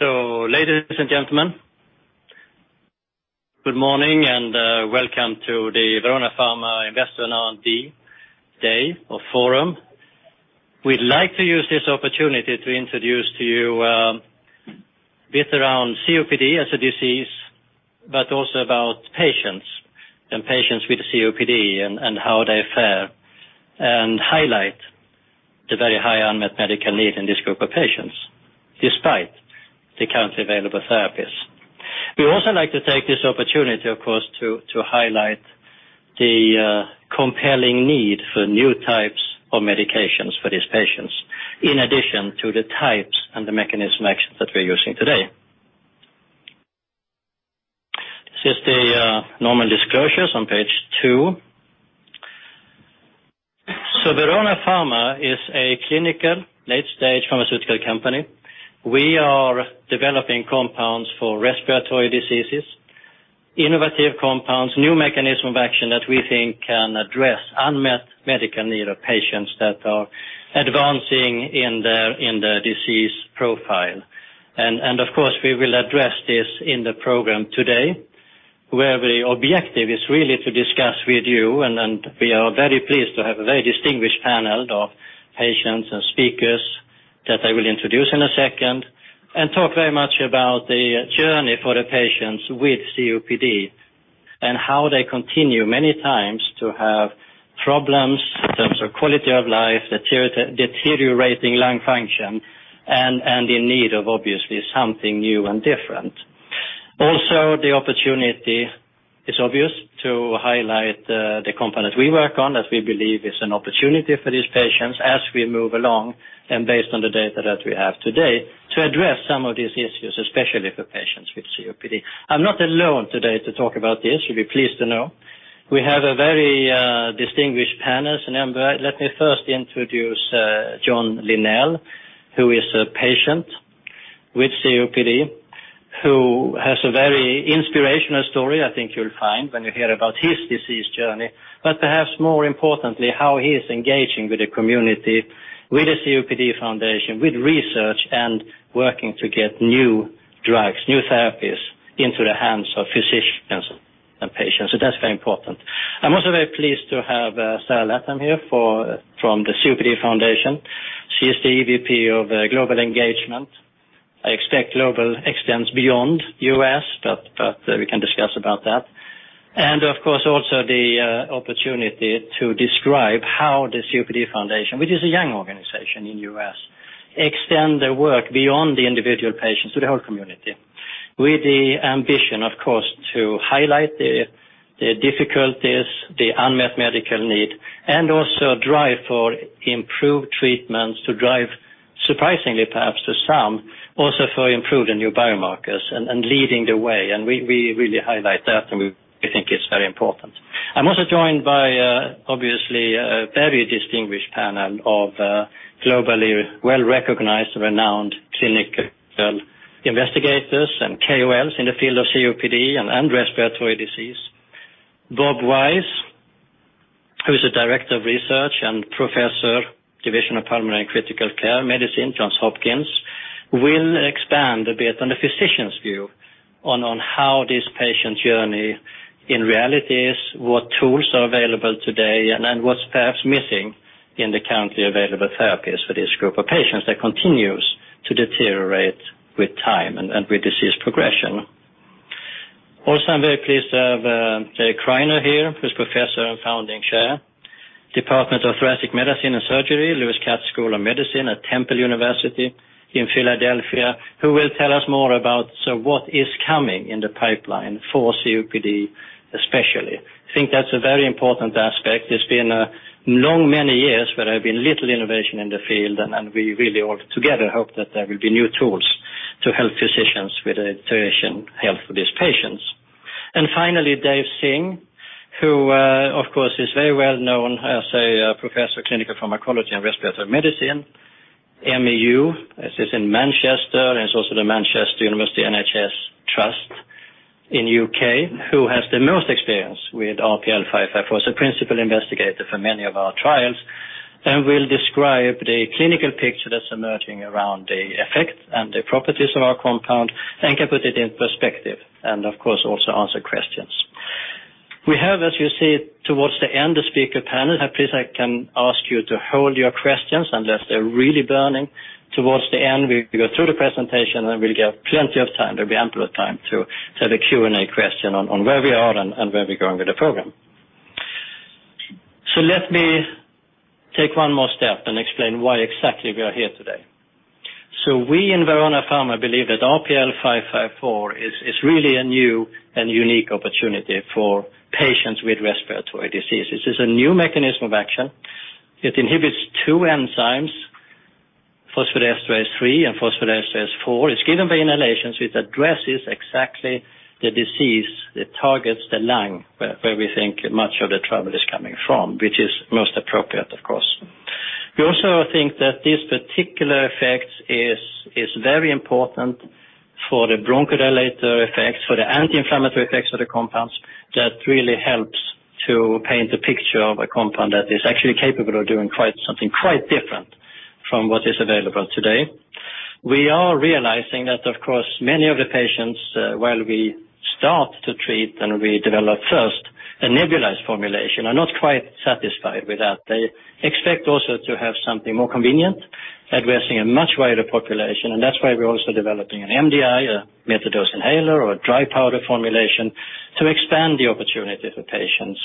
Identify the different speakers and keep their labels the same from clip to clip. Speaker 1: Ladies and gentlemen, good morning and welcome to the Verona Pharma Investor and R&D Day of Forum. We'd like to use this opportunity to introduce to you a bit around COPD as a disease, but also about patients and patients with COPD and how they fare, and highlight the very high unmet medical need in this group of patients, despite the currently available therapies. We'd also like to take this opportunity, of course, to highlight the compelling need for new types of medications for these patients, in addition to the types and the mechanism actions that we're using today. This is the normal disclosures on page two. Verona Pharma is a clinical late-stage pharmaceutical company. We are developing compounds for respiratory diseases, innovative compounds, new mechanism of action that we think can address unmet medical need of patients that are advancing in their disease profile. Of course, we will address this in the program today, where the objective is really to discuss with you, and we are very pleased to have a very distinguished panel of patients and speakers that I will introduce in a second, and talk very much about the journey for the patients with COPD and how they continue many times to have problems in terms of quality of life, deteriorating lung function, and in need of obviously something new and different. The opportunity is obvious to highlight the compound that we work on that we believe is an opportunity for these patients as we move along and based on the data that we have today, to address some of these issues, especially for patients with COPD. I'm not alone today to talk about this, you'll be pleased to know. We have a very distinguished panel. Let me first introduce John Linnell, who is a patient with COPD, who has a very inspirational story I think you'll find when you hear about his disease journey, but perhaps more importantly, how he is engaging with the community, with the COPD Foundation, with research, and working to get new drugs, new therapies into the hands of physicians and patients. That's very important. I'm also very pleased to have Sara Latham here from the COPD Foundation. She is the EVP of Global Engagement. I expect global extends beyond U.S., but we can discuss about that. Of course, also the opportunity to describe how the COPD Foundation, which is a young organization in U.S., extend their work beyond the individual patients to the whole community. With the ambition, of course, to highlight the difficulties, the unmet medical need, and also drive for improved treatments to drive, surprisingly perhaps to some, also for improved and new biomarkers and leading the way, and we really highlight that, and we think it's very important. I'm also joined by obviously a very distinguished panel of globally well-recognized, renowned clinical investigators and KOLs in the field of COPD and respiratory disease. Bob Wise, who's a Director of Research and Professor, Division of Pulmonary and Critical Care Medicine, Johns Hopkins, will expand a bit on the physician's view on how this patient's journey in reality is, what tools are available today, and then what's perhaps missing in the currently available therapies for this group of patients that continues to deteriorate with time and with disease progression. I'm very pleased to have Gerard Criner here, who's professor and founding chair, Department of Thoracic Medicine and Surgery, Lewis Katz School of Medicine at Temple University in Philadelphia, who will tell us more about what is coming in the pipeline for COPD, especially. I think that's a very important aspect. It's been long many years where there have been little innovation in the field, and we really all together hope that there will be new tools to help physicians with the iteration help for these patients. Finally, David Singh, who of course is very well known as a professor of clinical pharmacology and respiratory medicine, MEU, this is in Manchester, and it's also the Manchester University NHS Foundation Trust in U.K., who has the most experience with RPL554 as a principal investigator for many of our trials, and will describe the clinical picture that's emerging around the effects and the properties of our compound and can put it in perspective, and of course, also answer questions. We have, as you see towards the end, a speaker panel. Please I can ask you to hold your questions unless they're really burning. Towards the end, we go through the presentation, and we'll get plenty of time. There'll be ample of time to have a Q&A question on where we are and where we're going with the program. Let me take one more step and explain why exactly we are here today. We in Verona Pharma believe that RPL554 is really a new and unique opportunity for patients with respiratory diseases. It's a new mechanism of action. It inhibits two enzymes, phosphodiesterase 3 and phosphodiesterase 4. It's given by inhalations, which addresses exactly the disease that targets the lung, where we think much of the trouble is coming from, which is most appropriate, of course. We also think that this particular effect is very important for the bronchodilator effects, for the anti-inflammatory effects of the compounds that really helps to paint the picture of a compound that is actually capable of doing something quite different from what is available today. We are realizing that, of course, many of the patients, while we start to treat and we develop first a nebulized formulation, are not quite satisfied with that. They expect also to have something more convenient, addressing a much wider population. That's why we're also developing an MDI, a metered dose inhaler, or a dry powder formulation to expand the opportunity for patients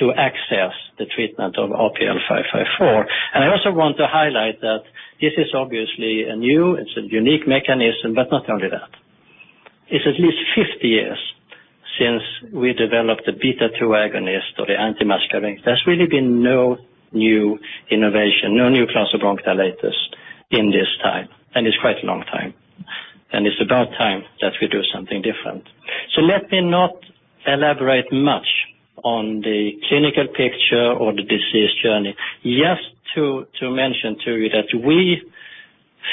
Speaker 1: to access the treatment of RPL554. I also want to highlight that this is obviously a new, it's a unique mechanism, but not only that. It's at least 50 years since we developed the beta-2 agonist or the anti-mast cell. There's really been no new innovation, no new class of bronchodilators in this time, and it's quite a long time, and it's about time that we do something different. Let me not elaborate much on the clinical picture or the disease journey. Just to mention to you that we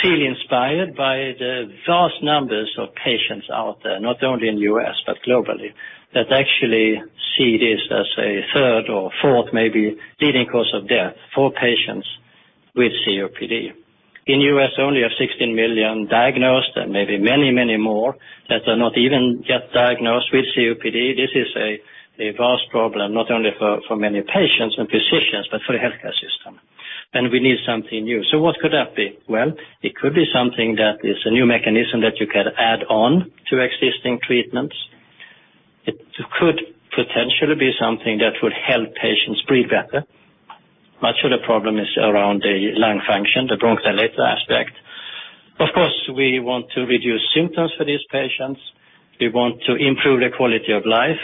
Speaker 1: feel inspired by the vast numbers of patients out there, not only in the U.S. but globally, that actually see this as a third or fourth, maybe leading cause of death for patients with COPD. In the U.S., only have 16 million diagnosed, and maybe many, many more that are not even yet diagnosed with COPD. This is a vast problem, not only for many patients and physicians, but for the healthcare system. We need something new. What could that be? Well, it could be something that is a new mechanism that you can add on to existing treatments. It could potentially be something that would help patients breathe better. Much of the problem is around the lung function, the bronchodilator aspect. Of course, we want to reduce symptoms for these patients. We want to improve their quality of life.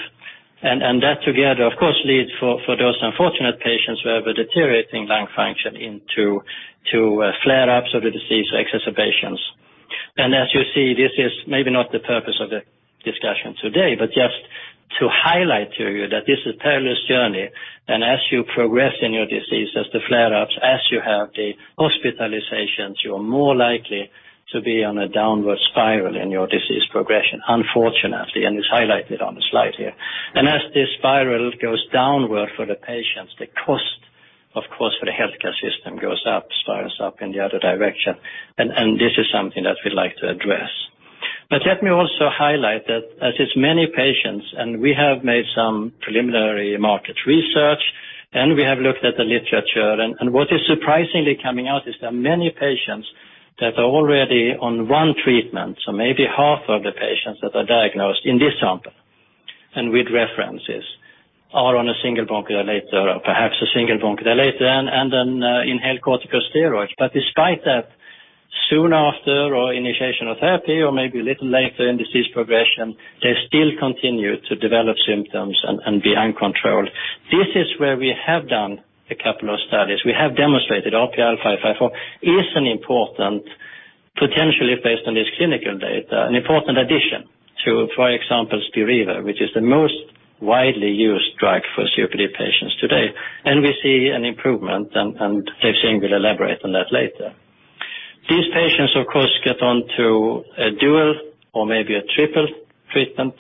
Speaker 1: That together, of course, leads for those unfortunate patients who have a deteriorating lung function into flare-ups of the disease or exacerbations. As you see, this is maybe not the purpose of the discussion today, but just to highlight to you that this is a perilous journey. As you progress in your disease, as the flare-ups, as you have the hospitalizations, you are more likely to be on a downward spiral in your disease progression, unfortunately, and it's highlighted on the slide here. As this spiral goes downward for the patients, the cost, of course, for the healthcare system goes up, spirals up in the other direction. This is something that we'd like to address. Let me also highlight that as it's many patients, and we have made some preliminary market research, and we have looked at the literature, and what is surprisingly coming out is there are many patients that are already on one treatment. Maybe half of the patients that are diagnosed in this sample, and with references, are on a single bronchodilator or perhaps a single bronchodilator and then inhaled corticosteroids. Despite that, soon after or initiation of therapy or maybe a little later in disease progression, they still continue to develop symptoms and be uncontrolled. This is where we have done a couple of studies. We have demonstrated RPL554 is an important, potentially based on this clinical data, an important addition to, for example, Spiriva, which is the most widely used drug for COPD patients today. We see an improvement, and Dave Singh will elaborate on that later. These patients, of course, get onto a dual or maybe a triple treatment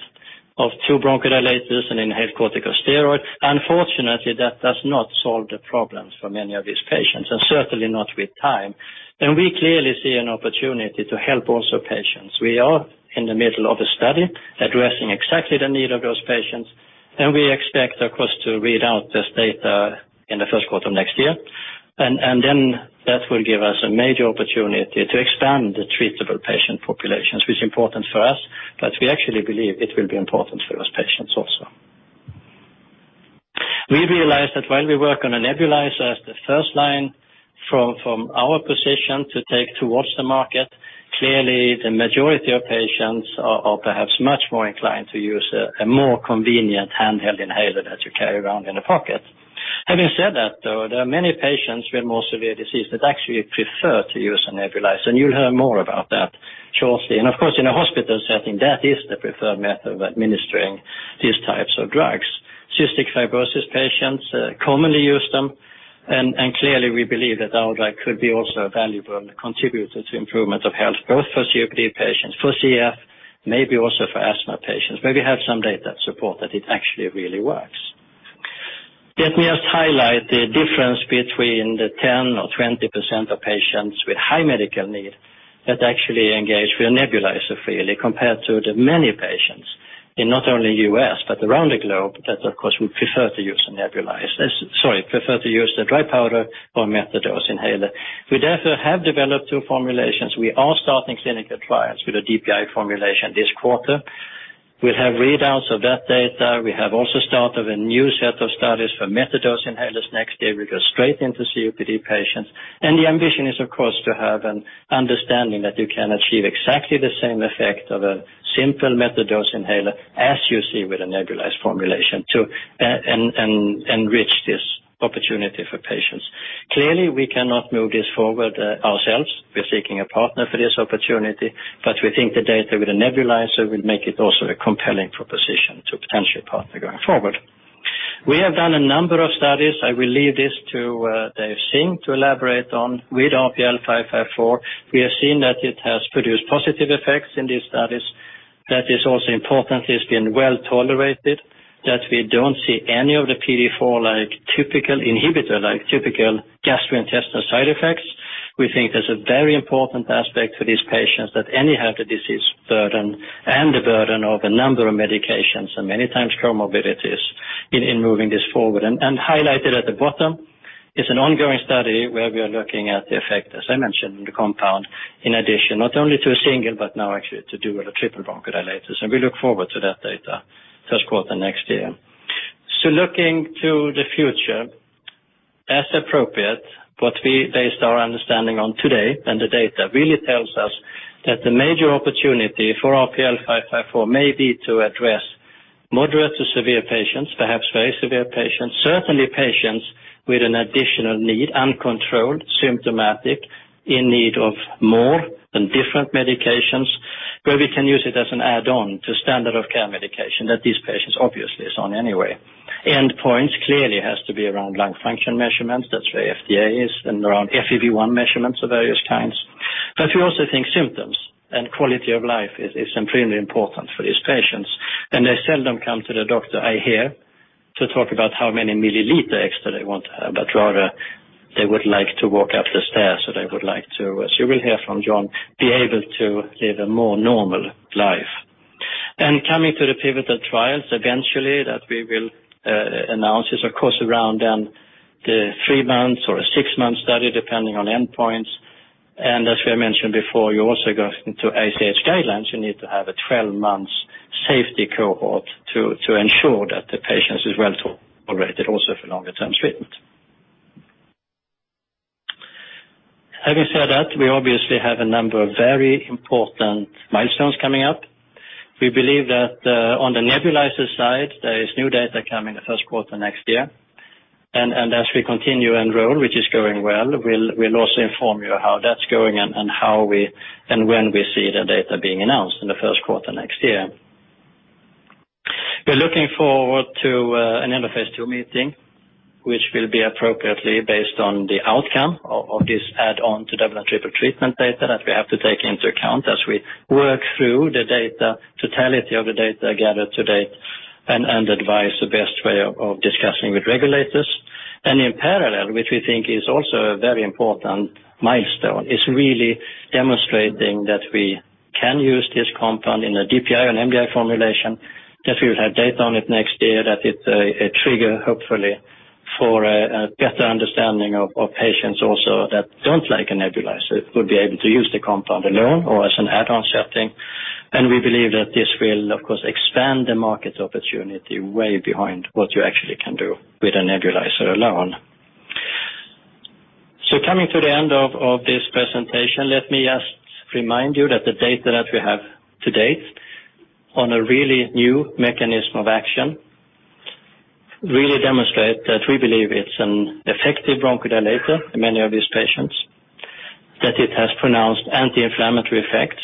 Speaker 1: of two bronchodilators and inhaled corticosteroid. Unfortunately, that does not solve the problems for many of these patients, and certainly not with time. We clearly see an opportunity to help also patients. We are in the middle of a study addressing exactly the need of those patients, and we expect, of course, to read out this data in the first quarter of next year. That will give us a major opportunity to expand the treatable patient populations, which is important for us. We actually believe it will be important for those patients also. We realized that while we work on a nebulizer as the first line from our position to take towards the market, clearly the majority of patients are perhaps much more inclined to use a more convenient handheld inhaler that you carry around in the pocket. Having said that, though, there are many patients with more severe disease that actually prefer to use a nebulizer, and you will hear more about that shortly. Of course, in a hospital setting, that is the preferred method of administering these types of drugs. cystic fibrosis patients commonly use them, and clearly we believe that our drug could be also a valuable contributor to improvement of health, both for COPD patients, for CF, maybe also for asthma patients, where we have some data to support that it actually really works. Let me just highlight the difference between the 10% or 20% of patients with high medical need that actually engage with a nebulizer freely, compared to the many patients in not only U.S., but around the globe, that of course, would prefer to use a nebulizer. Sorry, prefer to use the dry powder or metered dose inhaler. We therefore have developed two formulations. We are starting clinical trials with a DPI formulation this quarter. We will have readouts of that data. We have also started a new set of studies for metered dose inhalers. Next day, we go straight into COPD patients. The ambition is, of course, to have an understanding that you can achieve exactly the same effect of a simple metered dose inhaler as you see with a nebulized formulation to enrich this opportunity for patients. Clearly, we cannot move this forward ourselves. We are seeking a partner for this opportunity, but we think the data with the nebulizer will make it also a compelling proposition to a potential partner going forward. We have done a number of studies. I will leave this to elaborate on with RPL554, we have seen that it has produced positive effects in these studies. That is also important, it has been well-tolerated, that we do not see any of the PDE4-like typical inhibitor, like typical gastrointestinal side effects. We think there is a very important aspect for these patients that any have the disease burden and the burden of a number of medications, and many times comorbidities in moving this forward. Highlighted at the bottom is an ongoing study where we are looking at the effect, as I mentioned, the compound, in addition, not only to a single but now actually to dual or triple bronchodilators. We look forward to that data first quarter next year. Looking to the future, as appropriate, what we based our understanding on today and the data really tells us that the major opportunity for RPL554 may be to address moderate to severe patients, perhaps very severe patients, certainly patients with an additional need, uncontrolled, symptomatic, in need of more and different medications, where we can use it as an add-on to standard of care medication that these patients obviously is on anyway. End points clearly has to be around lung function measurements. That is where FDA is, and around FEV1 measurements of various kinds. We also think symptoms and quality of life is extremely important for these patients. They seldom come to the doctor, I hear, to talk about how many milliliters that they want to have, but rather they would like to walk up the stairs, or they would like to, as you will hear from John Linnell, be able to live a more normal life. Coming to the pivotal trials eventually that we will announce is, of course, around then the three months or a six-month study, depending on endpoints. As we mentioned before, you also go into ICH guidelines. You need to have a 12-month safety cohort to ensure that the patient is well tolerated also for longer term treatment. Having said that, we obviously have a number of very important milestones coming up. We believe that on the nebulizer side, there is new data coming the first quarter next year. As we continue and roll, which is going well, we'll also inform you how that's going and when we see the data being announced in the first quarter next year. We're looking forward to an end of phase II meeting, which will be appropriately based on the outcome of this add-on to double and triple treatment data that we have to take into account as we work through the totality of the data gathered to date and advise the best way of discussing with regulators. In parallel, which we think is also a very important milestone, is really demonstrating that we can use this compound in a DPI and MDI formulation. That we would have data on it next year that it's a trigger, hopefully, for a better understanding of patients also that don't like a nebulizer would be able to use the compound alone or as an add-on setting. We believe that this will, of course, expand the market opportunity way behind what you actually can do with a nebulizer alone. Coming to the end of this presentation, let me just remind you that the data that we have to date on a really new mechanism of action really demonstrate that we believe it's an effective bronchodilator in many of these patients, that it has pronounced anti-inflammatory effects.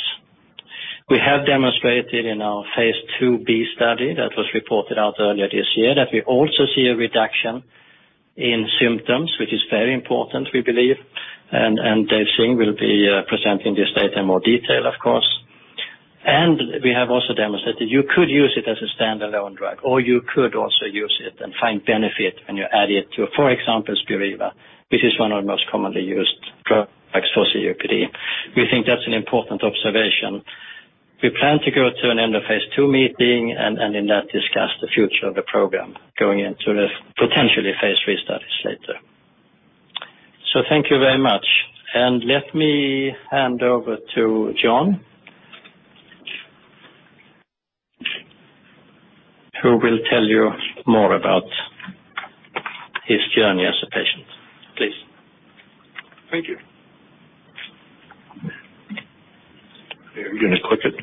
Speaker 1: We have demonstrated in our phase II-B study that was reported out earlier this year that we also see a reduction in symptoms, which is very important, we believe. Dave Singh will be presenting this data in more detail, of course. We have also demonstrated you could use it as a standalone drug, or you could also use it and find benefit when you add it to, for example, Spiriva, which is one of the most commonly used drugs for COPD. We think that's an important observation. We plan to go to an end of phase II meeting and in that discuss the future of the program going into the potentially phase III studies later. Thank you very much. Let me hand over to John Linnell, who will tell you more about his journey as a patient. Please.
Speaker 2: Thank you.
Speaker 1: Are you going to click it?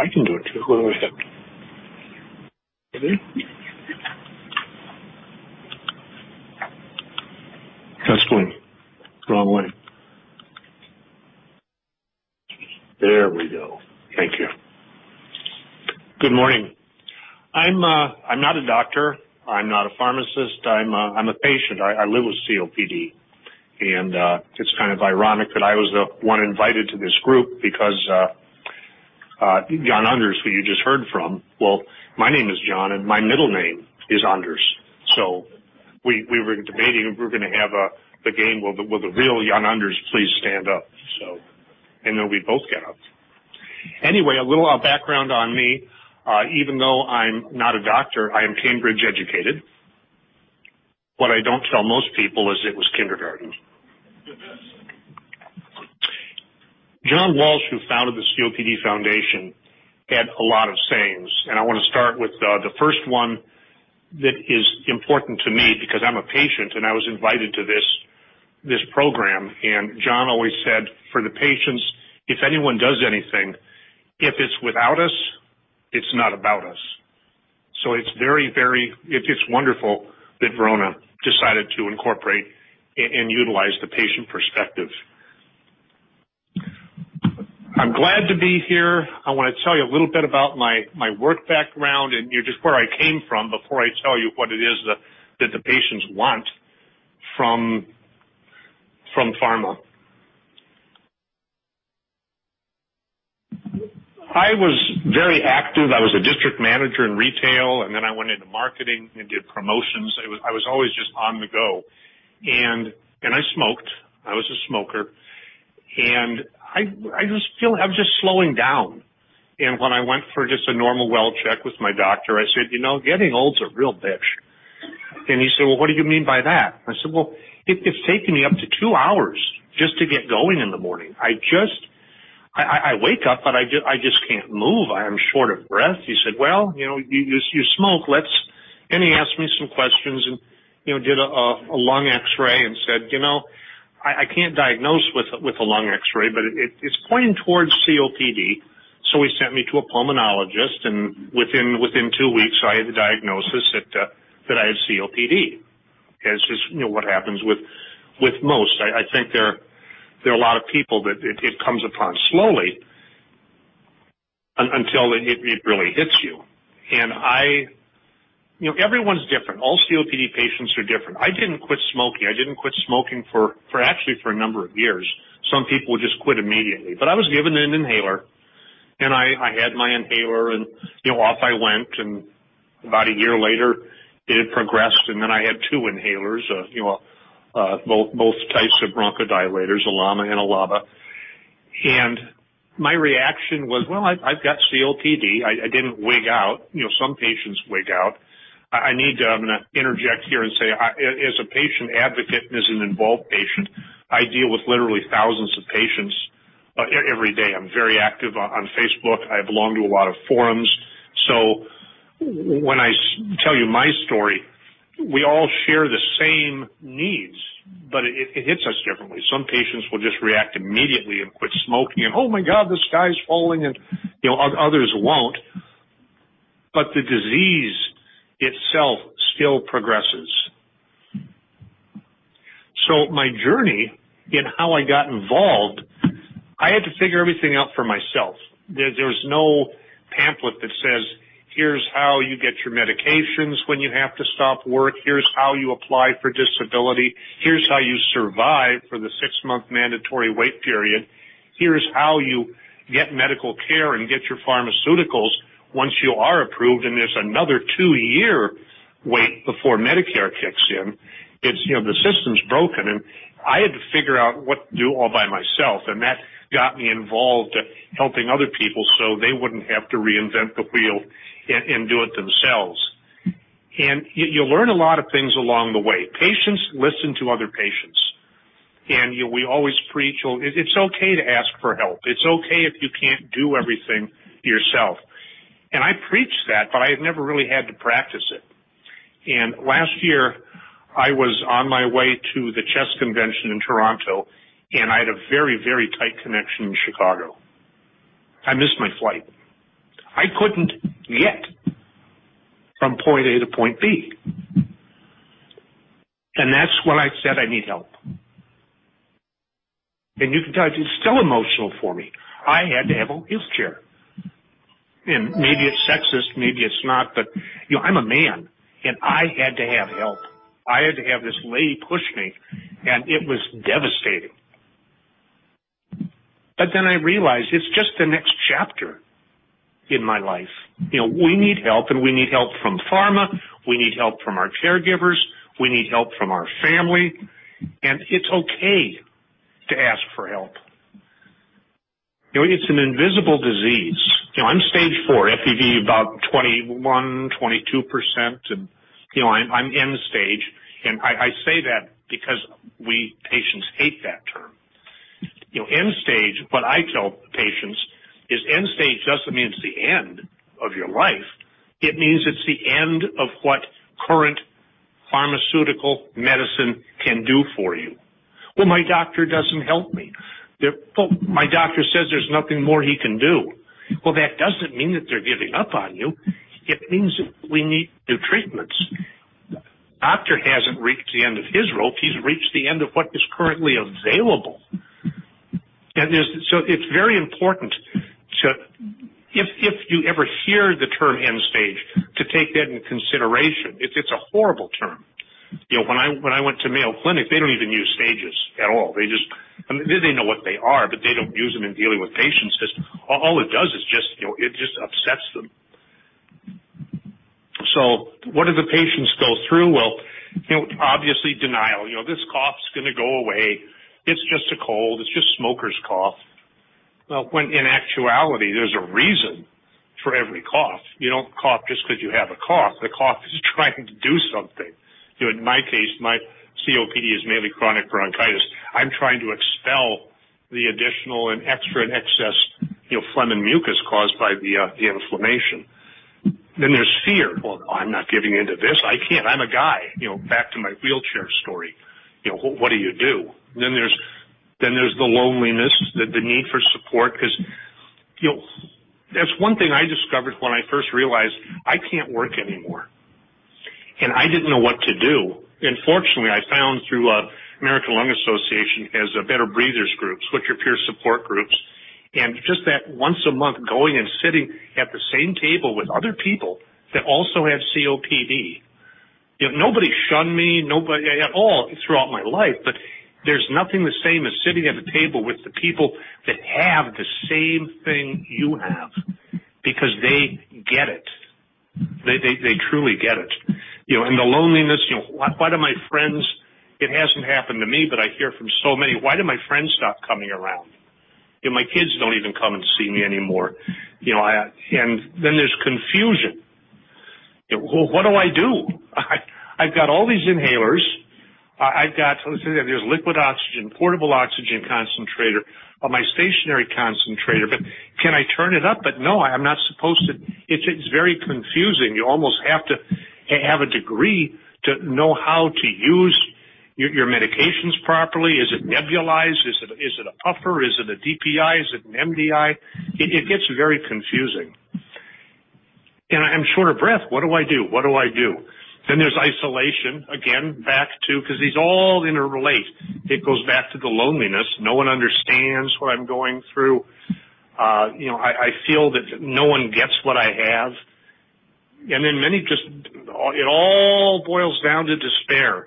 Speaker 2: I can do it too. Hold on a second. Ready? Testing. Wrong way. There we go. Thank you. Good morning. I'm not a doctor. I'm not a pharmacist. I'm a patient. I live with COPD. It's kind of ironic that I was the one invited to this group because Jan Anders, who you just heard from, well, my name is John, and my middle name is Anders. We were debating if we were going to have the game, will the real Jan Anders please stand up? We both get up. Anyway, a little background on me. Even though I'm not a doctor, I am Cambridge educated. What I don't tell most people is it was kindergarten. John Walsh, who founded the COPD Foundation, had a lot of sayings. I want to start with the first one that is important to me because I'm a patient, and I was invited to this program. John always said for the patients, if anyone does anything, if it's without us, it's not about us. It's very, very wonderful that Verona decided to incorporate and utilize the patient perspective. Glad to be here. I want to tell you a little bit about my work background and just where I came from before I tell you what it is that the patients want from pharma. I was very active. I was a district manager in retail. I went into marketing and did promotions. I was always just on the go. I smoked. I was a smoker, and I was just slowing down. When I went for just a normal well-check with my doctor, I said, "Getting old is a real bitch." He said, "Well, what do you mean by that?" I said, "Well, it's taking me up to 2 hours just to get going in the morning. I wake up, but I just can't move. I am short of breath." He said, "Well, you smoke, let's" He asked me some questions and did a lung X-ray and said, "I can't diagnose with a lung X-ray, but it's pointing towards COPD." He sent me to a pulmonologist, and within 2 weeks, I had the diagnosis that I had COPD. As is what happens with most. I think there are a lot of people that it comes upon slowly until it really hits you. Everyone's different. All COPD patients are different. I didn't quit smoking. I didn't quit smoking for actually for a number of years. Some people just quit immediately. I was given an inhaler, and I had my inhaler, and off I went. About a year later, it had progressed. Then I had 2 inhalers, both types of bronchodilators, a LAMA and a LABA. My reaction was, "Well, I've got COPD." I didn't wig out. Some patients wig out. I'm going to interject here and say, as a patient advocate and as an involved patient, I deal with literally thousands of patients every day. I'm very active on Facebook. I belong to a lot of forums. When I tell you my story, we all share the same needs, but it hits us differently. Some patients will just react immediately and quit smoking and, "Oh my God, the sky's falling," and others won't. The disease itself still progresses. My journey in how I got involved, I had to figure everything out for myself. There's no pamphlet that says, "Here's how you get your medications when you have to stop work. Here's how you apply for disability. Here's how you survive for the 6-month mandatory wait period. Here's how you get medical care and get your pharmaceuticals once you are approved," and there's another 2-year wait before Medicare kicks in. The system is broken. I had to figure out what to do all by myself. That got me involved helping other people so they wouldn't have to reinvent the wheel and do it themselves. You learn a lot of things along the way. Patients listen to other patients, and we always preach, "It's okay to ask for help. It's okay if you can't do everything yourself." I preach that, but I have never really had to practice it. Last year, I was on my way to the CHEST convention in Toronto. I had a very tight connection in Chicago. I missed my flight. I couldn't get from point A to point B. That's when I said, "I need help." You can tell it's still emotional for me. I had to have a wheelchair. Maybe it's sexist, maybe it's not, but I'm a man. I had to have help. I had to have this lady push me. It was devastating. Then I realized it's just the next chapter in my life. We need help, and we need help from pharma, we need help from our caregivers, we need help from our family, and it's okay to ask for help. It's an invisible disease. I'm stage 4, FEV1 about 21%, 22%, and I'm end-stage, and I say that because we patients hate that term. End-stage, what I tell patients is end-stage doesn't mean it's the end of your life. It means it's the end of what current pharmaceutical medicine can do for you. "Well, my doctor doesn't help me." "Well, my doctor says there's nothing more he can do." Well, that doesn't mean that they're giving up on you. It means we need new treatments. Doctor hasn't reached the end of his rope. He's reached the end of what is currently available. It's very important, if you ever hear the term end-stage, to take that into consideration. It's a horrible term. When I went to Mayo Clinic, they don't even use stages at all. They know what they are, they don't use them in dealing with patients because all it does is it just upsets them. What do the patients go through? Well, obviously denial. "This cough's going to go away. It's just a cold. It's just smoker's cough." Well, when in actuality, there's a reason for every cough. You don't cough just because you have a cough. The cough is trying to do something. In my case, my COPD is mainly chronic bronchitis. I'm trying to expel the additional and extra and excess phlegm and mucus caused by the inflammation. There's fear. "Well, I'm not giving into this. I can't. I'm a guy." Back to my wheelchair story. What do you do? There's the loneliness, the need for support because that's one thing I discovered when I first realized I can't work anymore. I didn't know what to do. Fortunately, I found through American Lung Association has Better Breathers Club, which are peer support groups. Just that once a month, going and sitting at the same table with other people that also have COPD. Nobody shunned me at all throughout my life, there's nothing the same as sitting at the table with the people that have the same thing you have because they get it. They truly get it. The loneliness, why do my friends-- It hasn't happened to me, but I hear from so many, "Why did my friends stop coming around? My kids don't even come and see me anymore." There's confusion. "What do I do? I've got all these inhalers. There's liquid oxygen, portable oxygen concentrator, or my stationary concentrator, can I turn it up? No, I'm not supposed to." It's very confusing. You almost have to have a degree to know how to use your medications properly. Is it nebulized? Is it a puffer? Is it a DPI? Is it an MDI? It gets very confusing. I'm short of breath, what do I do? There's isolation again, back to, because these all interrelate. It goes back to the loneliness. No one understands what I'm going through. I feel that no one gets what I have. It all boils down to despair,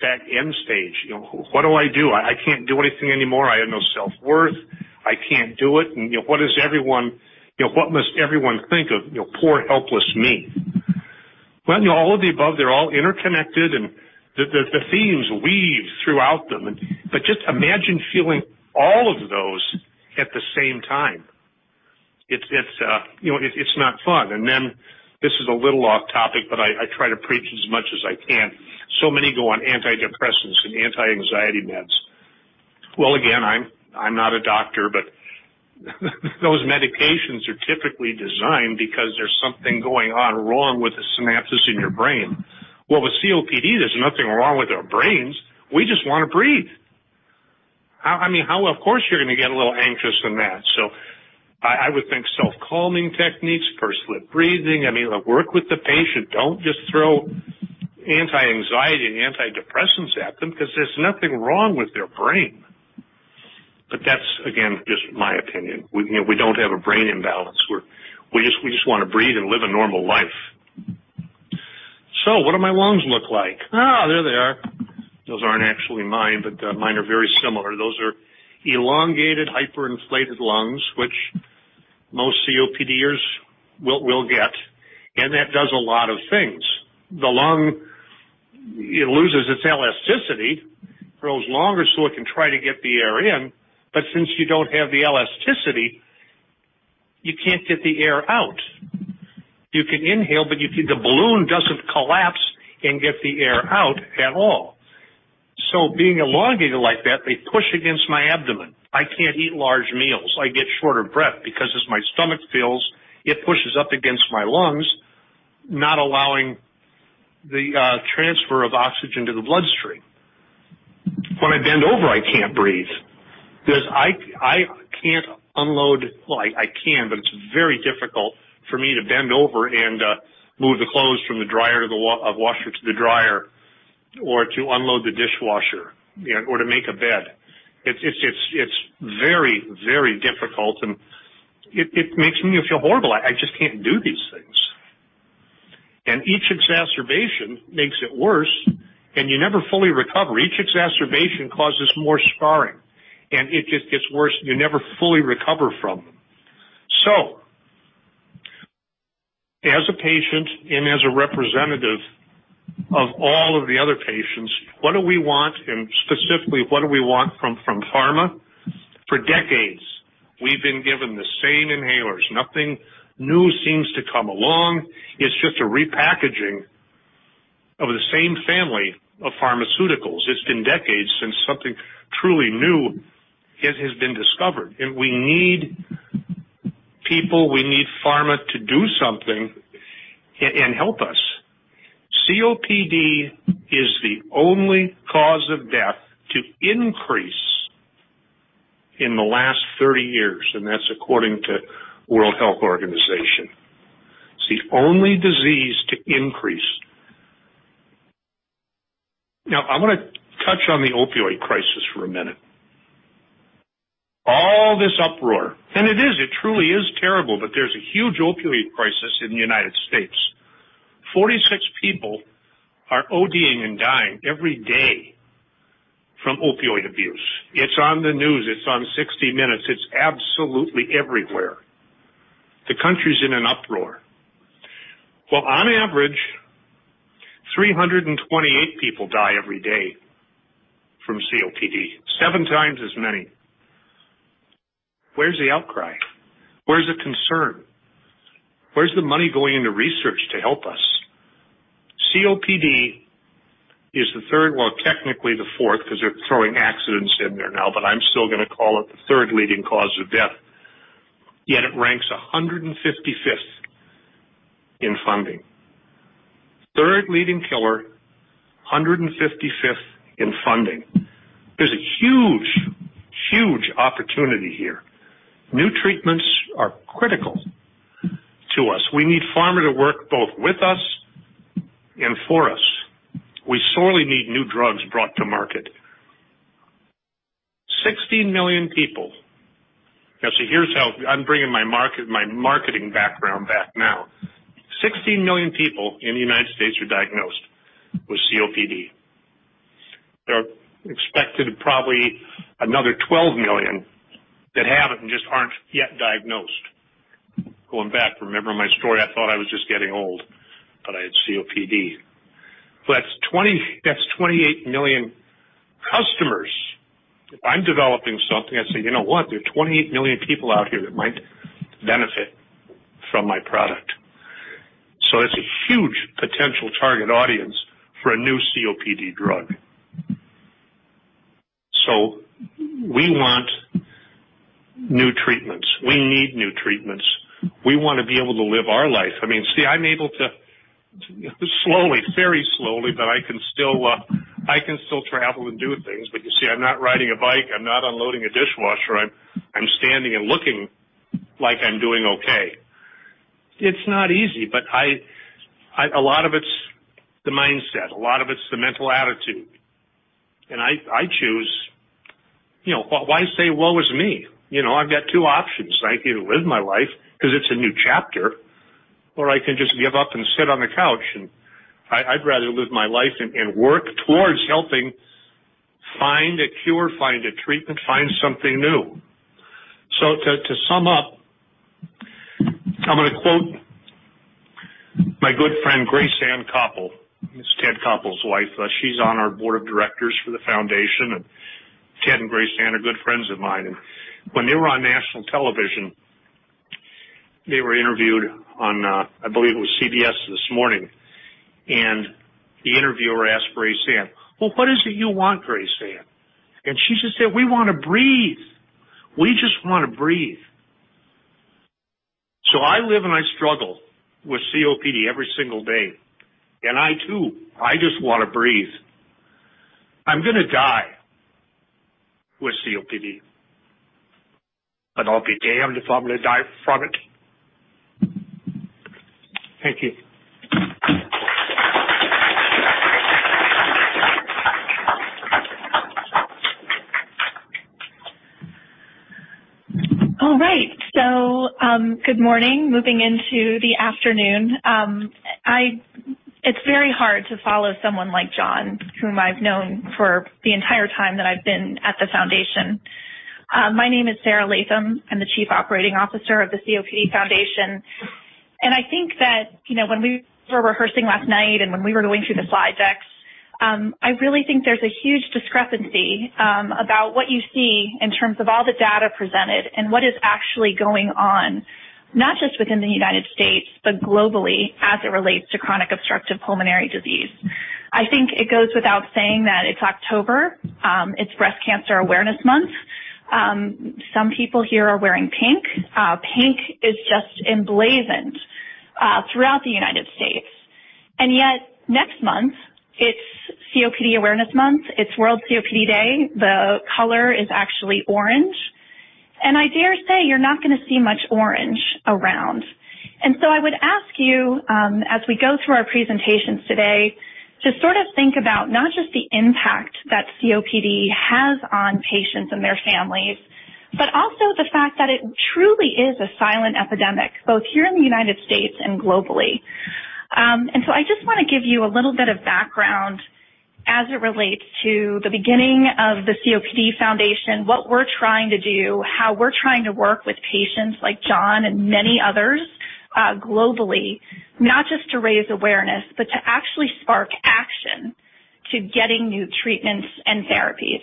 Speaker 2: that end-stage. What do I do? I can't do anything anymore. I have no self-worth. I can't do it. What must everyone think of poor, helpless me? Well, all of the above, they're all interconnected and the themes weave throughout them. Just imagine feeling all of those at the same time. It's not fun. This is a little off topic, but I try to preach as much as I can. Many go on antidepressants and anti-anxiety meds. Again, I'm not a doctor, but those medications are typically designed because there's something going on wrong with the synapses in your brain. With COPD, there's nothing wrong with our brains. We just want to breathe. Of course, you're going to get a little anxious and mad. I would think self-calming techniques, pursed-lip breathing, work with the patient. Don't just throw anti-anxiety and antidepressants at them because there's nothing wrong with their brain. That's, again, just my opinion. We don't have a brain imbalance. We just want to breathe and live a normal life. What do my lungs look like? There they are. Those aren't actually mine, but mine are very similar. Those are elongated, hyperinflated lungs, which most COPDers will get, and that does a lot of things. The lung, it loses its elasticity, grows longer so it can try to get the air in, but since you don't have the elasticity, you can't get the air out. You can inhale, but the balloon doesn't collapse and get the air out at all. Being elongated like that, they push against my abdomen. I can't eat large meals. I get short of breath because as my stomach fills, it pushes up against my lungs, not allowing the transfer of oxygen to the bloodstream. When I bend over, I can't breathe because I can't unload. I can, but it's very difficult for me to bend over and move the clothes from the washer to the dryer, or to unload the dishwasher, or to make a bed. It's very, very difficult, and it makes me feel horrible. I just can't do these things. Each exacerbation makes it worse, and you never fully recover. Each exacerbation causes more scarring, and it just gets worse. You never fully recover from them. As a patient and as a representative of all of the other patients, what do we want, and specifically, what do we want from pharma? For decades, we've been given the same inhalers. Nothing new seems to come along. It's just a repackaging of the same family of pharmaceuticals. It's been decades since something truly new has been discovered. We need people, we need pharma to do something and help us. COPD is the only cause of death to increase in the last 30 years, and that's according to World Health Organization. It's the only disease to increase. I want to touch on the opioid crisis for a minute. All this uproar, and it is, it truly is terrible that there's a huge opioid crisis in the U.S. 46 people are ODing and dying every day from opioid abuse. It's on the news. It's on "60 Minutes." It's absolutely everywhere. The country's in an uproar. On average, 328 people die every day from COPD, 7 times as many. Where's the outcry? Where's the concern? Where's the money going into research to help us? COPD is the third, technically the fourth, because they're throwing accidents in there now, but I'm still going to call it the third leading cause of death. Yet it ranks 155th in funding. Third leading killer 155th in funding. There's a huge opportunity here. New treatments are critical to us. We need pharma to work both with us and for us. We sorely need new drugs brought to market. 16 million people. Now, see, here's how I'm bringing my marketing background back now. 16 million people in the U.S. are diagnosed with COPD. There are expected probably another 12 million that have it and just aren't yet diagnosed. Going back, remember my story, I thought I was just getting old, but I had COPD. That's 28 million customers. If I'm developing something, I say, you know what? There are 28 million people out here that might benefit from my product. That's a huge potential target audience for a new COPD drug. We want new treatments. We need new treatments. We want to be able to live our life. See, I'm able to, slowly, very slowly, but I can still travel and do things, but you see, I'm not riding a bike. I'm not unloading a dishwasher. I'm standing and looking like I'm doing okay. It's not easy, but a lot of it's the mindset. A lot of it's the mental attitude, I choose, why say, "Woe is me?" I've got two options. I can live my life because it's a new chapter, or I can just give up and sit on the couch, I'd rather live my life and work towards helping find a cure, find a treatment, find something new. To sum up, I'm going to quote my good friend, Graceann Koppel. It's Ted Koppel's wife. She's on our board of directors for the foundation, Ted and Graceann are good friends of mine. When they were on national television, they were interviewed on, I believe it was CBS This Morning, the interviewer asked Graceann, "Well, what is it you want, Graceann?" She just said, "We want to breathe. We just want to breathe." I live, I struggle with COPD every single day, I too, I just want to breathe. I'm going to die with COPD, but I'll be damned if I'm going to die from it. Thank you.
Speaker 3: All right. Good morning. Moving into the afternoon. It's very hard to follow someone like John, whom I've known for the entire time that I've been at the foundation. My name is Sara Latham. I'm the Chief Operating Officer of the COPD Foundation. I think that when we were rehearsing last night and when we were going through the slide decks, I really think there's a huge discrepancy about what you see in terms of all the data presented and what is actually going on, not just within the U.S., but globally as it relates to chronic obstructive pulmonary disease. I think it goes without saying that it's October, it's Breast Cancer Awareness Month. Some people here are wearing pink. Pink is just emblazoned throughout the U.S. Yet next month, it's COPD Awareness Month. It's World COPD Day. The color is actually orange, and I dare say you're not going to see much orange around. I would ask you, as we go through our presentations today, to sort of think about not just the impact that COPD has on patients and their families, but also the fact that it truly is a silent epidemic, both here in the U.S. and globally. I just want to give you a little bit of background as it relates to the beginning of the COPD Foundation, what we're trying to do, how we're trying to work with patients like John and many others, globally, not just to raise awareness, but to actually spark action to getting new treatments and therapies.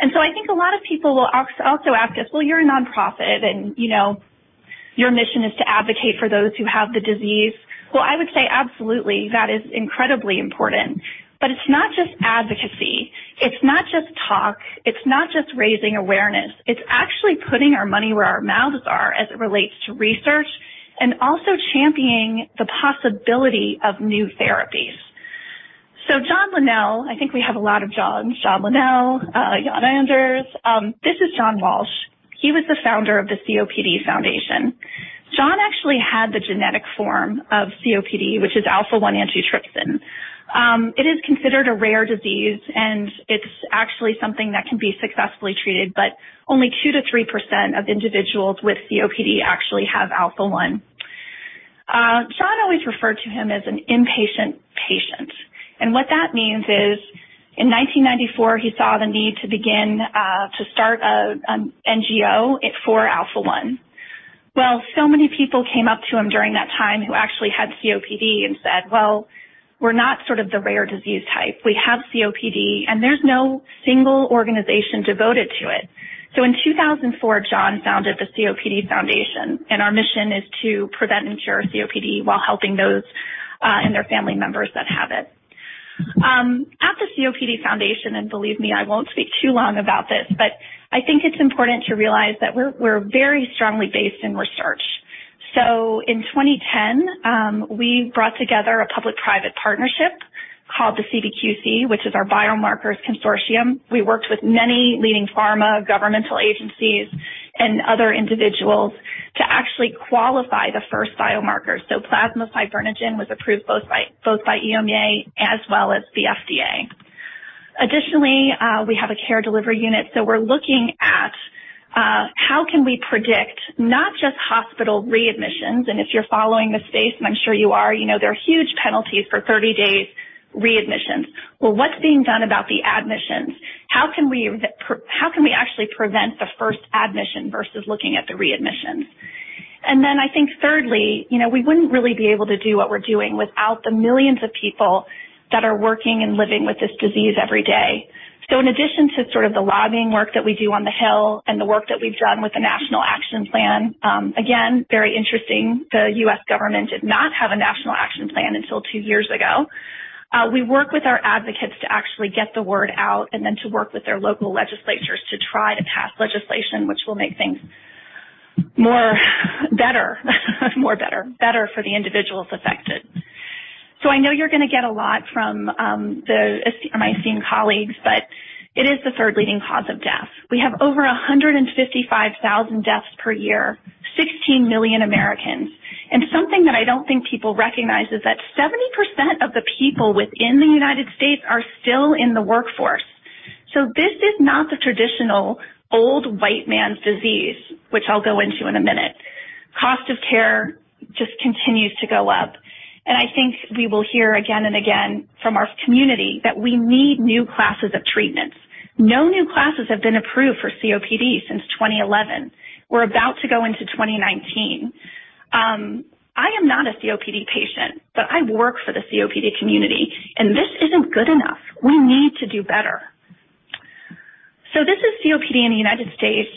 Speaker 3: I think a lot of people will also ask us, "You're a nonprofit, and your mission is to advocate for those who have the disease." I would say absolutely, that is incredibly important. It's not just advocacy. It's not just talk. It's not just raising awareness. It's actually putting our money where our mouths are as it relates to research and also championing the possibility of new therapies. John Linnell, I think we have a lot of Johns. John Linnell, Jan-Anders. This is John Walsh. He was the founder of the COPD Foundation. John actually had the genetic form of COPD, which is alpha-1 antitrypsin. It is considered a rare disease, and it's actually something that can be successfully treated, but only 2%-3% of individuals with COPD actually have alpha-1. John always referred to him as an impatient patient. What that means is, in 1994, he saw the need to begin to start an NGO for alpha-1. So many people came up to him during that time who actually had COPD and said, "We're not sort of the rare disease type. We have COPD, and there's no single organization devoted to it." In 2004, John founded the COPD Foundation, and our mission is to prevent and cure COPD while helping those, and their family members that have it. At the COPD Foundation, believe me, I won't speak too long about this, but I think it's important to realize that we're very strongly based in research. In 2010, we brought together a public-private partnership called the CBQC, which is our biomarkers consortium. We worked with many leading pharma, governmental agencies, and other individuals to actually qualify the first biomarkers. Plasma fibrinogen was approved both by EMA as well as the FDA. Additionally, we have a care delivery unit, so we're looking at how can we predict not just hospital readmissions, and if you're following the space, and I'm sure you are, you know there are huge penalties for 30-day readmissions. What's being done about the admissions? How can we actually prevent the first admission versus looking at the readmissions? I think thirdly, we wouldn't really be able to do what we're doing without the millions of people that are working and living with this disease every day. In addition to sort of the lobbying work that we do on the Hill and the work that we've done with the National Action Plan, again, very interesting, the U.S. government did not have a National Action Plan until two years ago. We work with our advocates to actually get the word out and then to work with their local legislatures to try to pass legislation which will make things better for the individuals affected. I know you are going to get a lot from my senior colleagues, but it is the third leading cause of death. We have over 155,000 deaths per year, 16 million Americans. Something that I don't think people recognize is that 70% of the people within the U.S. are still in the workforce. This is not the traditional old white man's disease, which I will go into in a minute. Cost of care just continues to go up. I think we will hear again and again from our community that we need new classes of treatments. No new classes have been approved for COPD since 2011. We are about to go into 2019. I am not a COPD patient, but I work for the COPD community, this isn't good enough. We need to do better. This is COPD in the U.S.,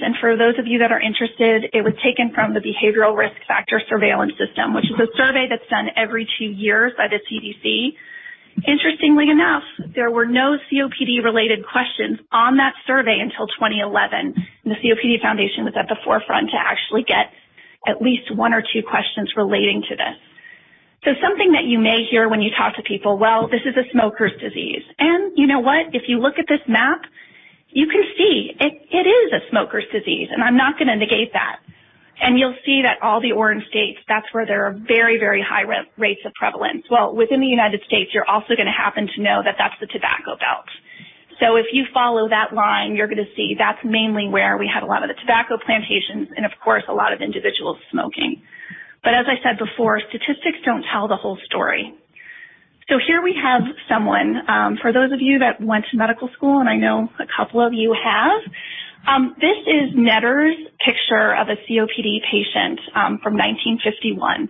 Speaker 3: and for those of you that are interested, it was taken from the Behavioral Risk Factor Surveillance System, which is a survey that's done every 2 years by the CDC. Interestingly enough, there were no COPD-related questions on that survey until 2011, the COPD Foundation was at the forefront to actually get at least one or 2 questions relating to this. Something that you may hear when you talk to people, "Well, this is a smoker's disease." You know what? If you look at this map, you can see it is a smoker's disease, I am not going to negate that. You will see that all the orange states, that's where there are very, very high rates of prevalence. Within the U.S., you are also going to happen to know that that's the tobacco belt. If you follow that line, you are going to see that's mainly where we had a lot of the tobacco plantations and of course, a lot of individuals smoking. As I said before, statistics don't tell the whole story. Here we have someone. For those of you that went to medical school, I know a couple of you have, this is Netter's picture of a COPD patient from 1951,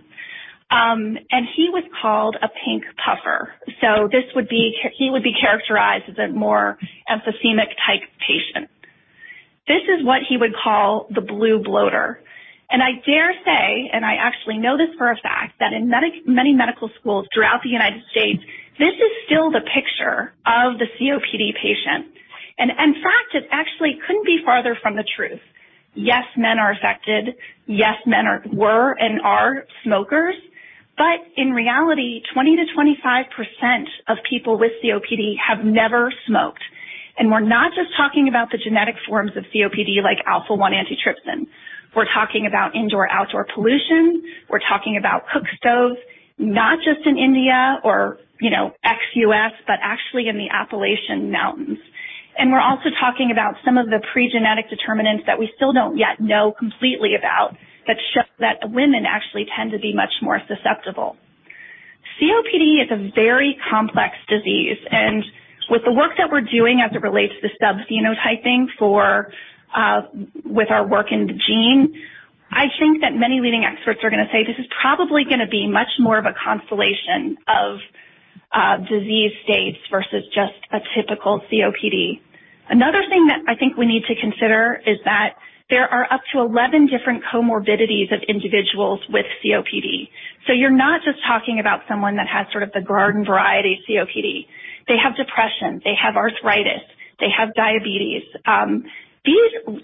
Speaker 3: he was called a pink puffer. He would be characterized as a more emphysemic-type patient. This is what he would call the blue bloater. I dare say, I actually know this for a fact, that in many medical schools throughout the U.S., this is still the picture of the COPD patient. In fact, it actually couldn't be farther from the truth. Yes, men are affected. Yes, men were and are smokers. In reality, 20%-25% of people with COPD have never smoked. We are not just talking about the genetic forms of COPD like alpha-1 antitrypsin. We are talking about indoor, outdoor pollution. We are talking about cook stoves, not just in India or ex-U.S., but actually in the Appalachian Mountains. We are also talking about some of the pre-genetic determinants that we still don't yet know completely about that show that women actually tend to be much more susceptible. COPD is a very complex disease, and with the work that we're doing as it relates to subphenotyping with our work in the COPDGene, I think that many leading experts are going to say this is probably going to be much more of a constellation of disease states versus just a typical COPD. Another thing that I think we need to consider is that there are up to 11 different comorbidities of individuals with COPD. You're not just talking about someone that has sort of the garden variety COPD. They have depression, they have arthritis, they have diabetes. These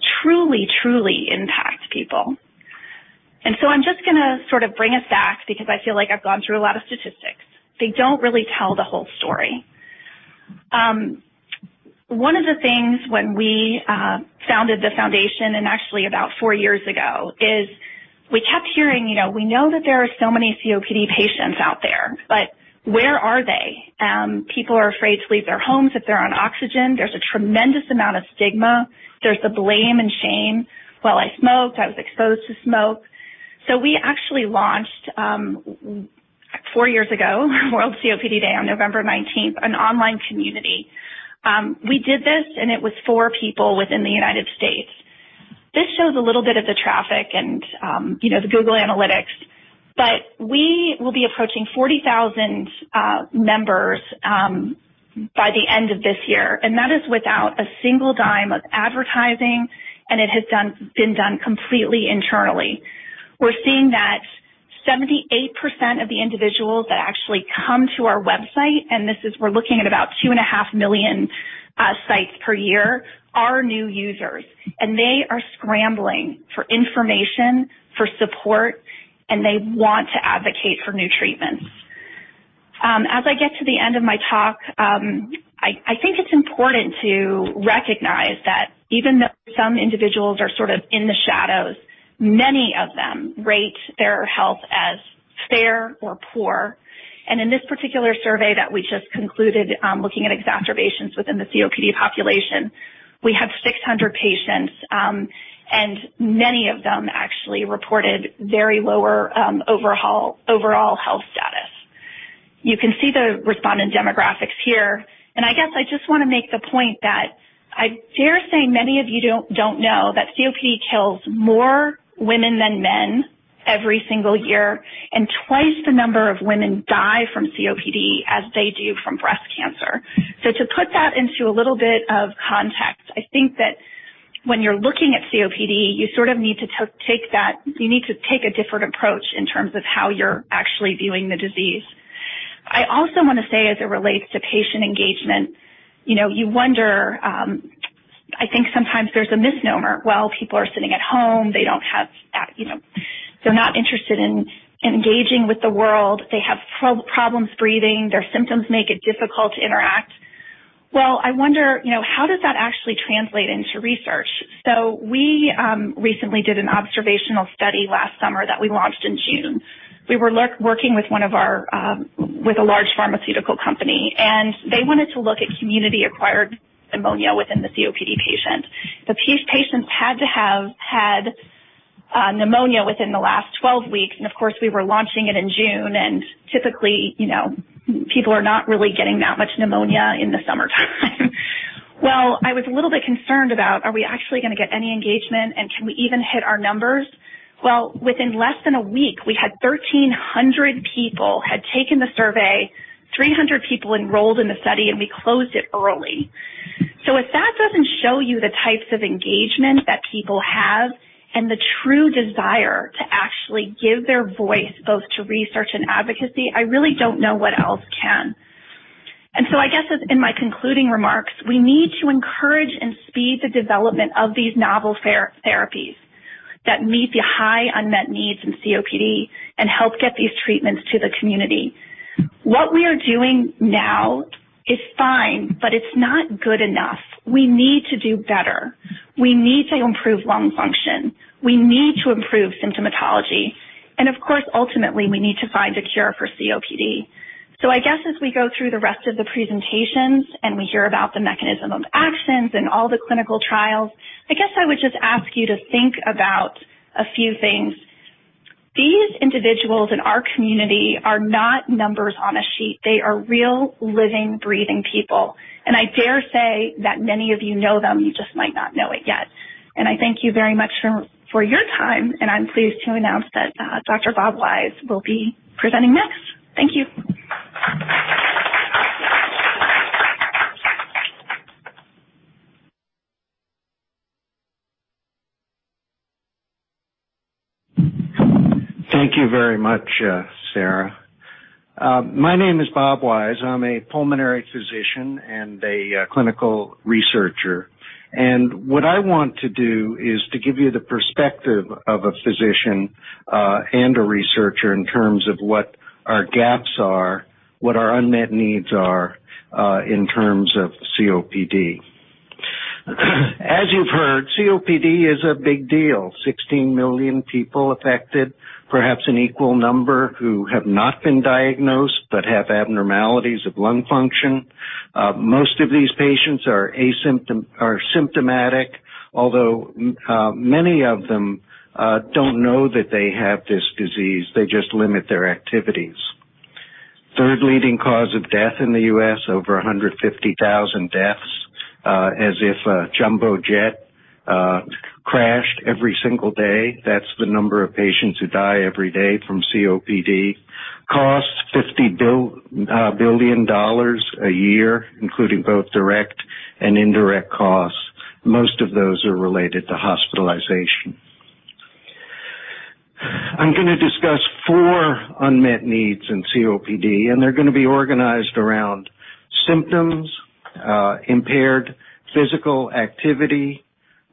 Speaker 3: truly impact people. I'm just going to sort of bring us back because I feel like I've gone through a lot of statistics. They don't really tell the whole story. One of the things when we founded the Foundation, and actually about four years ago, is we kept hearing, we know that there are so many COPD patients out there, but where are they? People are afraid to leave their homes if they're on oxygen. There's a tremendous amount of stigma. There's the blame and shame. "Well, I smoked. I was exposed to smoke." We actually launched, four years ago, World COPD Day on November 19th, an online community. We did this, and it was four people within the U.S. This shows a little bit of the traffic and the Google Analytics, but we will be approaching 40,000 members by the end of this year, and that is without a single dime of advertising, and it has been done completely internally. We're seeing that 78% of the individuals that actually come to our website, and we're looking at about two and a half million sites per year, are new users. They are scrambling for information, for support, and they want to advocate for new treatments. As I get to the end of my talk, I think it's important to recognize that even though some individuals are sort of in the shadows, many of them rate their health as fair or poor. In this particular survey that we just concluded, looking at exacerbations within the COPD population, we have 600 patients, and many of them actually reported very lower overall health status. You can see the respondent demographics here, and I guess I just want to make the point that I dare say many of you don't know that COPD kills more women than men every single year, and twice the number of women die from COPD as they do from breast cancer. To put that into a little bit of context, I think that when you're looking at COPD, you need to take a different approach in terms of how you're actually viewing the disease. I also want to say as it relates to patient engagement, you wonder, I think sometimes there's a misnomer. Well, people are sitting at home, they're not interested in engaging with the world. They have problems breathing. Their symptoms make it difficult to interact. Well, I wonder, how does that actually translate into research? We recently did an observational study last summer that we launched in June. We were working with a large pharmaceutical company, and they wanted to look at community-acquired pneumonia within the COPD patient. The patients had to have had pneumonia within the last 12 weeks, and of course, we were launching it in June, and typically, people are not really getting that much pneumonia in the summertime. Well, I was a little bit concerned about are we actually going to get any engagement, and can we even hit our numbers? Well, within less than a week, we had 1,300 people had taken the survey, 300 people enrolled in the study, and we closed it early. If that doesn't show you the types of engagement that people have and the true desire to actually give their voice, both to research and advocacy, I really don't know what else can. I guess in my concluding remarks, we need to encourage and speed the development of these novel therapies that meet the high unmet needs in COPD and help get these treatments to the community. What we are doing now is fine, but it's not good enough. We need to do better. We need to improve lung function. We need to improve symptomatology. Of course, ultimately, we need to find a cure for COPD. I guess as we go through the rest of the presentations and we hear about the mechanism of actions and all the clinical trials, I guess I would just ask you to think about a few things. These individuals in our community are not numbers on a sheet. They are real, living, breathing people. I dare say that many of you know them, you just might not know it yet. I thank you very much for your time, and I'm pleased to announce that Dr. Bob Wise will be presenting next. Thank you.
Speaker 4: Thank you very much, Sara. My name is Robert Wise. I'm a pulmonary physician and a clinical researcher. What I want to do is to give you the perspective of a physician and a researcher in terms of what our gaps are, what our unmet needs are in terms of COPD. As you've heard, COPD is a big deal. 16 million people affected, perhaps an equal number who have not been diagnosed but have abnormalities of lung function. Most of these patients are symptomatic, although many of them don't know that they have this disease. They just limit their activities. Third leading cause of death in the U.S., over 150,000 deaths, as if a jumbo jet crashed every single day. That's the number of patients who die every day from COPD. Costs $50 billion a year, including both direct and indirect costs. Most of those are related to hospitalization. I'm going to discuss four unmet needs in COPD. They're going to be organized around symptoms, impaired physical activity,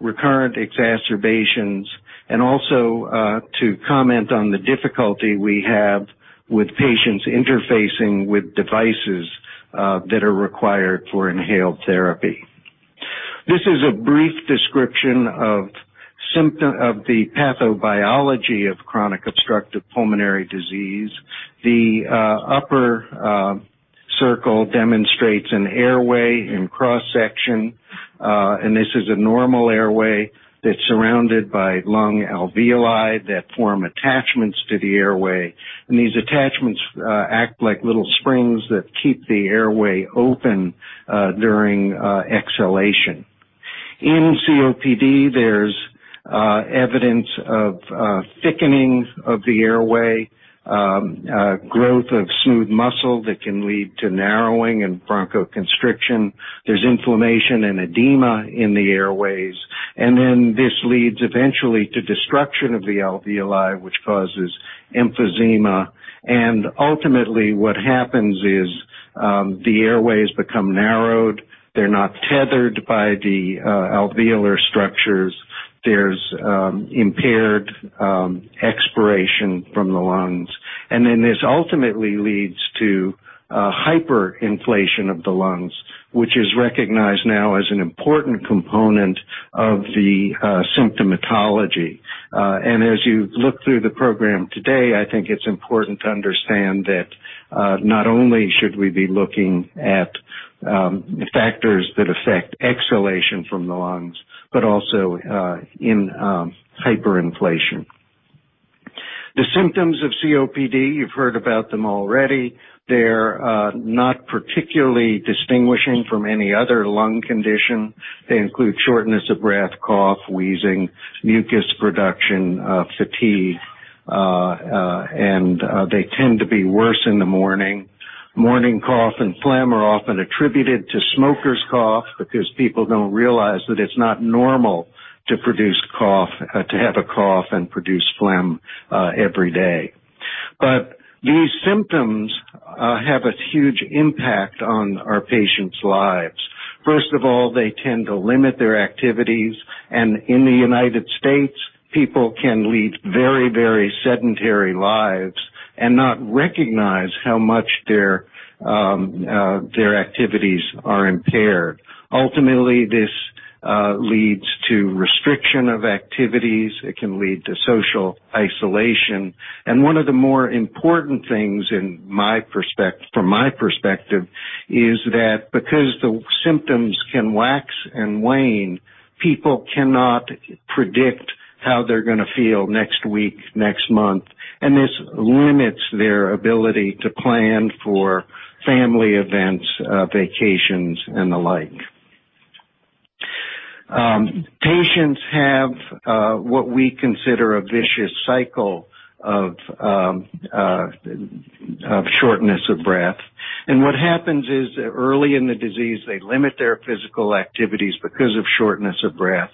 Speaker 4: recurrent exacerbations, and also to comment on the difficulty we have with patients interfacing with devices that are required for inhaled therapy. This is a brief description of the pathobiology of chronic obstructive pulmonary disease. The upper circle demonstrates an airway in cross-section. This is a normal airway that's surrounded by lung alveoli that form attachments to the airway, and these attachments act like little springs that keep the airway open during exhalation. In COPD, there's evidence of thickening of the airway, growth of smooth muscle that can lead to narrowing and bronchoconstriction. There's inflammation and edema in the airways. This leads eventually to destruction of the alveoli, which causes emphysema. Ultimately, what happens is the airways become narrowed. They're not tethered by the alveolar structures. There's impaired expiration from the lungs. Then this ultimately leads to hyperinflation of the lungs, which is recognized now as an important component of the symptomatology. As you look through the program today, I think it's important to understand that not only should we be looking at factors that affect exhalation from the lungs, but also in hyperinflation. The symptoms of COPD, you've heard about them already. They're not particularly distinguishing from any other lung condition. They include shortness of breath, cough, wheezing, mucus production, fatigue, and they tend to be worse in the morning. Morning cough and phlegm are often attributed to smoker's cough because people don't realize that it's not normal to have a cough and produce phlegm every day. These symptoms have a huge impact on our patients' lives. First of all, they tend to limit their activities. In the U.S., people can lead very sedentary lives and not recognize how much their activities are impaired. Ultimately, this leads to restriction of activities. It can lead to social isolation. One of the more important things from my perspective is that because the symptoms can wax and wane, people cannot predict how they're going to feel next week, next month, and this limits their ability to plan for family events, vacations, and the like. Patients have what we consider a vicious cycle of shortness of breath, and what happens is that early in the disease, they limit their physical activities because of shortness of breath.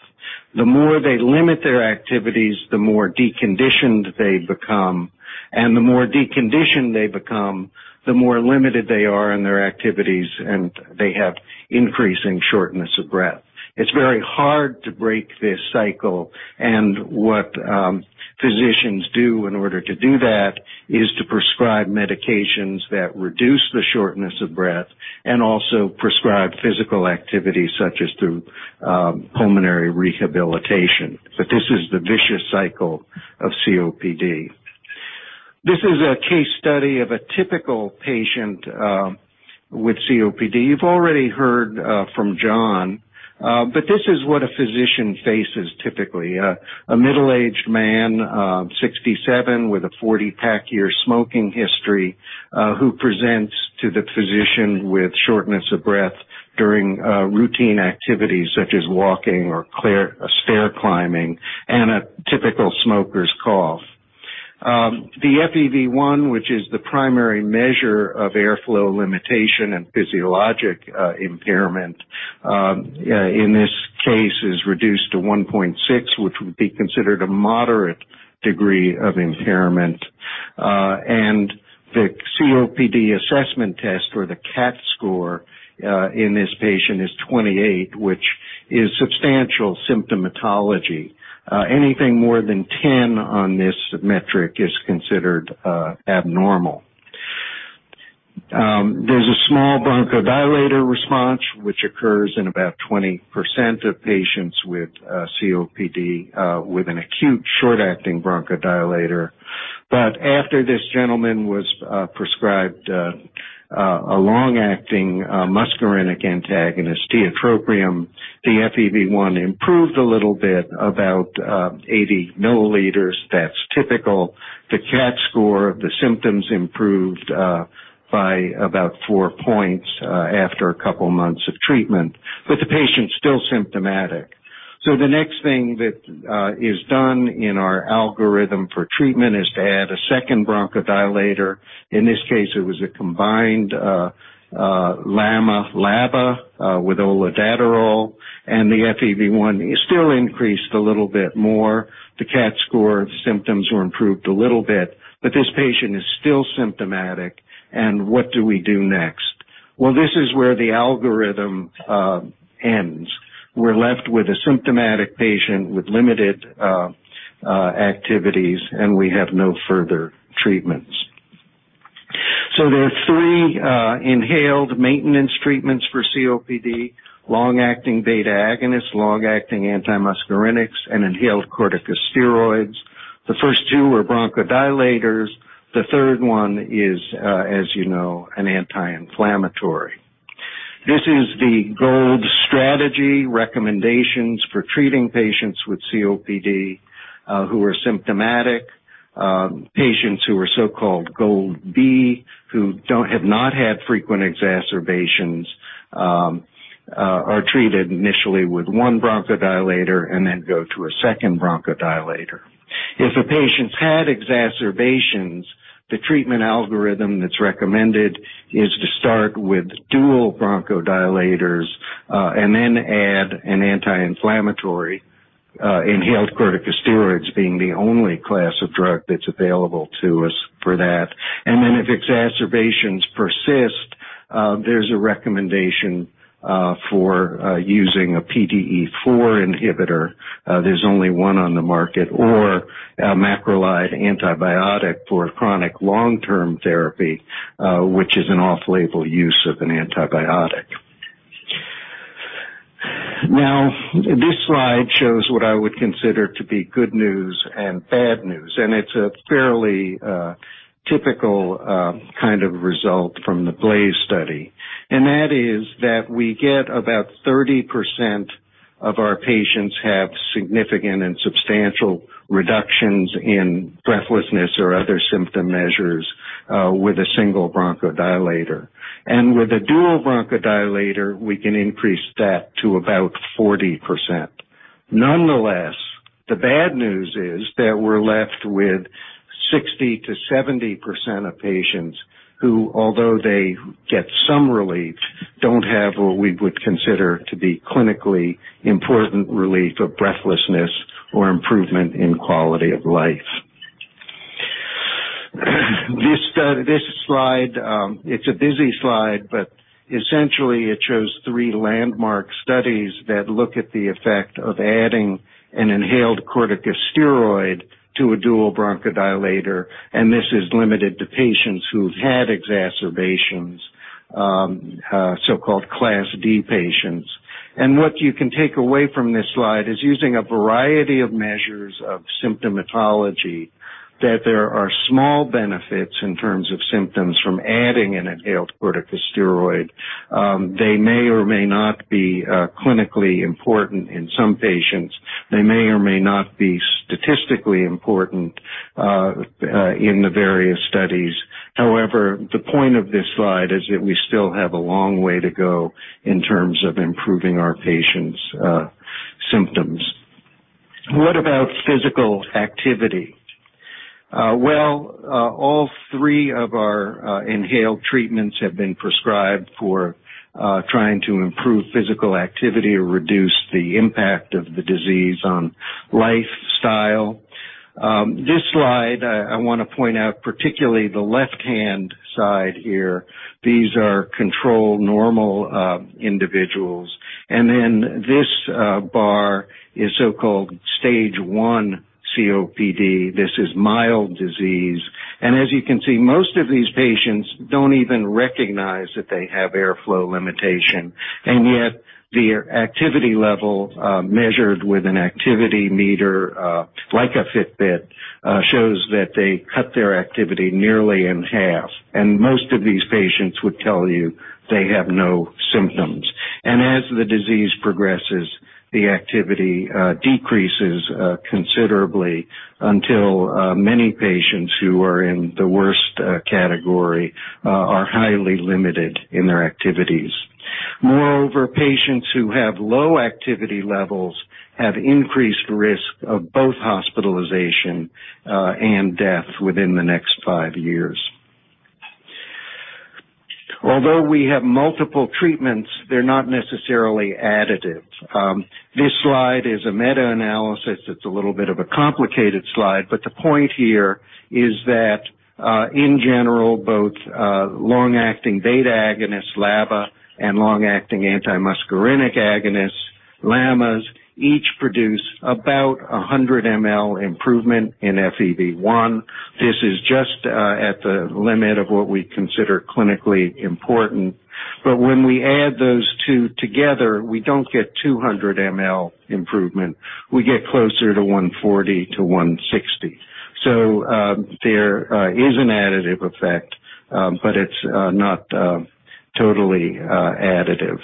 Speaker 4: The more they limit their activities, the more deconditioned they become, and the more deconditioned they become, the more limited they are in their activities, and they have increasing shortness of breath. It's very hard to break this cycle, and what physicians do in order to do that is to prescribe medications that reduce the shortness of breath and also prescribe physical activity, such as through pulmonary rehabilitation. This is the vicious cycle of COPD. This is a case study of a typical patient with COPD. You've already heard from John, but this is what a physician faces typically. A middle-aged man, 67, with a 40 pack year smoking history, who presents to the physician with shortness of breath during routine activities such as walking or stair climbing, and a typical smoker's cough. The FEV1, which is the primary measure of airflow limitation and physiologic impairment, in this case, is reduced to 1.6, which would be considered a moderate degree of impairment. The COPD Assessment Test or the CAT score in this patient is 28, which is substantial symptomatology. Anything more than 10 on this metric is considered abnormal. There's a small bronchodilator response which occurs in about 20% of patients with COPD with an acute short-acting bronchodilator. After this gentleman was prescribed a long-acting muscarinic antagonist, tiotropium, the FEV1 improved a little bit, about 80 milliliters. That's typical. The CAT score, the symptoms improved by about four points after a couple of months of treatment, but the patient's still symptomatic. The next thing that is done in our algorithm for treatment is to add a second bronchodilator. In this case, it was a combined LAMA, LABA with olodaterol, the FEV1 still increased a little bit more. The CAT score symptoms were improved a little bit, but this patient is still symptomatic. What do we do next? Well, this is where the algorithm ends. We're left with a symptomatic patient with limited activities, we have no further treatments. There are three inhaled maintenance treatments for COPD. Long-acting beta-agonists, long-acting antimuscarinics, and inhaled corticosteroids. The first two are bronchodilators. The third one is, as you know, an anti-inflammatory. This is the GOLD strategy recommendations for treating patients with COPD who are symptomatic. Patients who are so-called GOLD B, who have not had frequent exacerbations, are treated initially with one bronchodilator then go to a second bronchodilator. If a patient's had exacerbations, the treatment algorithm that's recommended is to start with dual bronchodilators then add an anti-inflammatory. Inhaled corticosteroids being the only class of drug that's available to us for that. Then if exacerbations persist, there's a recommendation for using a PDE4 inhibitor, there's only one on the market, or a macrolide antibiotic for chronic long-term therapy, which is an off-label use of an antibiotic. Now, this slide shows what I would consider to be good news and bad news, it's a fairly typical kind of result from the BLAZE study. That is that we get about 30% of our patients have significant and substantial reductions in breathlessness or other symptom measures with a single bronchodilator. With a dual bronchodilator, we can increase that to about 40%. Nonetheless, the bad news is that we're left with 60%-70% of patients who, although they get some relief, don't have what we would consider to be clinically important relief of breathlessness or improvement in quality of life. This slide, it's a busy slide, essentially it shows three landmark studies that look at the effect of adding an inhaled corticosteroid to a dual bronchodilator, and this is limited to patients who've had exacerbations, so-called Class D patients. What you can take away from this slide is using a variety of measures of symptomatology, that there are small benefits in terms of symptoms from adding an inhaled corticosteroid. They may or may not be clinically important in some patients. They may or may not be statistically important in the various studies. However, the point of this slide is that we still have a long way to go in terms of improving our patients' symptoms. What about physical activity? Well, all three of our inhaled treatments have been prescribed for trying to improve physical activity or reduce the impact of the disease on lifestyle. This slide, I want to point out particularly the left-hand side here. These are controlled normal individuals. Then this bar is so-called stage 1 COPD. This is mild disease. As you can see, most of these patients don't even recognize that they have airflow limitation, yet their activity level, measured with an activity meter like a Fitbit, shows that they cut their activity nearly in half. Most of these patients would tell you they have no symptoms. As the disease progresses, the activity decreases considerably until many patients who are in the worst category are highly limited in their activities. Moreover, patients who have low activity levels have increased risk of both hospitalization and death within the next five years. Although we have multiple treatments, they're not necessarily additive. This slide is a meta-analysis. It's a little bit of a complicated slide, but the point here is that in general, both long-acting beta agonists, LABA, and long-acting antimuscarinic agonists, LAMAs, each produce about 100 ml improvement in FEV1. This is just at the limit of what we consider clinically important. When we add those two together, we don't get 200 ml improvement. We get closer to 140-160. There is an additive effect, but it's not totally additive.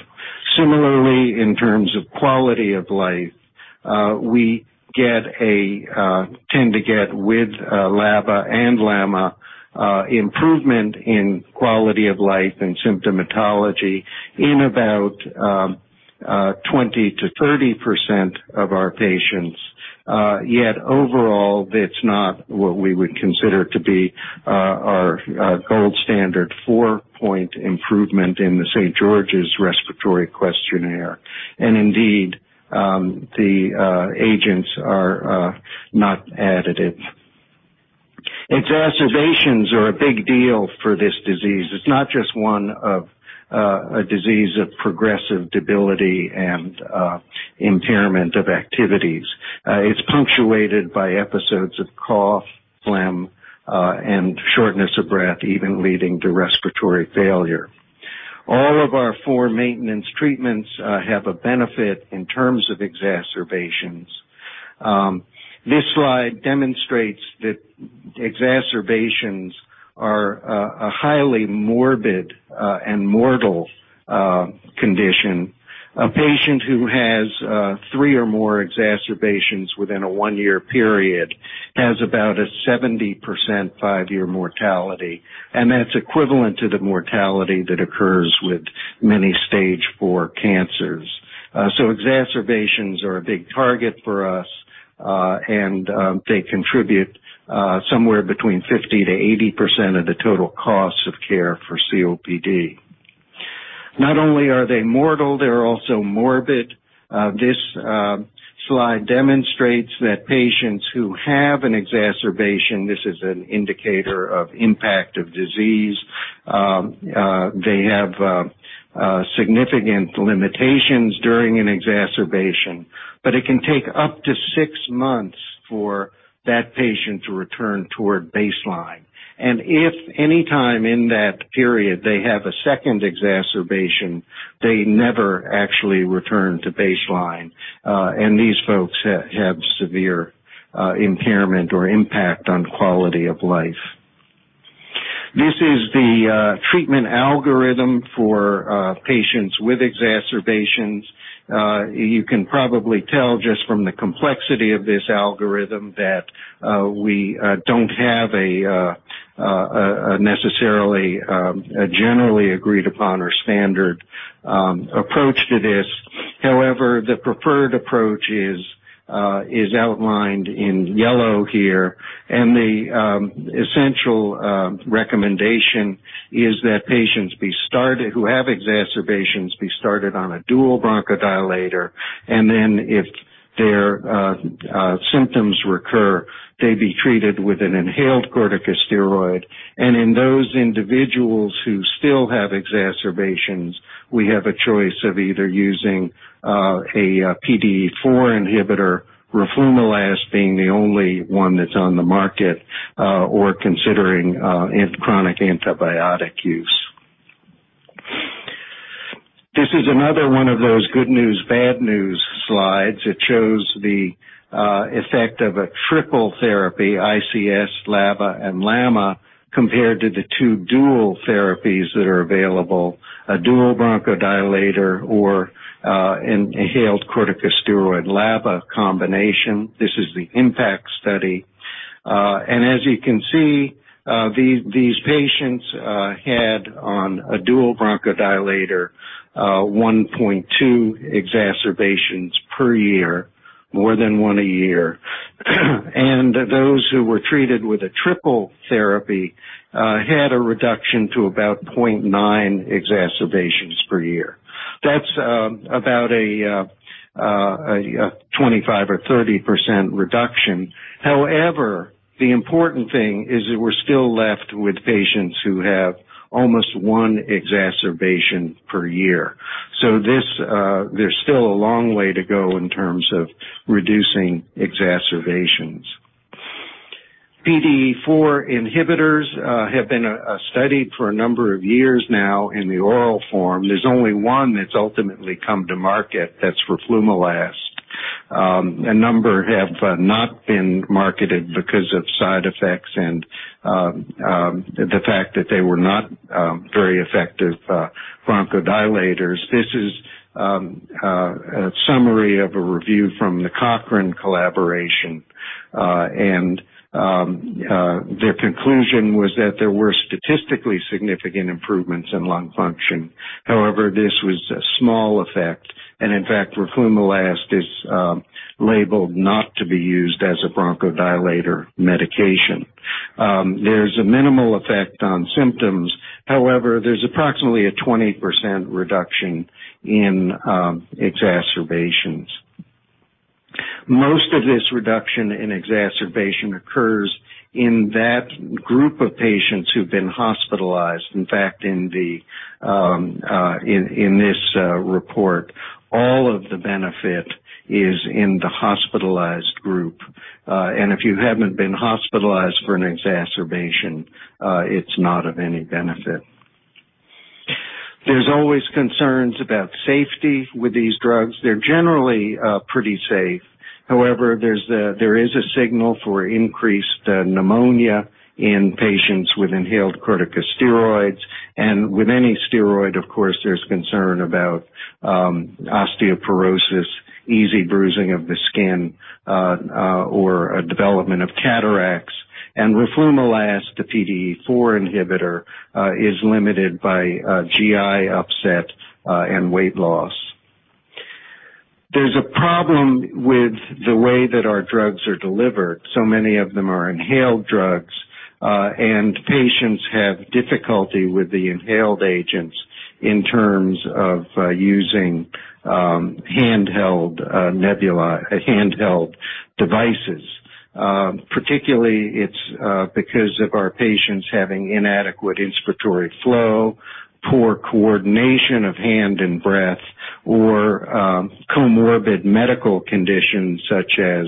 Speaker 4: Similarly, in terms of quality of life, we tend to get with LABA and LAMA, improvement in quality of life and symptomatology in about 20%-30% of our patients. Yet overall, that's not what we would consider to be our gold standard four-point improvement in the St. George's Respiratory Questionnaire. Indeed, the agents are not additive. Exacerbations are a big deal for this disease. It's not just one of a disease of progressive debility and impairment of activities. It's punctuated by episodes of cough, phlegm, and shortness of breath, even leading to respiratory failure. All of our four maintenance treatments have a benefit in terms of exacerbations. This slide demonstrates that exacerbations are a highly morbid and mortal condition. A patient who has three or more exacerbations within a one-year period has about a 70% five-year mortality, that's equivalent to the mortality that occurs with many stage 4 cancers. Exacerbations are a big target for us, and they contribute somewhere between 50%-80% of the total cost of care for COPD. Not only are they mortal, they're also morbid. This slide demonstrates that patients who have an exacerbation. This is an indicator of impact of disease. They have significant limitations during an exacerbation, but it can take up to six months for that patient to return toward baseline. If any time in that period they have a second exacerbation, they never actually return to baseline. These folks have severe impairment or impact on quality of life. This is the treatment algorithm for patients with exacerbations. You can probably tell just from the complexity of this algorithm that we don't have a necessarily generally agreed upon or standard approach to this. However, the preferred approach is outlined in yellow here, and the essential recommendation is that patients who have exacerbations be started on a dual bronchodilator. Then if their symptoms recur, they be treated with an inhaled corticosteroid. In those individuals who still have exacerbations, we have a choice of either using a PDE4 inhibitor, roflumilast being the only one that's on the market, or considering chronic antibiotic use. This is another one of those good news, bad news slides. It shows the effect of a triple therapy, ICS, LABA, and LAMA, compared to the two dual therapies that are available, a dual bronchodilator or an inhaled corticosteroid LABA combination. This is the IMPACT study. As you can see, these patients had on a dual bronchodilator 1.2 exacerbations per year, more than one a year. Those who were treated with a triple therapy had a reduction to about 0.9 exacerbations per year. That's about a 25% or 30% reduction. However, the important thing is that we're still left with patients who have almost one exacerbation per year. There's still a long way to go in terms of reducing exacerbations. PDE4 inhibitors have been studied for a number of years now in the oral form. There's only one that's ultimately come to market, that's roflumilast. A number have not been marketed because of side effects and the fact that they were not very effective bronchodilators. This is a summary of a review from the Cochrane Collaboration, Their conclusion was that there were statistically significant improvements in lung function. However, this was a small effect. In fact, roflumilast is labeled not to be used as a bronchodilator medication. There's a minimal effect on symptoms, however, there's approximately a 20% reduction in exacerbations. Most of this reduction in exacerbation occurs in that group of patients who've been hospitalized. In fact, in this report, all of the benefit is in the hospitalized group. If you haven't been hospitalized for an exacerbation, it's not of any benefit. There's always concerns about safety with these drugs. They're generally pretty safe. However, there is a signal for increased pneumonia in patients with inhaled corticosteroids. With any steroid, of course, there's concern about osteoporosis, easy bruising of the skin, or development of cataracts. Roflumilast, the PDE4 inhibitor, is limited by GI upset and weight loss. There's a problem with the way that our drugs are delivered. Many of them are inhaled drugs, and patients have difficulty with the inhaled agents in terms of using handheld devices. Particularly, it's because of our patients having inadequate inspiratory flow, poor coordination of hand and breath, or comorbid medical conditions such as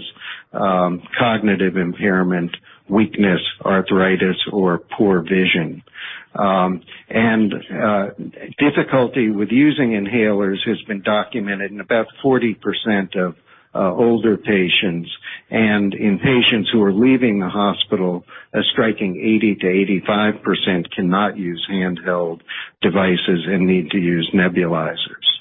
Speaker 4: cognitive impairment, weakness, arthritis, or poor vision. Difficulty with using inhalers has been documented in about 40% of older patients, and in patients who are leaving the hospital, a striking 80%-85% cannot use handheld devices and need to use nebulizers.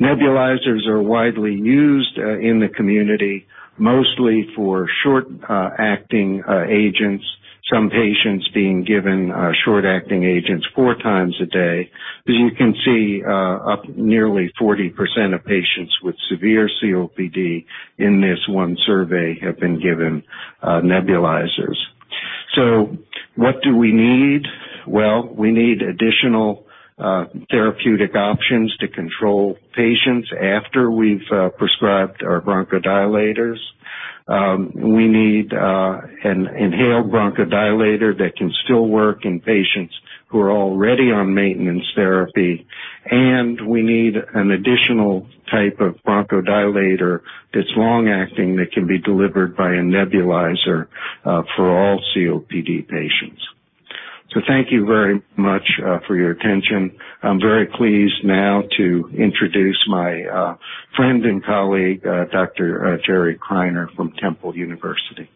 Speaker 4: Nebulizers are widely used in the community, mostly for short-acting agents, some patients being given short-acting agents four times a day. As you can see, up nearly 40% of patients with severe COPD in this one survey have been given nebulizers. What do we need? We need additional therapeutic options to control patients after we've prescribed our bronchodilators. We need an inhaled bronchodilator that can still work in patients who are already on maintenance therapy, and we need an additional type of bronchodilator that's long-acting that can be delivered by a nebulizer for all COPD patients. Thank you very much for your attention. I'm very pleased now to introduce my friend and colleague, Dr. Gerry Criner from Temple University.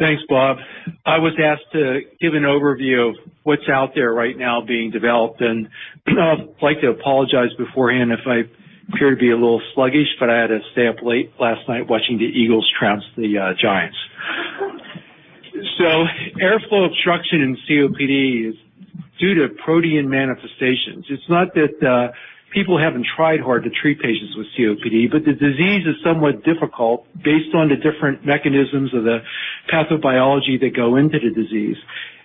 Speaker 5: Thanks, Bob. I was asked to give an overview of what's out there right now being developed. I'd like to apologize beforehand if I appear to be a little sluggish. I had to stay up late last night watching the Eagles trounce the Giants. Airflow obstruction in COPD is due to protean manifestations. It's not that people haven't tried hard to treat patients with COPD, the disease is somewhat difficult based on the different mechanisms of the pathobiology that go into the disease.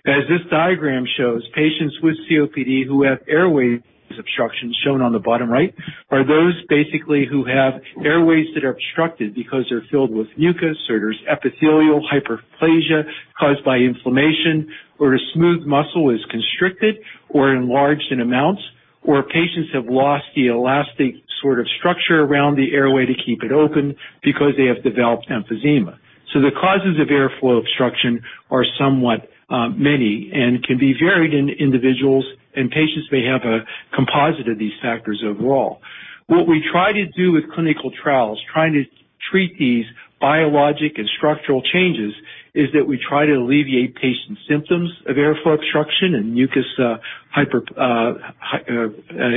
Speaker 5: As this diagram shows, patients with COPD who have airway obstructions, shown on the bottom right, are those basically who have airways that are obstructed because they're filled with mucus, or there's epithelial hyperplasia caused by inflammation, or a smooth muscle is constricted or enlarged in amounts, or patients have lost the elastic sort of structure around the airway to keep it open because they have developed emphysema. The causes of airflow obstruction are somewhat many and can be varied in individuals and patients may have a composite of these factors overall. What we try to do with clinical trials, trying to treat these biologic and structural changes, is that we try to alleviate patients' symptoms of airflow obstruction and mucus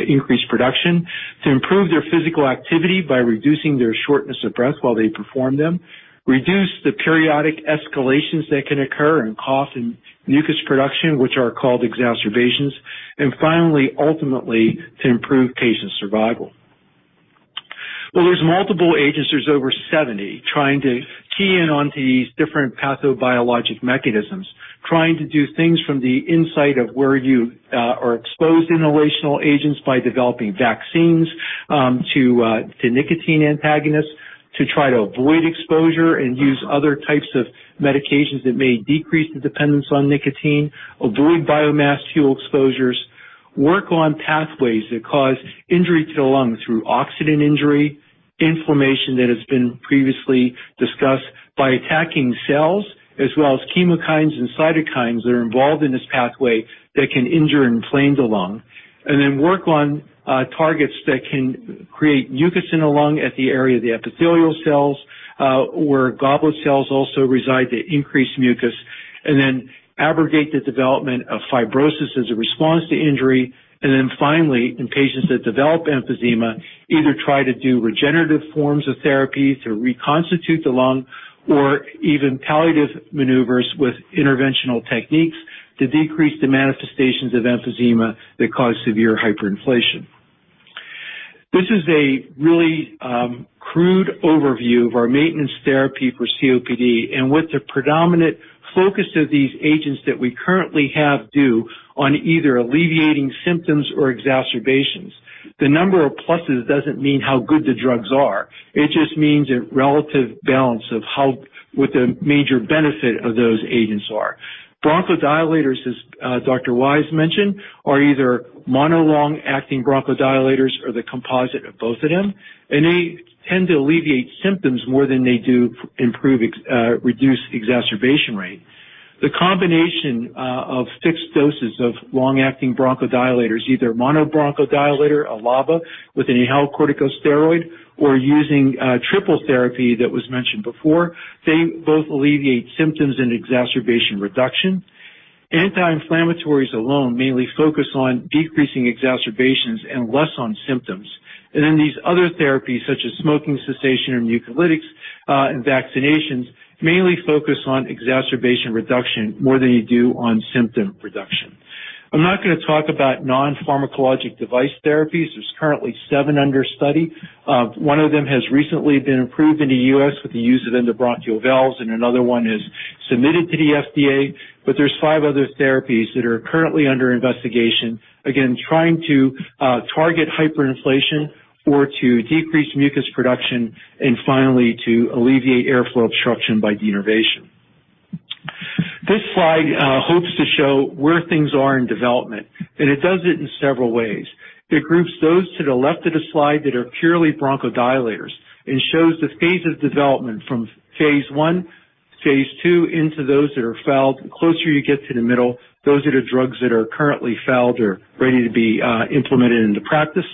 Speaker 5: increased production to improve their physical activity by reducing their shortness of breath while they perform them, reduce the periodic escalations that can occur in cough and mucus production, which are called exacerbations, finally, ultimately, to improve patient survival. Well, there's multiple agents, there's over 70, trying to key in on these different pathobiologic mechanisms, trying to do things from the insight of where you are exposed inhalational agents by developing vaccines to nicotine antagonists to try to avoid exposure and use other types of medications that may decrease the dependence on nicotine, avoid biomass fuel exposures, work on pathways that cause injury to the lungs through oxidant injury, inflammation that has been previously discussed by attacking cells, as well as chemokines and cytokines that are involved in this pathway that can injure and inflame the lung, then work on targets that can create mucus in the lung at the area of the epithelial cells, where goblet cells also reside that increase mucus, then abrogate the development of fibrosis as a response to injury. Then finally, in patients that develop emphysema, either try to do regenerative forms of therapies to reconstitute the lung or even palliative maneuvers with interventional techniques to decrease the manifestations of emphysema that cause severe hyperinflation. This is a really crude overview of our maintenance therapy for COPD and what the predominant focus of these agents that we currently have do on either alleviating symptoms or exacerbations. The number of pluses doesn't mean how good the drugs are. It just means a relative balance of what the major benefit of those agents are. Bronchodilators, as Dr. Wise mentioned, are either mono long-acting bronchodilators or the composite of both of them, and they tend to alleviate symptoms more than they do reduce exacerbation rate. The combination of fixed doses of long-acting bronchodilators, either mono bronchodilator, a LABA, with inhaled corticosteroid or using triple therapy that was mentioned before. They both alleviate symptoms and exacerbation reduction. Anti-inflammatories alone mainly focus on decreasing exacerbations and less on symptoms. Then these other therapies such as smoking cessation or mucolytics and vaccinations, mainly focus on exacerbation reduction more than you do on symptom reduction. I'm not going to talk about non-pharmacologic device therapies. There's currently seven under study. One of them has recently been approved in the U.S. with the use of endobronchial valves, and another one is submitted to the FDA, but there's five other therapies that are currently under investigation, again, trying to target hyperinflation or to decrease mucus production and finally to alleviate airflow obstruction by denervation. This slide hopes to show where things are in development, and it does it in several ways. It groups those to the left of the slide that are purely bronchodilators and shows the phase of development from phase I, phase II, into those that are failed. The closer you get to the middle, those are the drugs that are currently failed or ready to be implemented into practice.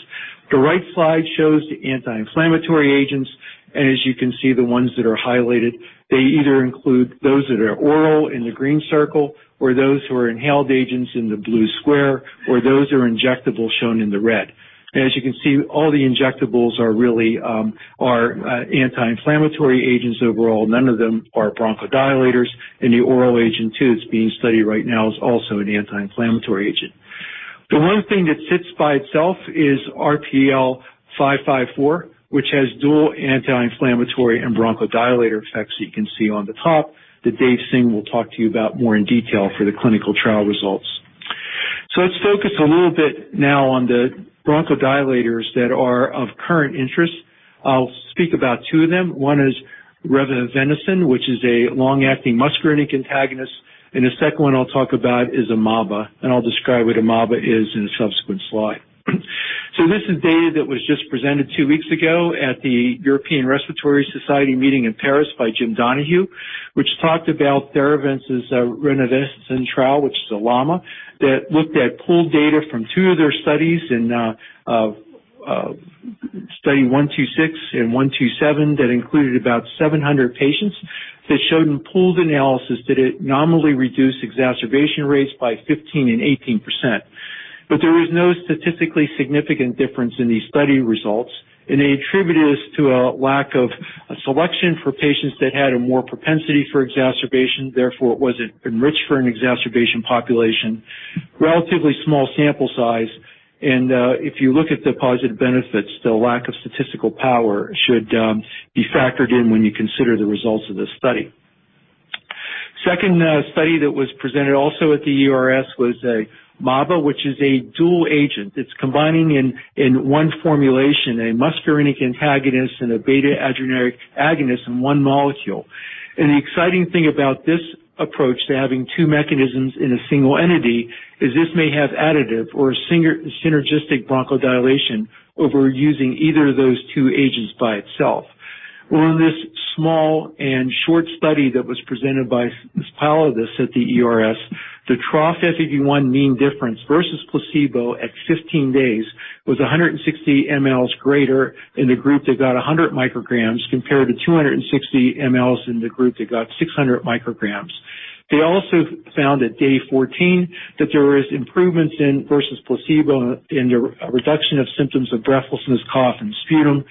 Speaker 5: The right slide shows the anti-inflammatory agents, and as you can see, the ones that are highlighted, they either include those that are oral in the green circle or those who are inhaled agents in the blue square, or those are injectable, shown in the red. As you can see, all the injectables are really anti-inflammatory agents overall. None of them are bronchodilators, and the oral agent, too, that's being studied right now is also an anti-inflammatory agent. The one thing that sits by itself is RPL554, which has dual anti-inflammatory and bronchodilator effects that you can see on the top, that Dave Singh will talk to you about more in detail for the clinical trial results. Let's focus a little bit now on the bronchodilators that are of current interest. I'll speak about two of them. One is revefenacin, which is a long-acting muscarinic antagonist, and the second one I'll talk about is AZD8871, and I'll describe what AZD8871 is in a subsequent slide. This is data that was just presented two weeks ago at the European Respiratory Society meeting in Paris by Jim Donohue, which talked about Theravance's revefenacin trial, which is the LAMA, that looked at pooled data from two of their studies, Study 126 and Study 127, that included about 700 patients. That showed in pooled analysis that it nominally reduced exacerbation rates by 15% and 18%. There was no statistically significant difference in these study results, and they attribute this to a lack of selection for patients that had a more propensity for exacerbation, therefore, it wasn't enriched for an exacerbation population. Relatively small sample size. If you look at the positive benefits, the lack of statistical power should be factored in when you consider the results of this study. Second study that was presented also at the ERS was AZD8871, which is a dual agent. It's combining in one formulation, a muscarinic antagonist and a beta-adrenergic agonist in one molecule. The exciting thing about this approach to having two mechanisms in a single entity is this may have additive or synergistic bronchodilation over using either of those two agents by itself. In this small and short study that was presented by [Ms. Pallavi] at the ERS, the trough FEV1 mean difference versus placebo at 15 days was 160 mL greater in the group that got 100 micrograms compared to 260 mL in the group that got 600 micrograms. They also found at day 14 that there was improvements versus placebo in the reduction of symptoms of breathlessness, cough, and sputum,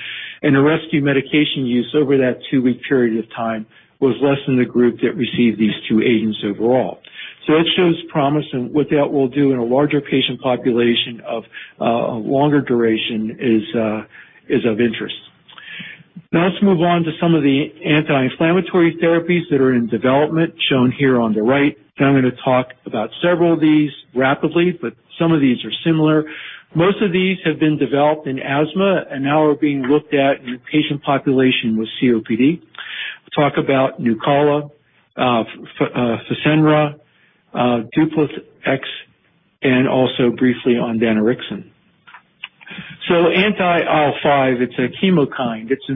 Speaker 5: and the rescue medication use over that two-week period of time was less than the group that received these two agents overall. That shows promise, and what that will do in a larger patient population of a longer duration is of interest. Now let's move on to some of the anti-inflammatory therapies that are in development, shown here on the right. I'm going to talk about several of these rapidly, but some of these are similar. Most of these have been developed in asthma and now are being looked at in a patient population with COPD. Talk about Nucala, Fasenra, Dupixent, and also briefly on danirixin. Anti-IL-5, it's a chemokine. It's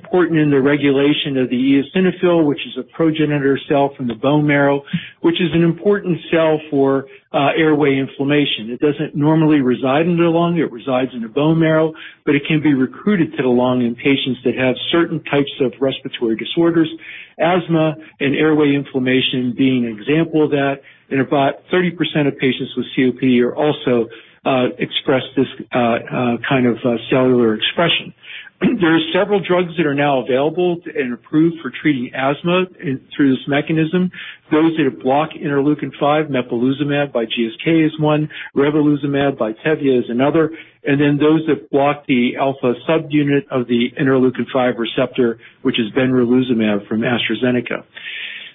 Speaker 5: important in the regulation of the eosinophil, which is a progenitor cell from the bone marrow, which is an important cell for airway inflammation. It doesn't normally reside in the lung. It resides in the bone marrow, but it can be recruited to the lung in patients that have certain types of respiratory disorders, asthma and airway inflammation being an example of that. About 30% of patients with COPD also express this kind of cellular expression. There are several drugs that are now available and approved for treating asthma through this mechanism. Those that block interleukin-5, mepolizumab by GSK is one, reslizumab by Teva is another, and then those that block the alpha subunit of the interleukin-5 receptor, which is benralizumab from AstraZeneca.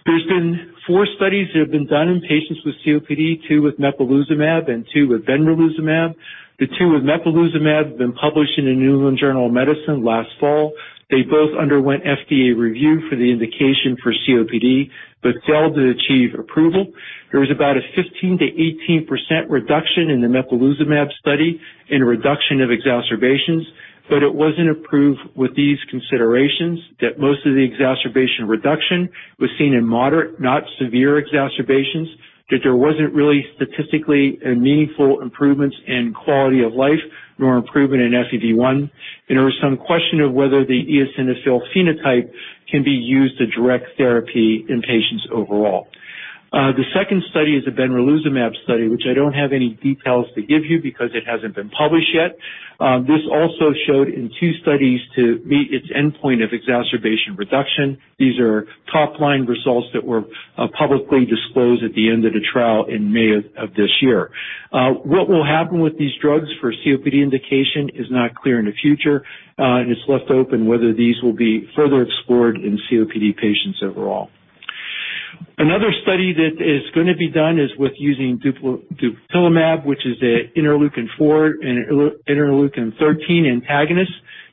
Speaker 5: There's been four studies that have been done in patients with COPD, two with mepolizumab and two with benralizumab. The two with mepolizumab have been published in the New England Journal of Medicine last fall. They both underwent FDA review for the indication for COPD but failed to achieve approval. There was about a 15%-18% reduction in the mepolizumab study in a reduction of exacerbations, but it wasn't approved with these considerations that most of the exacerbation reduction was seen in moderate, not severe exacerbations, that there wasn't really statistically meaningful improvements in quality of life nor improvement in FEV1. There was some question of whether the eosinophil phenotype can be used to direct therapy in patients overall. The second study is a benralizumab study, which I don't have any details to give you because it hasn't been published yet. This also showed in two studies to meet its endpoint of exacerbation reduction. These are top-line results that were publicly disclosed at the end of the trial in May of this year. What will happen with these drugs for COPD indication is not clear in the future, and it's left open whether these will be further explored in COPD patients overall. Another study that is going to be done is with using dupilumab, which is an interleukin-4 and interleukin-13 antagonist.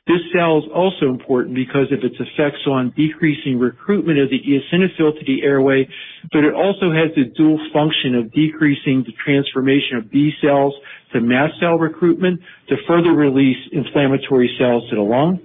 Speaker 5: This cell is also important because of its effects on decreasing recruitment of the eosinophil to the airway, but it also has the dual function of decreasing the transformation of B cells to mast cell recruitment to further release inflammatory cells to the lung.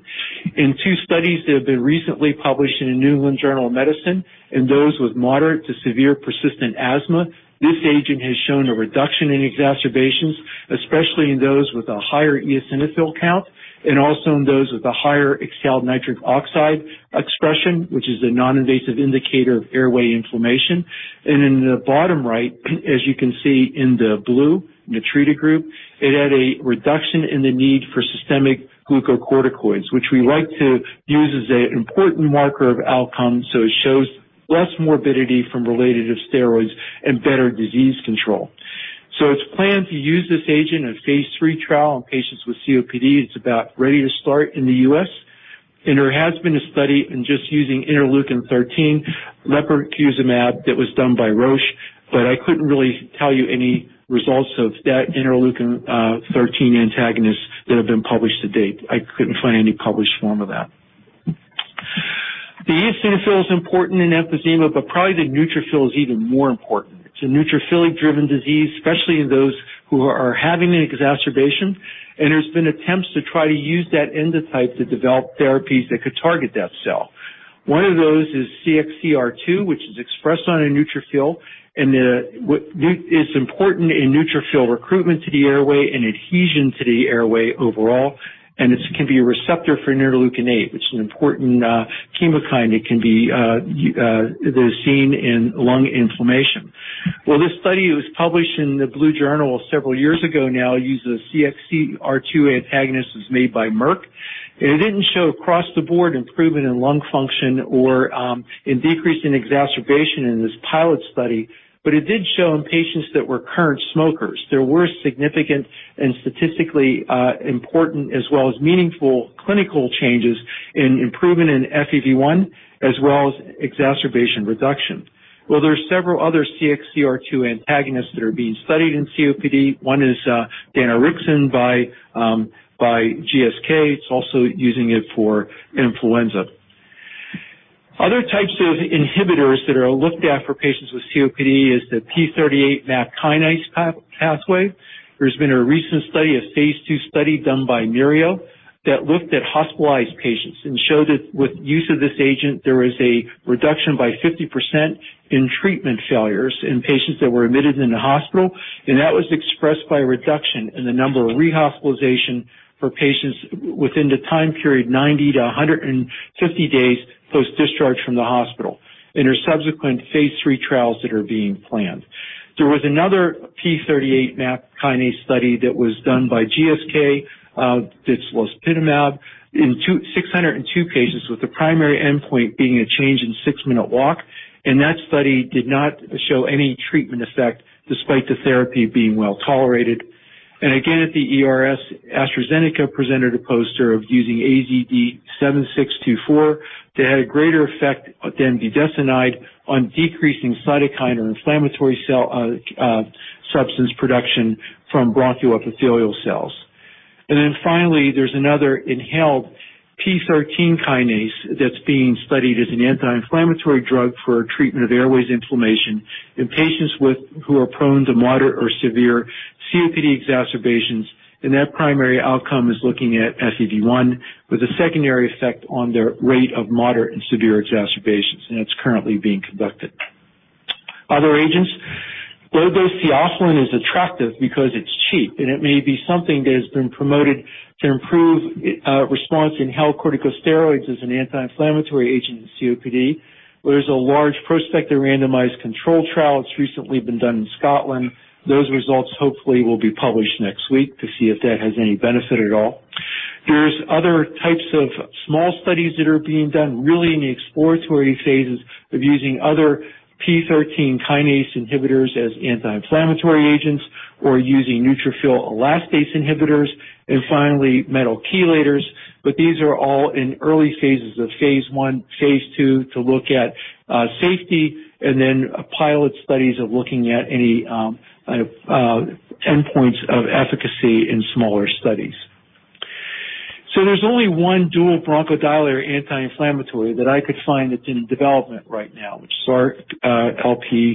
Speaker 5: In two studies that have been recently published in the New England Journal of Medicine, in those with moderate to severe persistent asthma, this agent has shown a reduction in exacerbations, especially in those with a higher eosinophil count, and also in those with a higher exhaled nitric oxide expression, which is a non-invasive indicator of airway inflammation. In the bottom right, as you can see in the blue, in the treated group, it had a reduction in the need for systemic glucocorticoids, which we like to use as an important marker of outcome. It shows less morbidity from related steroids and better disease control. It's planned to use this agent in a phase III trial in patients with COPD. It's about ready to start in the U.S., there has been a study in just using interleukin-13, lebrikizumab, that was done by Roche, but I couldn't really tell you any results of that interleukin-13 antagonist that have been published to date. I couldn't find any published form of that. The eosinophil is important in emphysema, but probably the neutrophil is even more important. It's a neutrophilic-driven disease, especially in those who are having an exacerbation. There's been attempts to try to use that endotype to develop therapies that could target that cell. One of those is CXCR2, which is expressed on a neutrophil, and it's important in neutrophil recruitment to the airway and adhesion to the airway overall, and it can be a receptor for interleukin-8. It's an important chemokine. It can be seen in lung inflammation. This study was published in the Blue Journal several years ago now, uses CXCR2 antagonists made by Merck. It didn't show across-the-board improvement in lung function or in decrease in exacerbation in this pilot study, but it did show in patients that were current smokers, there were significant and statistically important as well as meaningful clinical changes in improvement in FEV1 as well as exacerbation reduction. There are several other CXCR2 antagonists that are being studied in COPD. One is danirixin by GSK. It's also using it for influenza. Other types of inhibitors that are looked at for patients with COPD is the p38 MAP kinase pathway. There's been a recent study, a phase II study done by Mereo, that looked at hospitalized patients and showed that with use of this agent, there was a reduction by 50% in treatment failures in patients that were admitted in the hospital, and that was expressed by a reduction in the number of rehospitalization for patients within the time period 90 to 150 days post-discharge from the hospital. There are subsequent phase III trials that are being planned. There was another p38 MAP kinase study that was done by GSK, dilmapimod, in 602 patients, with the primary endpoint being a change in six-minute walk, and that study did not show any treatment effect despite the therapy being well-tolerated. Again, at the ERS, AstraZeneca presented a poster of using AZD7624 that had a greater effect than budesonide on decreasing cytokine or inflammatory cell substance production from bronchial epithelial cells. Finally, there's another inhaled PI3 kinase that's being studied as an anti-inflammatory drug for treatment of airways inflammation in patients who are prone to moderate or severe COPD exacerbations, and that primary outcome is looking at FEV1 with a secondary effect on their rate of moderate and severe exacerbations, and that's currently being conducted. Other agents. Low-dose theophylline is attractive because it's cheap, and it may be something that has been promoted to improve response. Inhaled corticosteroids is an anti-inflammatory agent in COPD. There's a large prospective randomized control trial that's recently been done in Scotland. Those results hopefully will be published next week to see if that has any benefit at all. There's other types of small studies that are being done, really in the exploratory phases, of using other PI3 kinase inhibitors as anti-inflammatory agents or using neutrophil elastase inhibitors and, finally, metal chelators. These are all in early phases of phase I, phase II to look at safety, and then pilot studies of looking at any endpoints of efficacy in smaller studies. There's only one dual bronchodilator anti-inflammatory that I could find that's in development right now, which is ensifentrine.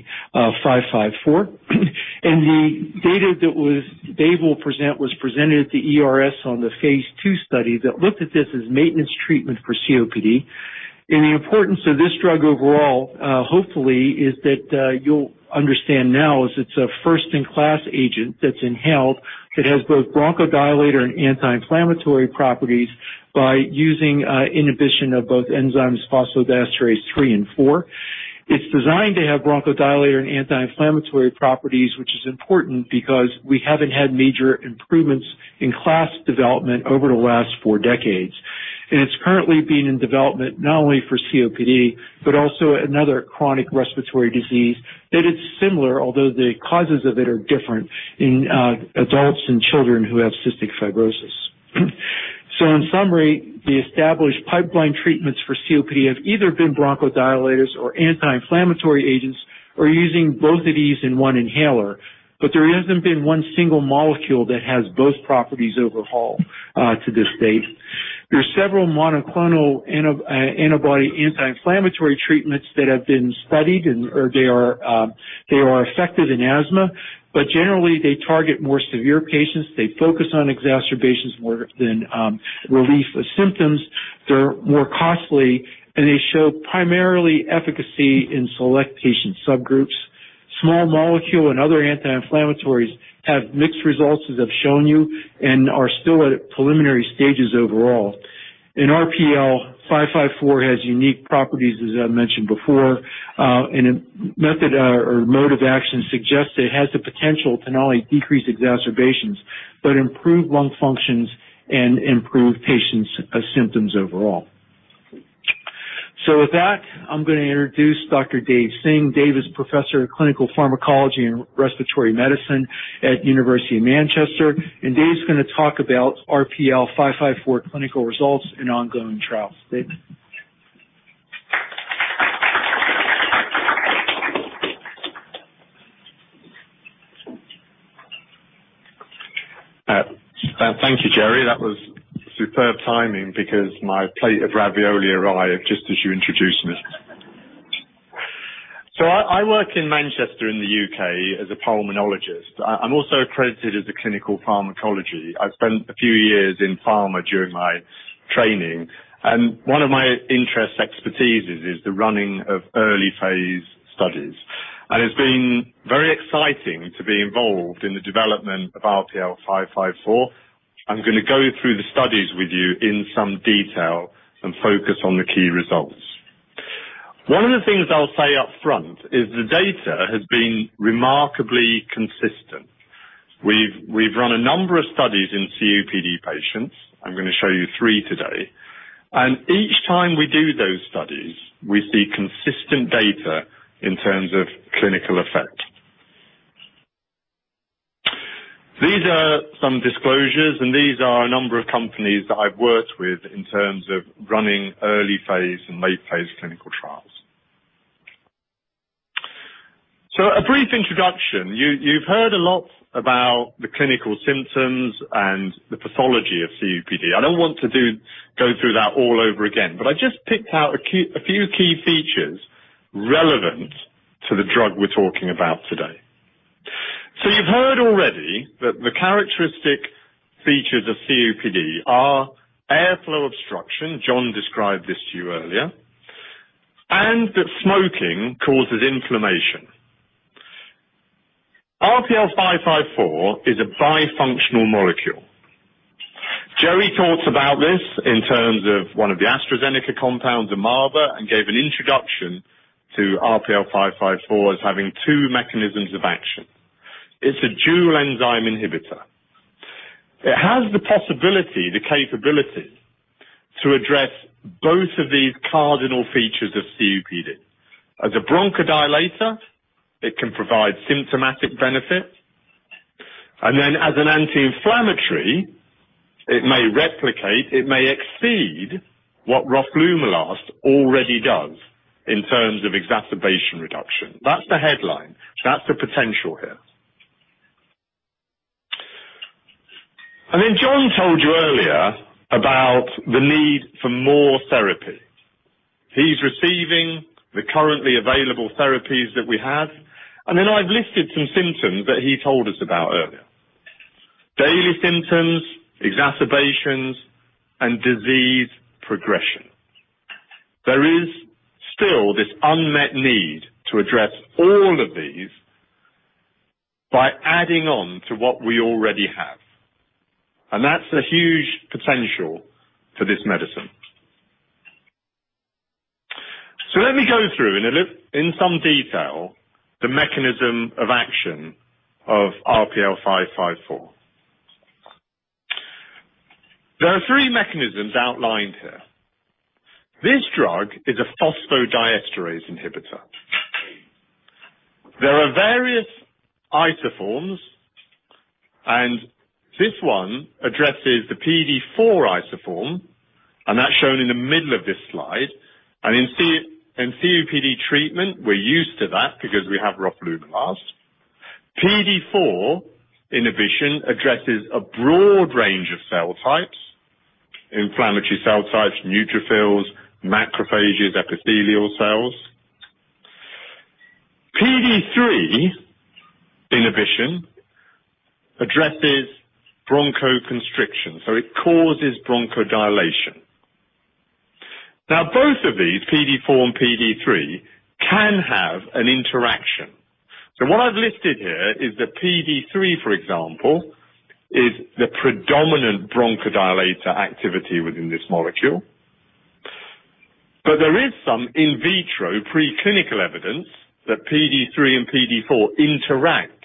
Speaker 5: The data that Dave will present was presented at the ERS on the phase II study that looked at this as maintenance treatment for COPD. The importance of this drug overall, hopefully, is that you'll understand now is it's a first-in-class agent that's inhaled that has both bronchodilator and anti-inflammatory properties by using inhibition of both enzymes phosphodiesterase 3 and 4. It's designed to have bronchodilator and anti-inflammatory properties, which is important because we haven't had major improvements in class development over the last four decades. It's currently being in development not only for COPD but also another chronic respiratory disease that is similar, although the causes of it are different, in adults and children who have cystic fibrosis. In summary, the established pipeline treatments for COPD have either been bronchodilators or anti-inflammatory agents or using both of these in one inhaler. There hasn't been one single molecule that has both properties overall to this date. There are several monoclonal antibody anti-inflammatory treatments that have been studied, they are effective in asthma, but generally, they target more severe patients. They focus on exacerbations more than relief of symptoms. They're more costly, and they show primarily efficacy in select patient subgroups. Small molecule and other anti-inflammatories have mixed results, as I've shown you, and are still at preliminary stages overall. RPL554 has unique properties, as I mentioned before, and method or mode of action suggests it has the potential to not only decrease exacerbations but improve lung functions and improve patients' symptoms overall. With that, I'm going to introduce Dr. Dave Singh. Dave is Professor of Clinical Pharmacology and Respiratory Medicine at University of Manchester, and Dave's going to talk about RPL554 clinical results and ongoing trials. Dave?
Speaker 6: Thank you, Gerry. That was superb timing because my plate of ravioli arrived just as you introduced me. I work in Manchester in the U.K. as a pulmonologist. I'm also accredited as a clinical pharmacology. I spent a few years in pharma during my training, and one of my interest expertises is the running of early phase studies. It's been very exciting to be involved in the development of ensifentrine. I'm going to go through the studies with you in some detail and focus on the key results. One of the things I'll say up front is the data has been remarkably consistent. We've run a number of studies in COPD patients. I'm going to show you three today. Each time we do those studies, we see consistent data in terms of clinical effect. These are some disclosures, and these are a number of companies that I've worked with in terms of running early phase and late phase clinical trials. A brief introduction. You've heard a lot about the clinical symptoms and the pathology of COPD. I don't want to go through that all over again, but I just picked out a few key features relevant to the drug we're talking about today. You've heard already that the characteristic features of COPD are airflow obstruction, John described this to you earlier, and that smoking causes inflammation. Ensifentrine is a bifunctional molecule. Gerry talked about this in terms of one of the AstraZeneca compounds, [tozorakimab], and gave an introduction to ensifentrine as having two mechanisms of action. It's a dual enzyme inhibitor. It has the possibility, the capability, to address both of these cardinal features of COPD. As a bronchodilator, it can provide symptomatic benefit. As an anti-inflammatory, it may replicate, it may exceed what roflumilast already does in terms of exacerbation reduction. That's the headline. That's the potential here. John told you earlier about the need for more therapy. He's receiving the currently available therapies that we have. I've listed some symptoms that he told us about earlier. Daily symptoms, exacerbations, and disease progression. There is still this unmet need to address all of these by adding on to what we already have, and that's a huge potential for this medicine. Let me go through, in some detail, the mechanism of action of ensifentrine. There are three mechanisms outlined here. This drug is a phosphodiesterase inhibitor. There are various isoforms, and this one addresses the PDE4 isoform, and that's shown in the middle of this slide. In COPD treatment, we're used to that because we have roflumilast. PDE4 inhibition addresses a broad range of cell types, inflammatory cell types, neutrophils, macrophages, epithelial cells. PDE3 inhibition addresses bronchoconstriction, so it causes bronchodilation. Both of these, PDE4 and PDE3, can have an interaction. What I've listed here is the PDE3, for example, is the predominant bronchodilator activity within this molecule. There is some in vitro preclinical evidence that PDE3 and PDE4 interact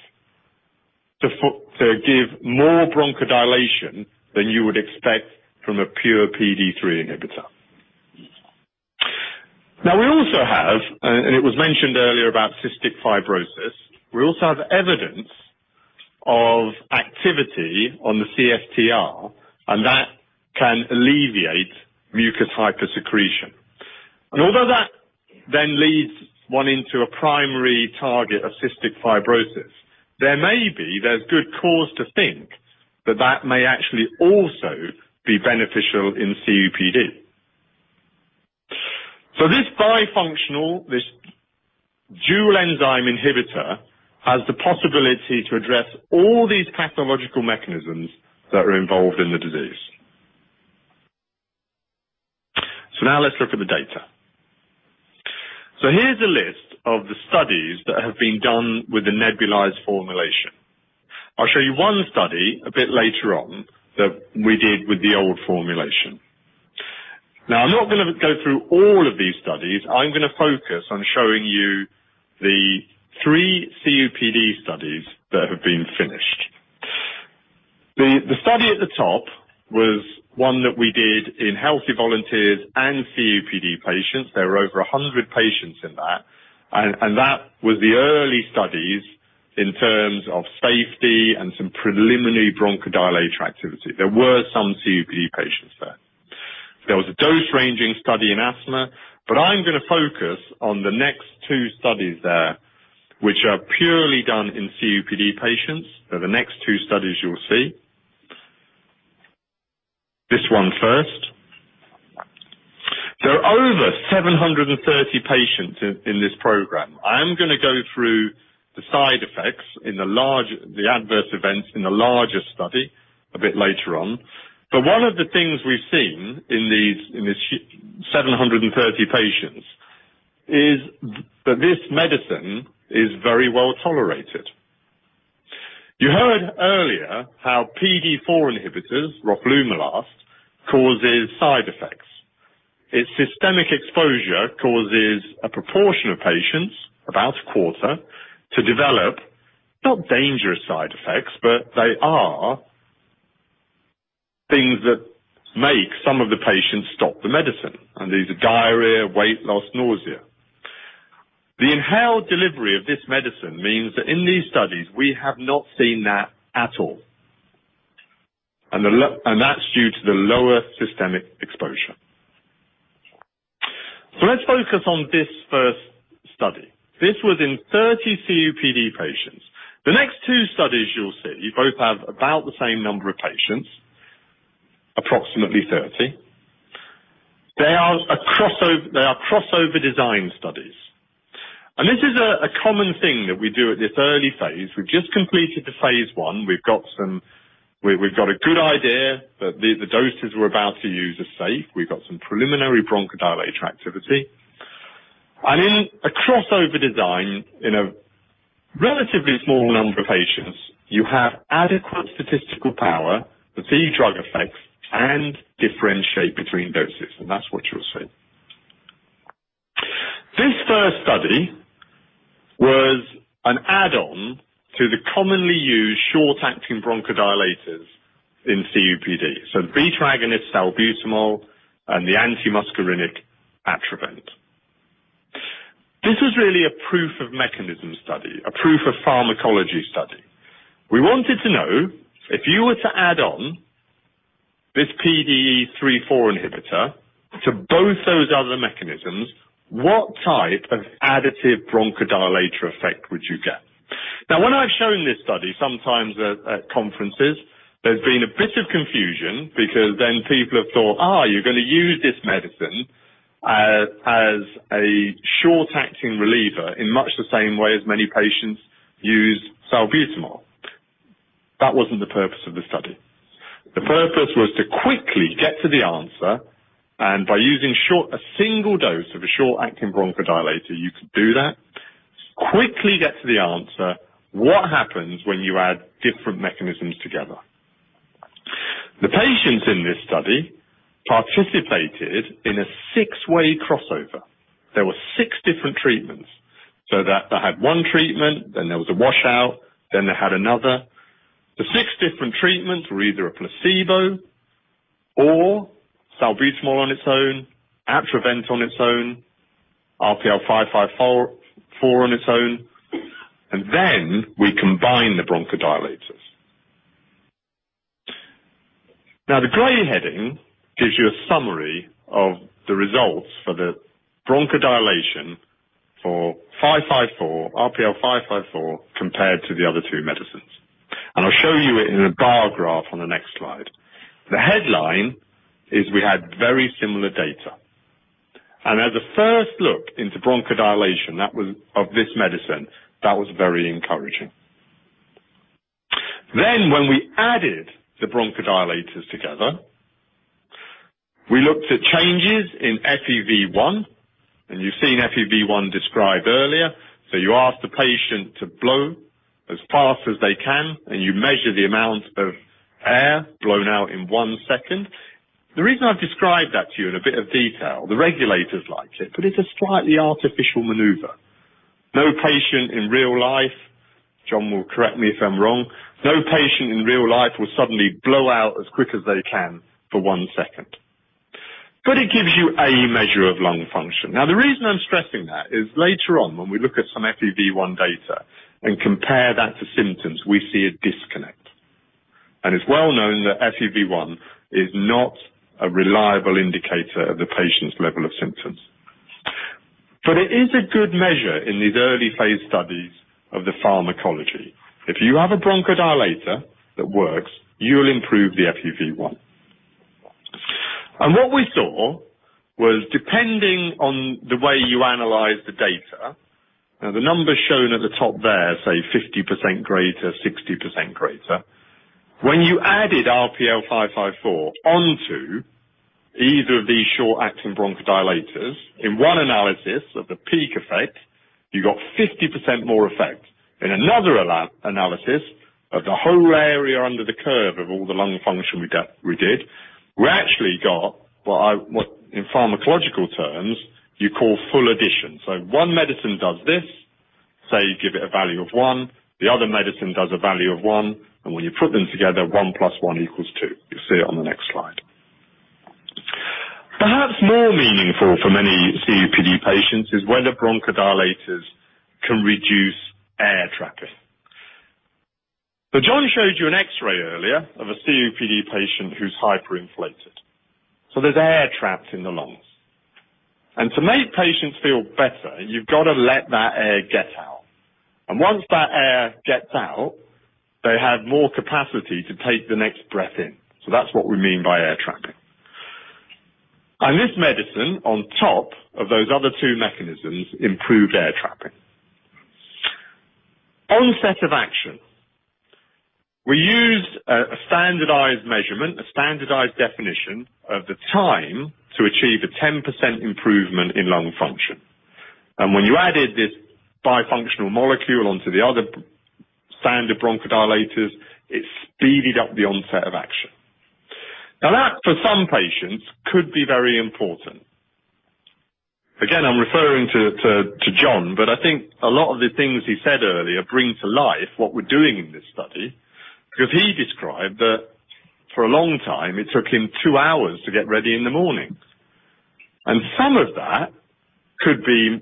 Speaker 6: to give more bronchodilation than you would expect from a pure PDE3 inhibitor. We also have, and it was mentioned earlier about cystic fibrosis, we also have evidence of activity on the CFTR, and that can alleviate mucus hypersecretion. Although that then leads one into a primary target of cystic fibrosis, there may be, there's good cause to think that that may actually also be beneficial in COPD. This bifunctional, this dual enzyme inhibitor, has the possibility to address all these pathological mechanisms that are involved in the disease. Now let's look at the data. Here's a list of the studies that have been done with the nebulized formulation. I'll show you one study a bit later on that we did with the old formulation. I'm not going to go through all of these studies. I'm going to focus on showing you the three COPD studies that have been finished. The study at the top was one that we did in healthy volunteers and COPD patients. There were over 100 patients in that, and that was the early studies in terms of safety and some preliminary bronchodilator activity. There were some COPD patients there. There was a dose-ranging study in asthma. I'm going to focus on the next two studies there, which are purely done in COPD patients. They're the next two studies you'll see. This one first. There are over 730 patients in this program. I am going to go through the side effects, the adverse events in the larger study a bit later on. One of the things we've seen in these 730 patients is that this medicine is very well tolerated. You heard earlier how PDE4 inhibitors, roflumilast, causes side effects. Its systemic exposure causes a proportion of patients, about a quarter, to develop, not dangerous side effects, but they are things that make some of the patients stop the medicine, and these are diarrhea, weight loss, nausea. The inhaled delivery of this medicine means that in these studies, we have not seen that at all. That's due to the lower systemic exposure. Let's focus on this first study. This was in 30 COPD patients. The next two studies you'll see both have about the same number of patients, approximately 30. They are crossover design studies. This is a common thing that we do at this early phase. We've just completed the phase I. We've got a good idea that the doses we're about to use are safe. We've got some preliminary bronchodilator activity. In a crossover design, in a relatively small number of patients, you have adequate statistical power to see drug effects and differentiate between doses, and that's what you'll see. This first study was an add-on to the commonly used short-acting bronchodilators in COPD, so beta-agonist salbutamol and the antimuscarinic Atrovent. This is really a proof of mechanism study, a proof of pharmacology study. We wanted to know if you were to add on this PDE3/4 inhibitor to both those other mechanisms, what type of additive bronchodilator effect would you get? When I've shown this study, sometimes at conferences, there's been a bit of confusion because then people have thought, "Ah, you're going to use this medicine as a short-acting reliever in much the same way as many patients use salbutamol." That wasn't the purpose of the study. The purpose was to quickly get to the answer, and by using a single dose of a short-acting bronchodilator, you could do that. Quickly get to the answer, what happens when you add different mechanisms together? The patients in this study participated in a six-way crossover. There were six different treatments. They had one treatment, then there was a washout, then they had another. The six different treatments were either a placebo or salbutamol on its own, Atrovent on its own, ensifentrine on its own, and then we combine the bronchodilators. The gray heading gives you a summary of the results for the bronchodilation for ensifentrine compared to the other two medicines, and I'll show you it in a bar graph on the next slide. The headline is we had very similar data. As a first look into bronchodilation of this medicine, that was very encouraging. When we added the bronchodilators together, we looked at changes in FEV1, and you've seen FEV1 described earlier. You ask the patient to blow as fast as they can, and you measure the amount of air blown out in one second. The reason I've described that to you in a bit of detail, the regulators liked it, but it's a slightly artificial maneuver. No patient in real life, John will correct me if I'm wrong, no patient in real life will suddenly blow out as quick as they can for one second. It gives you a measure of lung function. The reason I'm stressing that is later on when we look at some FEV1 data and compare that to symptoms, we see a disconnect. It's well known that FEV1 is not a reliable indicator of the patient's level of symptoms. It is a good measure in these early phase studies of the pharmacology. If you have a bronchodilator that works, you will improve the FEV1. What we saw was, depending on the way you analyze the data, the numbers shown at the top there say 50% greater, 60% greater. When you added ensifentrine onto either of these short-acting bronchodilators, in one analysis of the peak effect, you got 50% more effect. In another analysis of the whole area under the curve of all the lung function we did, we actually got what, in pharmacological terms, you call full addition. One medicine does this. Say you give it a value of 1, the other medicine does a value of 1, and when you put them together, 1 plus 1 equals 2. You'll see it on the next slide. Perhaps more meaningful for many COPD patients is whether bronchodilators can reduce air trapping. John showed you an X-ray earlier of a COPD patient who's hyperinflated. There's air trapped in the lungs. To make patients feel better, you've got to let that air get out. Once that air gets out, they have more capacity to take the next breath in. That's what we mean by air trapping. This medicine, on top of those other two mechanisms, improved air trapping. Onset of action. We used a standardized measurement, a standardized definition of the time to achieve a 10% improvement in lung function. When you added this bifunctional molecule onto the other standard bronchodilators, it speeded up the onset of action. That, for some patients, could be very important. Again, I'm referring to John, but I think a lot of the things he said earlier bring to life what we're doing in this study because he described that for a long time, it took him 2 hours to get ready in the mornings. Some of that could be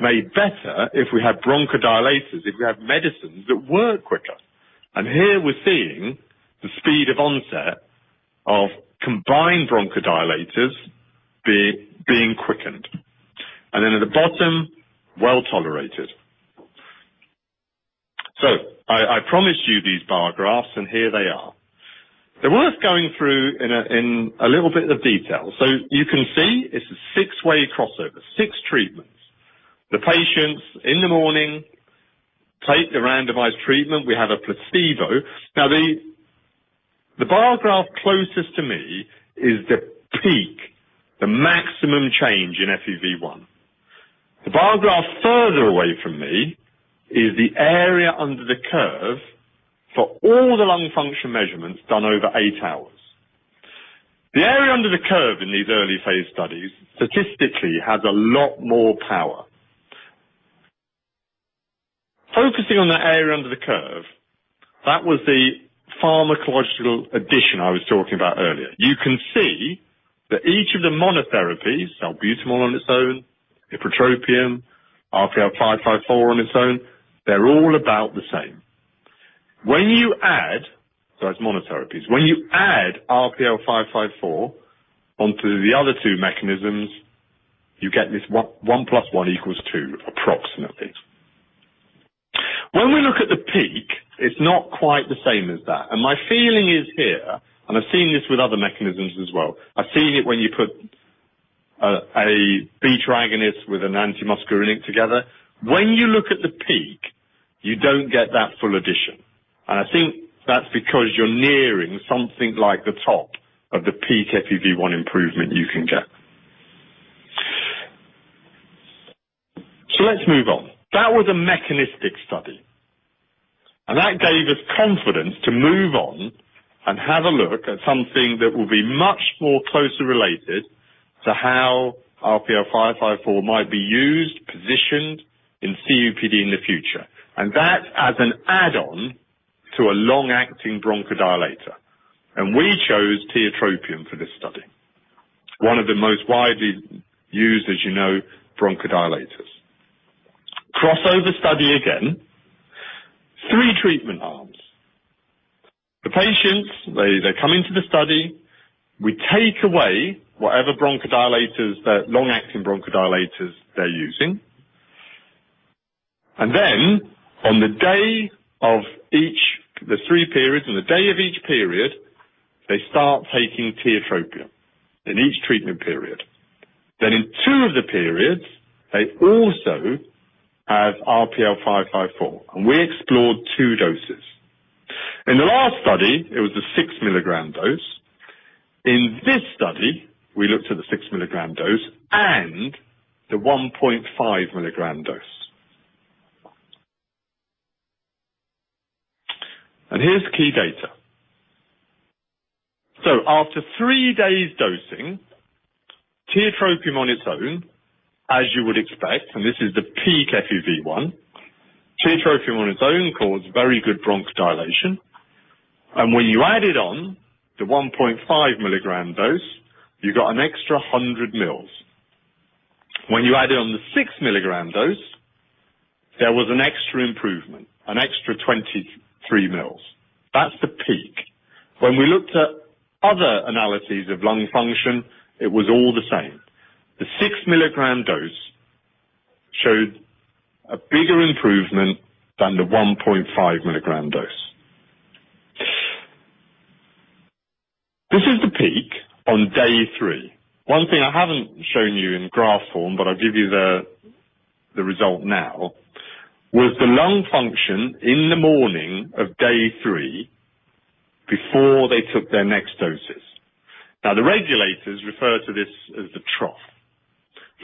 Speaker 6: made better if we had bronchodilators, if we had medicines that work quicker. Here we're seeing the speed of onset of combined bronchodilators being quickened. Then at the bottom, well-tolerated. I promised you these bar graphs, and here they are. They're worth going through in a little bit of detail. You can see it's a 6-way crossover, 6 treatments. The patients, in the morning, take the randomized treatment. We have a placebo. The bar graph closest to me is the peak, the maximum change in FEV1. The bar graph further away from me is the area under the curve for all the lung function measurements done over 8 hours. The area under the curve in these early phase studies statistically has a lot more power. Focusing on that area under the curve, that was the pharmacological addition I was talking about earlier. You can see that each of the monotherapies, salbutamol on its own, ipratropium, ensifentrine on its own, they're all about the same. When you add, that's monotherapies, when you add ensifentrine onto the other two mechanisms, you get this 1 plus 1 equals 2, approximately. When we look at the peak, it's not quite the same as that. My feeling is here, and I've seen this with other mechanisms as well. I've seen it when you put a beta agonist with an antimuscarinic together. When you look at the peak, you don't get that full addition, and I think that's because you're nearing something like the top of the peak FEV1 improvement you can get. Let's move on. That was a mechanistic study. That gave us confidence to move on and have a look at something that will be much more closely related to how ensifentrine might be used, positioned in COPD in the future. That as an add-on to a long-acting bronchodilator. We chose tiotropium for this study, one of the most widely used, as you know, bronchodilators. Crossover study again, three treatment arms. The patients, they come into the study, we take away whatever bronchodilators, long-acting bronchodilators they are using. On the day of each, the three periods, on the day of each period, they start taking tiotropium in each treatment period. In two of the periods, they also have ensifentrine, and we explored two doses. In the last study, it was a 6-milligram dose. In this study, we looked at the 6-milligram dose and the 1.5-milligram dose. Here's the key data. After three days dosing, tiotropium on its own, as you would expect, and this is the peak FEV1, tiotropium on its own caused very good bronchodilation. When you add it on the 1.5-milligram dose, you got an extra 100 mils. When you add it on the 6-milligram dose, there was an extra improvement, an extra 23 mils. That's the peak. When we looked at other analyses of lung function, it was all the same. The 6-milligram dose showed a bigger improvement than the 1.5-milligram dose. This is the peak on day three. One thing I haven't shown you in graph form, but I'll give you the result now, was the lung function in the morning of day three before they took their next doses. The regulators refer to this as the trough.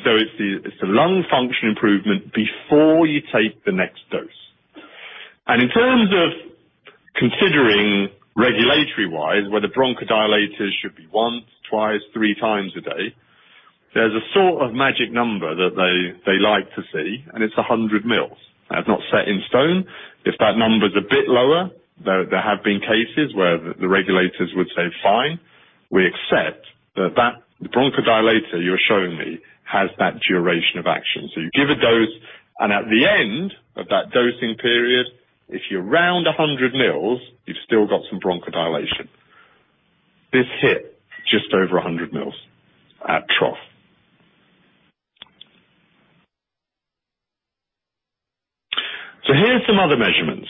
Speaker 6: It's the lung function improvement before you take the next dose. In terms of considering regulatory-wise, whether bronchodilators should be once, twice, three times a day, there's a sort of magic number that they like to see, and it's 100 mils. It's not set in stone. If that number is a bit lower, there have been cases where the regulators would say, "Fine, we accept that that bronchodilator you're showing me has that duration of action." You give a dose, and at the end of that dosing period, if you're around 100 mils, you've still got some bronchodilation. This hit just over 100 mils at trough. Here's some other measurements.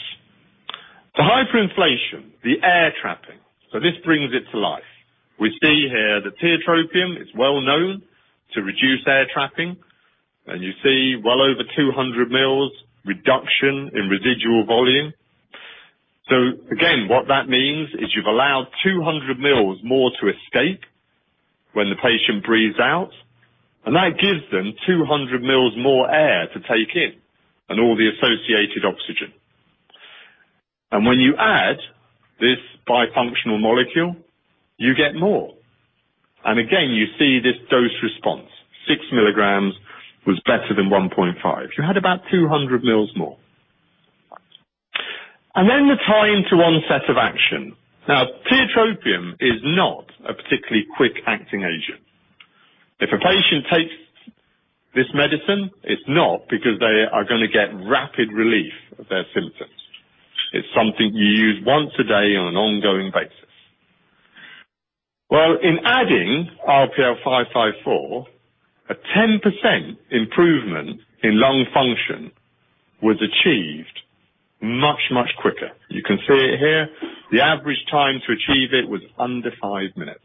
Speaker 6: For hyperinflation, the air trapping. This brings it to life. We see here that tiotropium is well known to reduce air trapping, and you see well over 200 mils reduction in residual volume. Again, what that means is you've allowed 200 mils more to escape when the patient breathes out, and that gives them 200 mils more air to take in, and all the associated oxygen. When you add this bifunctional molecule, you get more. Again, you see this dose response. 6 milligrams was better than 1.5. You had about 200 mils more. The time to onset of action. Tiotropium is not a particularly quick-acting agent. If a patient takes this medicine, it's not because they are going to get rapid relief of their symptoms. It's something you use once a day on an ongoing basis. In adding ensifentrine, a 10% improvement in lung function was achieved much, much quicker. You can see it here. The average time to achieve it was under five minutes.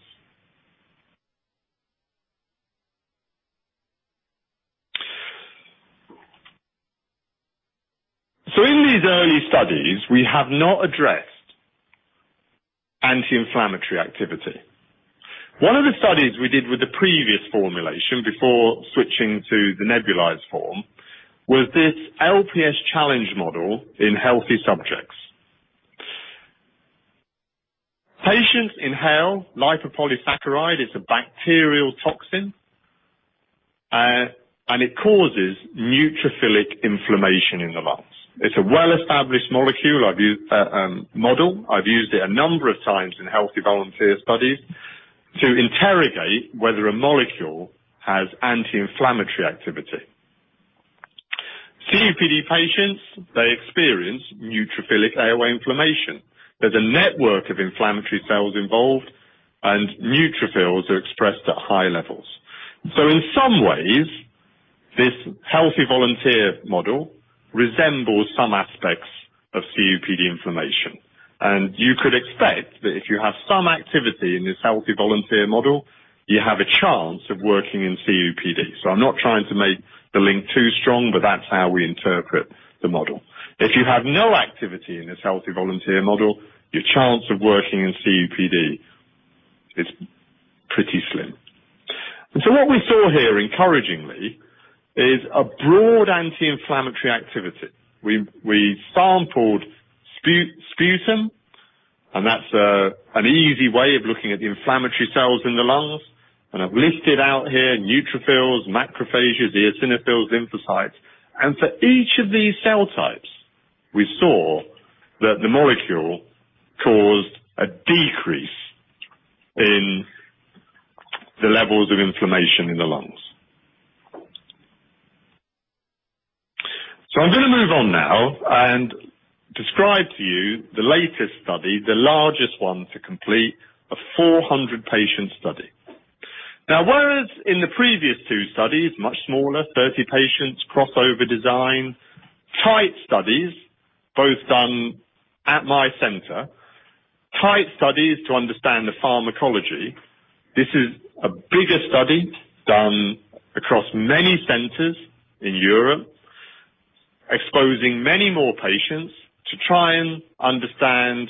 Speaker 6: In these early studies, we have not addressed anti-inflammatory activity. One of the studies we did with the previous formulation before switching to the nebulized form was this LPS challenge model in healthy subjects. Patients inhale lipopolysaccharide. It is a bacterial toxin, and it causes neutrophilic inflammation in the lungs. It is a well-established molecule. I have used that model. I have used it a number of times in healthy volunteer studies to interrogate whether a molecule has anti-inflammatory activity. COPD patients, they experience neutrophilic airway inflammation. There is a network of inflammatory cells involved, neutrophils are expressed at high levels. In some ways, this healthy volunteer model resembles some aspects of COPD inflammation, and you could expect that if you have some activity in this healthy volunteer model, you have a chance of working in COPD. I am not trying to make the link too strong, but that is how we interpret the model. If you have no activity in this healthy volunteer model, your chance of working in COPD is pretty slim. What we saw here, encouragingly, is a broad anti-inflammatory activity. We sampled sputum, that is an easy way of looking at the inflammatory cells in the lungs, I have listed out here neutrophils, macrophages, eosinophils, lymphocytes. For each of these cell types, we saw that the molecule caused a decrease in the levels of inflammation in the lungs. I am going to move on now and describe to you the latest study, the largest one to complete, a 400-patient study. Whereas in the previous 2 studies, much smaller, 30 patients, crossover design, tight studies, both done at my center, tight studies to understand the pharmacology. This is a bigger study done across many centers in Europe, exposing many more patients to try and understand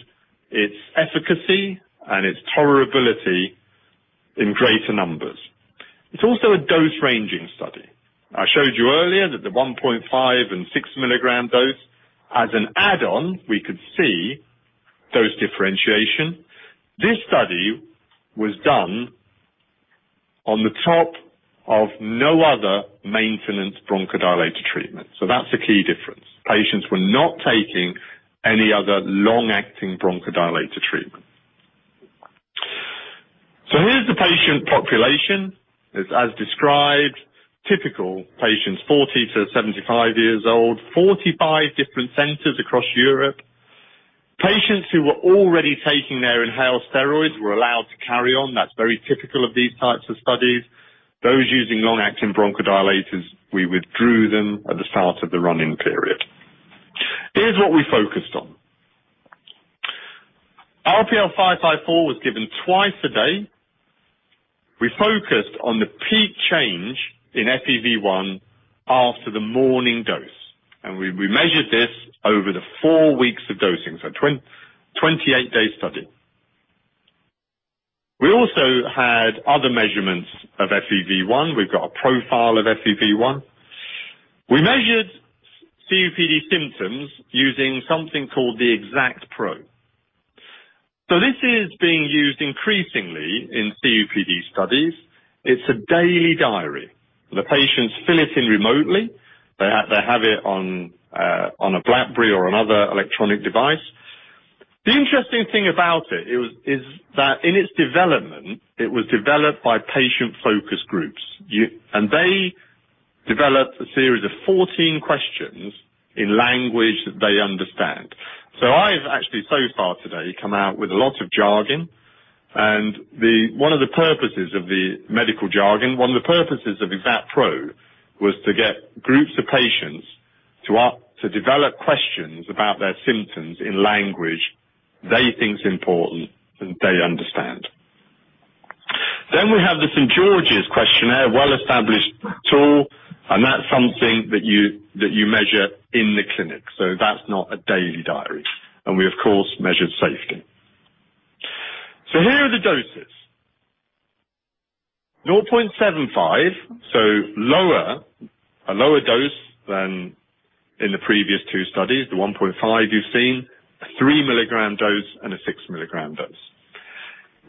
Speaker 6: its efficacy and its tolerability in greater numbers. It is also a dose-ranging study. I showed you earlier that the 1.5 and 6 milligram dose, as an add-on, we could see dose differentiation. This study was done on the top of no other maintenance bronchodilator treatment. That is a key difference. Patients were not taking any other long-acting bronchodilator treatment. Here is the patient population. It is as described, typical patients, 40 to 75 years old, 45 different centers across Europe. Patients who were already taking their inhaled steroids were allowed to carry on. That is very typical of these types of studies. Those using long-acting bronchodilators, we withdrew them at the start of the run-in period. Here is what we focused on. ensifentrine was given twice a day. We focused on the peak change in FEV1 after the morning dose, we measured this over the 4 weeks of dosing, a 28-day study. We also had other measurements of FEV1. We have got a profile of FEV1. We measured COPD symptoms using something called the EXACT-PRO. This is being used increasingly in COPD studies. It is a daily diary. The patients fill it in remotely. They have it on a BlackBerry or another electronic device. The interesting thing about it is that in its development, it was developed by patient focus groups. They developed a series of 14 questions in language that they understand. I've actually, so far today, come out with a lot of jargon, One of the purposes of the medical jargon, one of the purposes of EXACT-PRO, was to get groups of patients to develop questions about their symptoms in language they think is important and they understand. Then we have the St. George's questionnaire, a well-established tool, and that's something that you measure in the clinic. That's not a daily diary. We, of course, measured safety. Here are the doses. 0.75, a lower dose than in the previous two studies, the 1.5 you've seen, a three milligram dose, and a six milligram dose.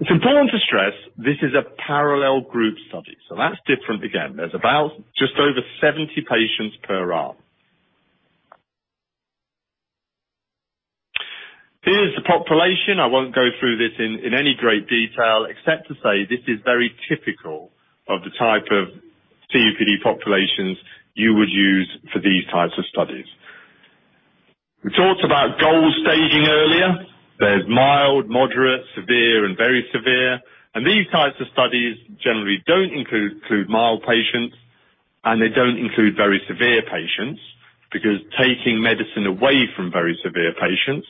Speaker 6: It's important to stress this is a parallel group study. That's different again. There's about just over 70 patients per arm. Here's the population. I won't go through this in any great detail except to say this is very typical of the type of COPD populations you would use for these types of studies. We talked about GOLD staging earlier. There's mild, moderate, severe, and very severe. These types of studies generally don't include mild patients, and they don't include very severe patients, because taking medicine away from very severe patients,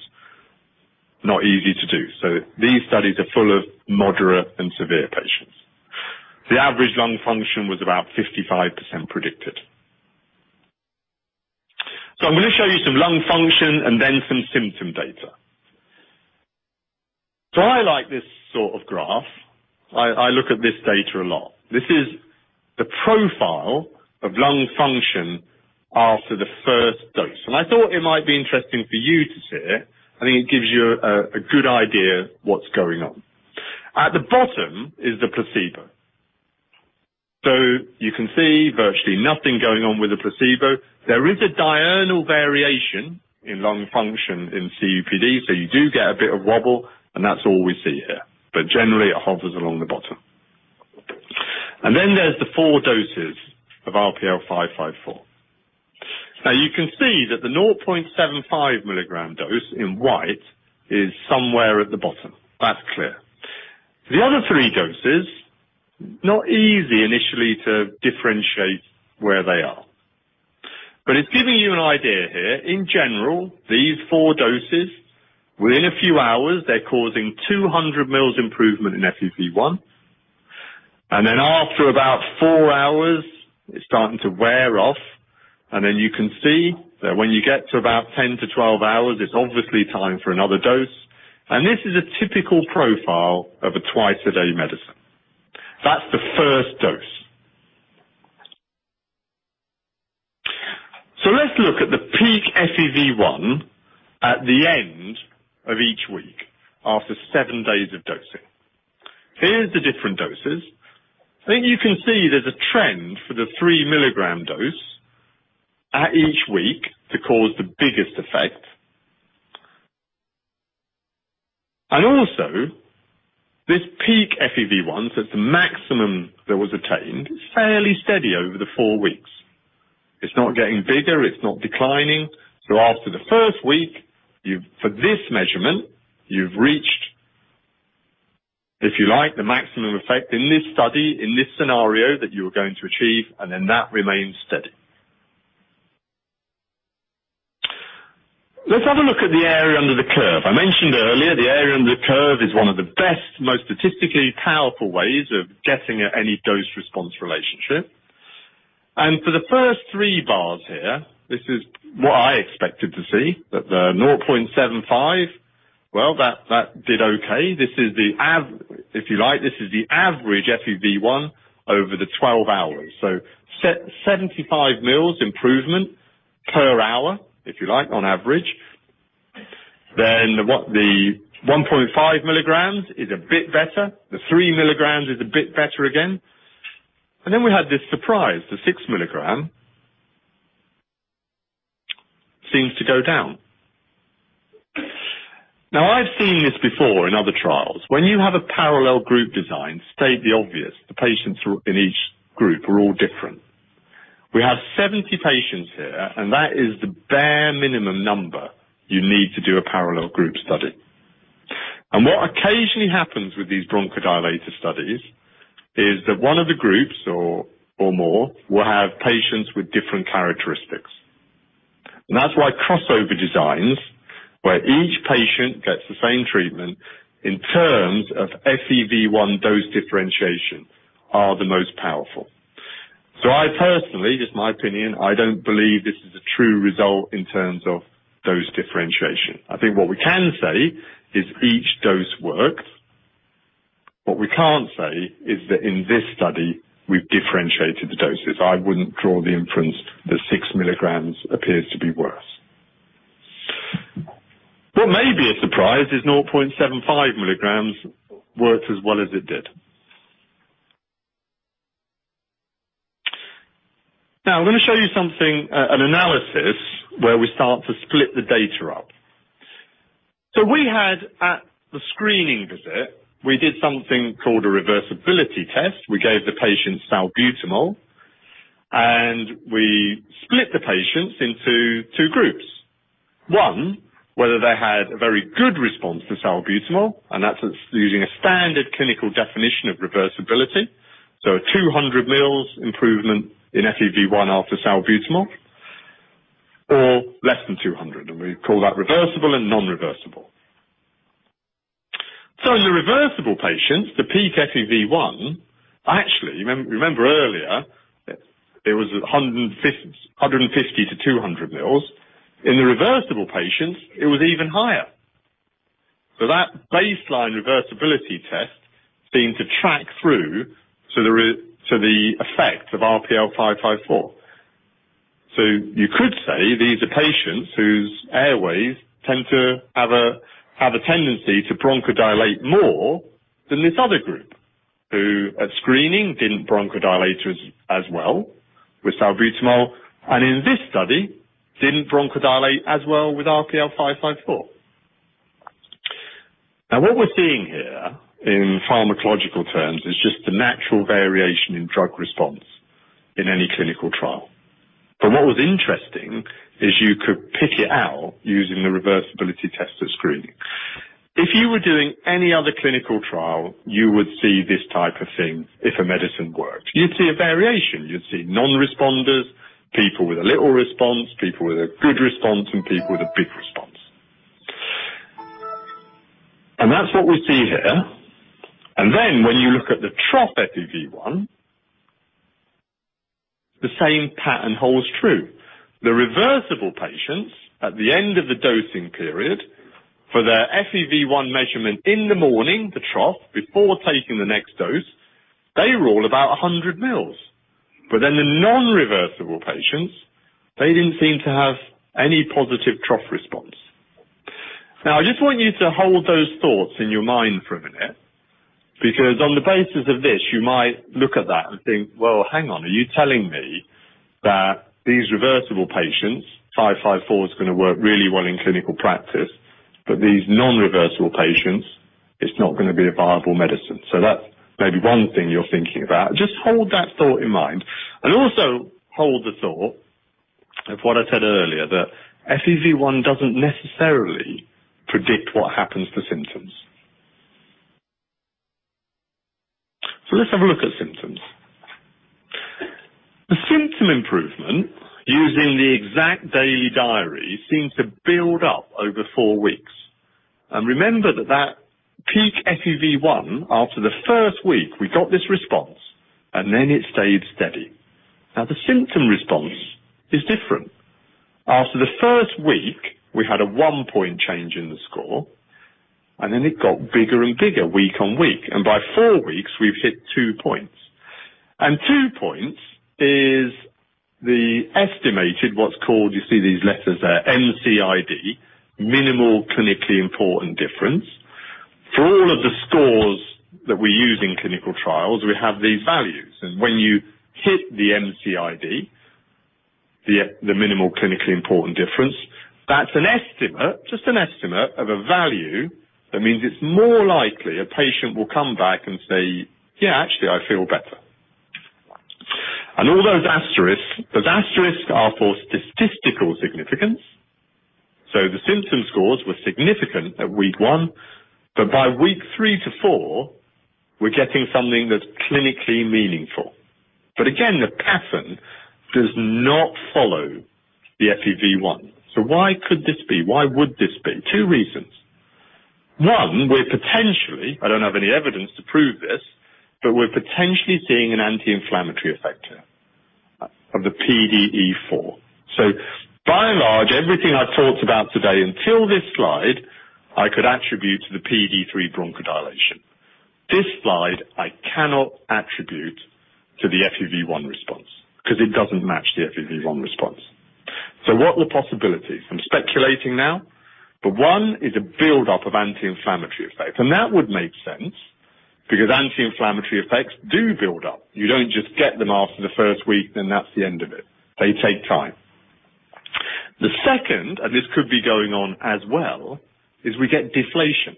Speaker 6: not easy to do. These studies are full of moderate and severe patients. The average lung function was about 55% predicted. I'm going to show you some lung function and then some symptom data. I like this sort of graph. I look at this data a lot. This is the profile of lung function after the first dose. I thought it might be interesting for you to see it. I think it gives you a good idea of what's going on. At the bottom is the placebo. You can see virtually nothing going on with the placebo. There is a diurnal variation in lung function in COPD, so you do get a bit of wobble, and that's all we see here. Generally, it hovers along the bottom. Then there's the four doses of ensifentrine. You can see that the 0.75 milligram dose in white is somewhere at the bottom. That's clear. The other three doses, not easy initially to differentiate where they are. It's giving you an idea here. In general, these four doses, within a few hours, they're causing 200 mils improvement in FEV1, Then after about four hours, it's starting to wear off, Then you can see that when you get to about 10 to 12 hours, it's obviously time for another dose. This is a typical profile of a twice-a-day medicine. That's the first dose. Let's look at the peak FEV1 at the end of each week after seven days of dosing. Here's the different doses. You can see there's a trend for the three milligram dose at each week to cause the biggest effect. Also, this peak FEV1, so it's the maximum that was attained, fairly steady over the four weeks. It's not getting bigger. It's not declining. After the first week, for this measurement, you've reached, if you like, the maximum effect in this study, in this scenario that you are going to achieve, and then that remains steady. Let's have a look at the area under the curve. I mentioned earlier, the area under the curve is one of the best, most statistically powerful ways of getting at any dose response relationship. For the first three bars here, this is what I expected to see, that the 0.75, well, that did okay. If you like, this is the average FEV1 over the 12 hours. 75 mL improvement per hour, if you like, on average. The 1.5 mg is a bit better. The 3 mg is a bit better again. We had this surprise, the 6 mg seems to go down. I've seen this before in other trials. When you have a parallel group design, state the obvious, the patients in each group are all different. We have 70 patients here, and that is the bare minimum number you need to do a parallel group study. What occasionally happens with these bronchodilator studies is that one of the groups or more will have patients with different characteristics. That's why crossover designs, where each patient gets the same treatment in terms of FEV1 dose differentiation, are the most powerful. I personally, just my opinion, I don't believe this is a true result in terms of dose differentiation. I think what we can say is each dose works. What we can't say is that in this study, we've differentiated the doses. I wouldn't draw the inference that 6 mg appears to be worse. What may be a surprise is 0.75 mg worked as well as it did. I'm going to show you something, an analysis where we start to split the data up. We had at the screening visit, we did something called a reversibility test. We gave the patients salbutamol, and we split the patients into 2 groups. One, whether they had a very good response to salbutamol, and that's using a standard clinical definition of reversibility, 200 mL improvement in FEV1 after salbutamol, or less than 200, and we call that reversible and non-reversible. In the reversible patients, the peak FEV1, actually, remember earlier, it was 150 to 200 mL. In the reversible patients, it was even higher. That baseline reversibility test seemed to track through to the effect of ensifentrine. You could say these are patients whose airways tend to have a tendency to bronchodilate more than this other group, who at screening didn't bronchodilate as well with salbutamol, and in this study, didn't bronchodilate as well with ensifentrine. What we're seeing here in pharmacological terms is just the natural variation in drug response in any clinical trial. What was interesting is you could pick it out using the reversibility test at screening. If you were doing any other clinical trial, you would see this type of thing if a medicine worked. You'd see a variation. You'd see non-responders, people with a little response, people with a good response, and people with a big response. That's what we see here. When you look at the trough FEV1, the same pattern holds true. The reversible patients at the end of the dosing period for their FEV1 measurement in the morning, the trough, before taking the next dose, they were all about 100 mils. The non-reversible patients, they didn't seem to have any positive trough response. I just want you to hold those thoughts in your mind for a minute because on the basis of this, you might look at that and think, "Well, hang on. Are you telling me that these reversible patients, five five four is going to work really well in clinical practice, but these non-reversible patients, it's not going to be a viable medicine?" That's maybe one thing you're thinking about. Just hold that thought in mind. Also hold the thought of what I said earlier, that FEV1 doesn't necessarily predict what happens to symptoms. Let's have a look at symptoms. The symptom improvement using the EXACT daily diary seemed to build up over four weeks. Remember that that peak FEV1 after the first week, we got this response, then it stayed steady. The symptom response is different. After the first week, we had a one-point change in the score, then it got bigger and bigger week on week. By four weeks, we've hit two points. Two points is the estimated, what's called, you see these letters there, MCID, minimal clinically important difference. For all of the scores that we use in clinical trials, we have these values. When you hit the MCID, the minimal clinically important difference, that's an estimate, just an estimate of a value that means it's more likely a patient will come back and say, "Yeah, actually, I feel better." All those asterisks, those asterisks are for statistical significance. The symptom scores were significant at week one, but by week three to four, we're getting something that's clinically meaningful. Again, the pattern does not follow the FEV1. Why could this be? Why would this be? Two reasons. One, we're potentially, I don't have any evidence to prove this, but we're potentially seeing an anti-inflammatory effect here of the PDE4. By and large, everything I've talked about today until this slide, I could attribute to the PDE3 bronchodilation. This slide I cannot attribute to the FEV1 response because it doesn't match the FEV1 response. What are the possibilities? I'm speculating now, but one is a build-up of anti-inflammatory effect, that would make sense because anti-inflammatory effects do build up. You don't just get them after the first week, then that's the end of it. They take time. The second, this could be going on as well, is we get deflation.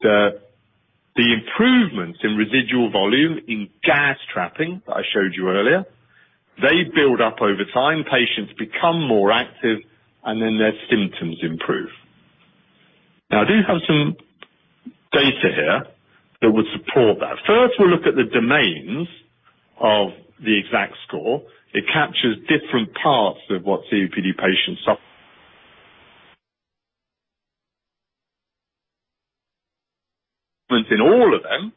Speaker 6: The improvements in residual volume in gas trapping that I showed you earlier, they build up over time. Patients become more active, their symptoms improve. I do have some data here that would support that. First, we'll look at the domains of the EXACT score. It captures different parts of what COPD patients suffer In all of them,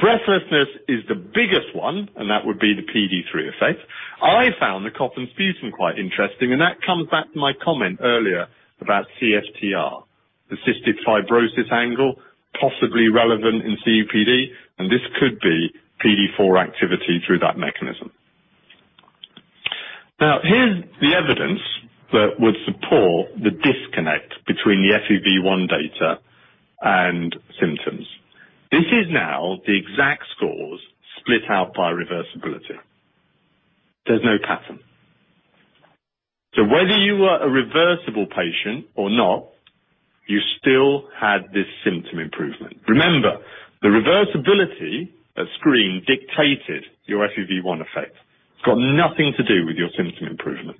Speaker 6: breathlessness is the biggest one, that would be the PDE3 effect. I found the cough and sputum quite interesting, that comes back to my comment earlier about CFTR, the cystic fibrosis angle, possibly relevant in COPD, this could be PDE4 activity through that mechanism. Here's the evidence that would support the disconnect between the FEV1 data and symptoms. This is now the EXACT scores split out by reversibility. There's no pattern. Whether you are a reversible patient or not, you still had this symptom improvement. Remember, the reversibility, that screen dictated your FEV1 effect. It's got nothing to do with your symptom improvement.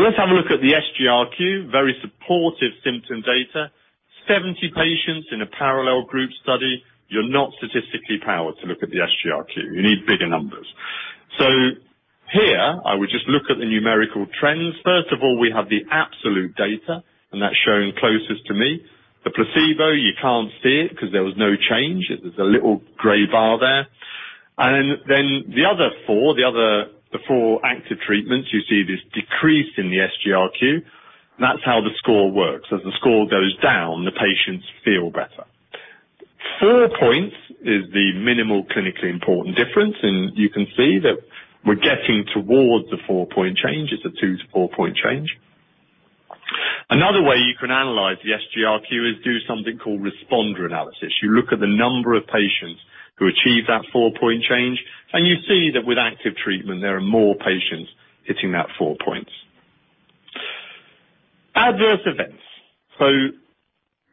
Speaker 6: Let's have a look at the SGRQ, very supportive symptom data. 70 patients in a parallel group study. You're not statistically powered to look at the SGRQ. You need bigger numbers. Here, I would just look at the numerical trends. First of all, we have the absolute data, and that's shown closest to me. The placebo, you can't see it because there was no change. There's a little gray bar there. Then the other four active treatments, you see this decrease in the SGRQ. That's how the score works. As the score goes down, the patients feel better. 4 points is the minimal clinically important difference, and you can see that we're getting towards the 4-point change. It's a 2 to 4-point change. Another way you can analyze the SGRQ is do something called responder analysis. You look at the number of patients who achieve that 4-point change, and you see that with active treatment, there are more patients hitting that 4 points. Adverse events.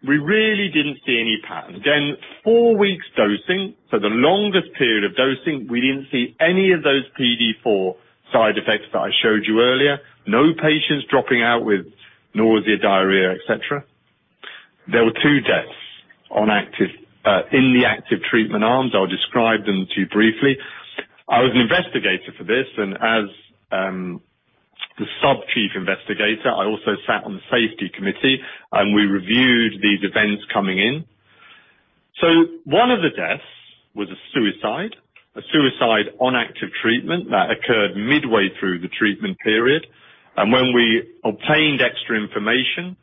Speaker 6: We really didn't see any pattern. Again, 4 weeks dosing, the longest period of dosing, we didn't see any of those PDE4 side effects that I showed you earlier. No patients dropping out with nausea, diarrhea, et cetera. There were 2 deaths in the active treatment arms. I'll describe them to you briefly. I was an investigator for this, and as the sub-chief investigator, I also sat on the safety committee, and we reviewed these events coming in. One of the deaths was a suicide, a suicide on active treatment that occurred midway through the treatment period. When we obtained extra information,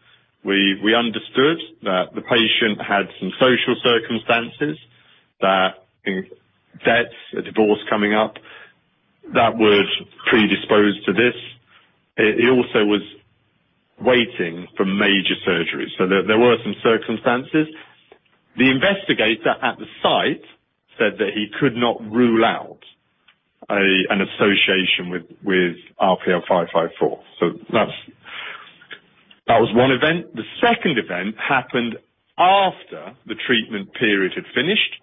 Speaker 6: we understood that the patient had some social circumstances that, in deaths, a divorce coming up, that would predispose to this. He also was waiting for major surgery, there were some circumstances. The investigator at the site said that he could not rule out an association with ensifentrine. That was one event. The second event happened after the treatment period had finished.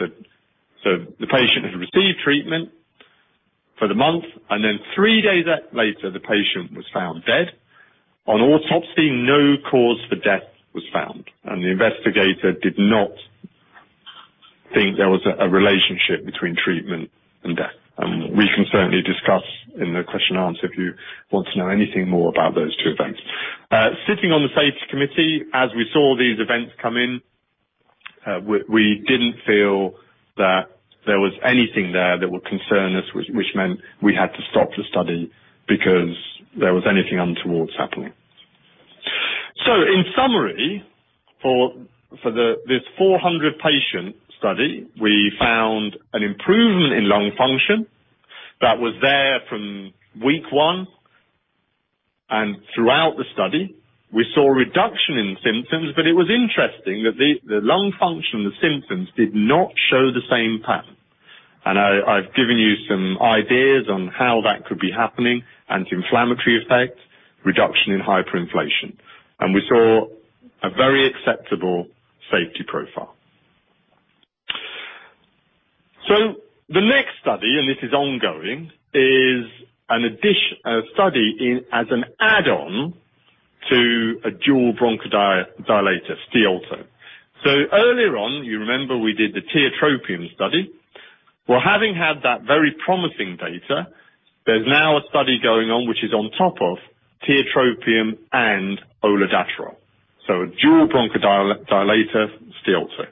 Speaker 6: The patient had received treatment for the month, then 3 days later, the patient was found dead. On autopsy, no cause for death was found, and the investigator did not think there was a relationship between treatment and death. We can certainly discuss in the question and answer if you want to know anything more about those 2 events. Sitting on the safety committee, as we saw these events come in, we didn't feel that there was anything there that would concern us, which meant we had to stop the study because there was anything untowards happening. In summary, for this 400-patient study, we found an improvement in lung function that was there from week 1 and throughout the study. We saw a reduction in symptoms, but it was interesting that the lung function, the symptoms, did not show the same pattern. I've given you some ideas on how that could be happening, anti-inflammatory effect, reduction in hyperinflation. We saw a very acceptable safety profile. The next study, and this is ongoing, is a study as an add-on to a dual bronchodilator, Stiolto. Earlier on, you remember we did the tiotropium study. Having had that very promising data, there's now a study going on which is on top of tiotropium and olodaterol. A dual bronchodilator, Stiolto.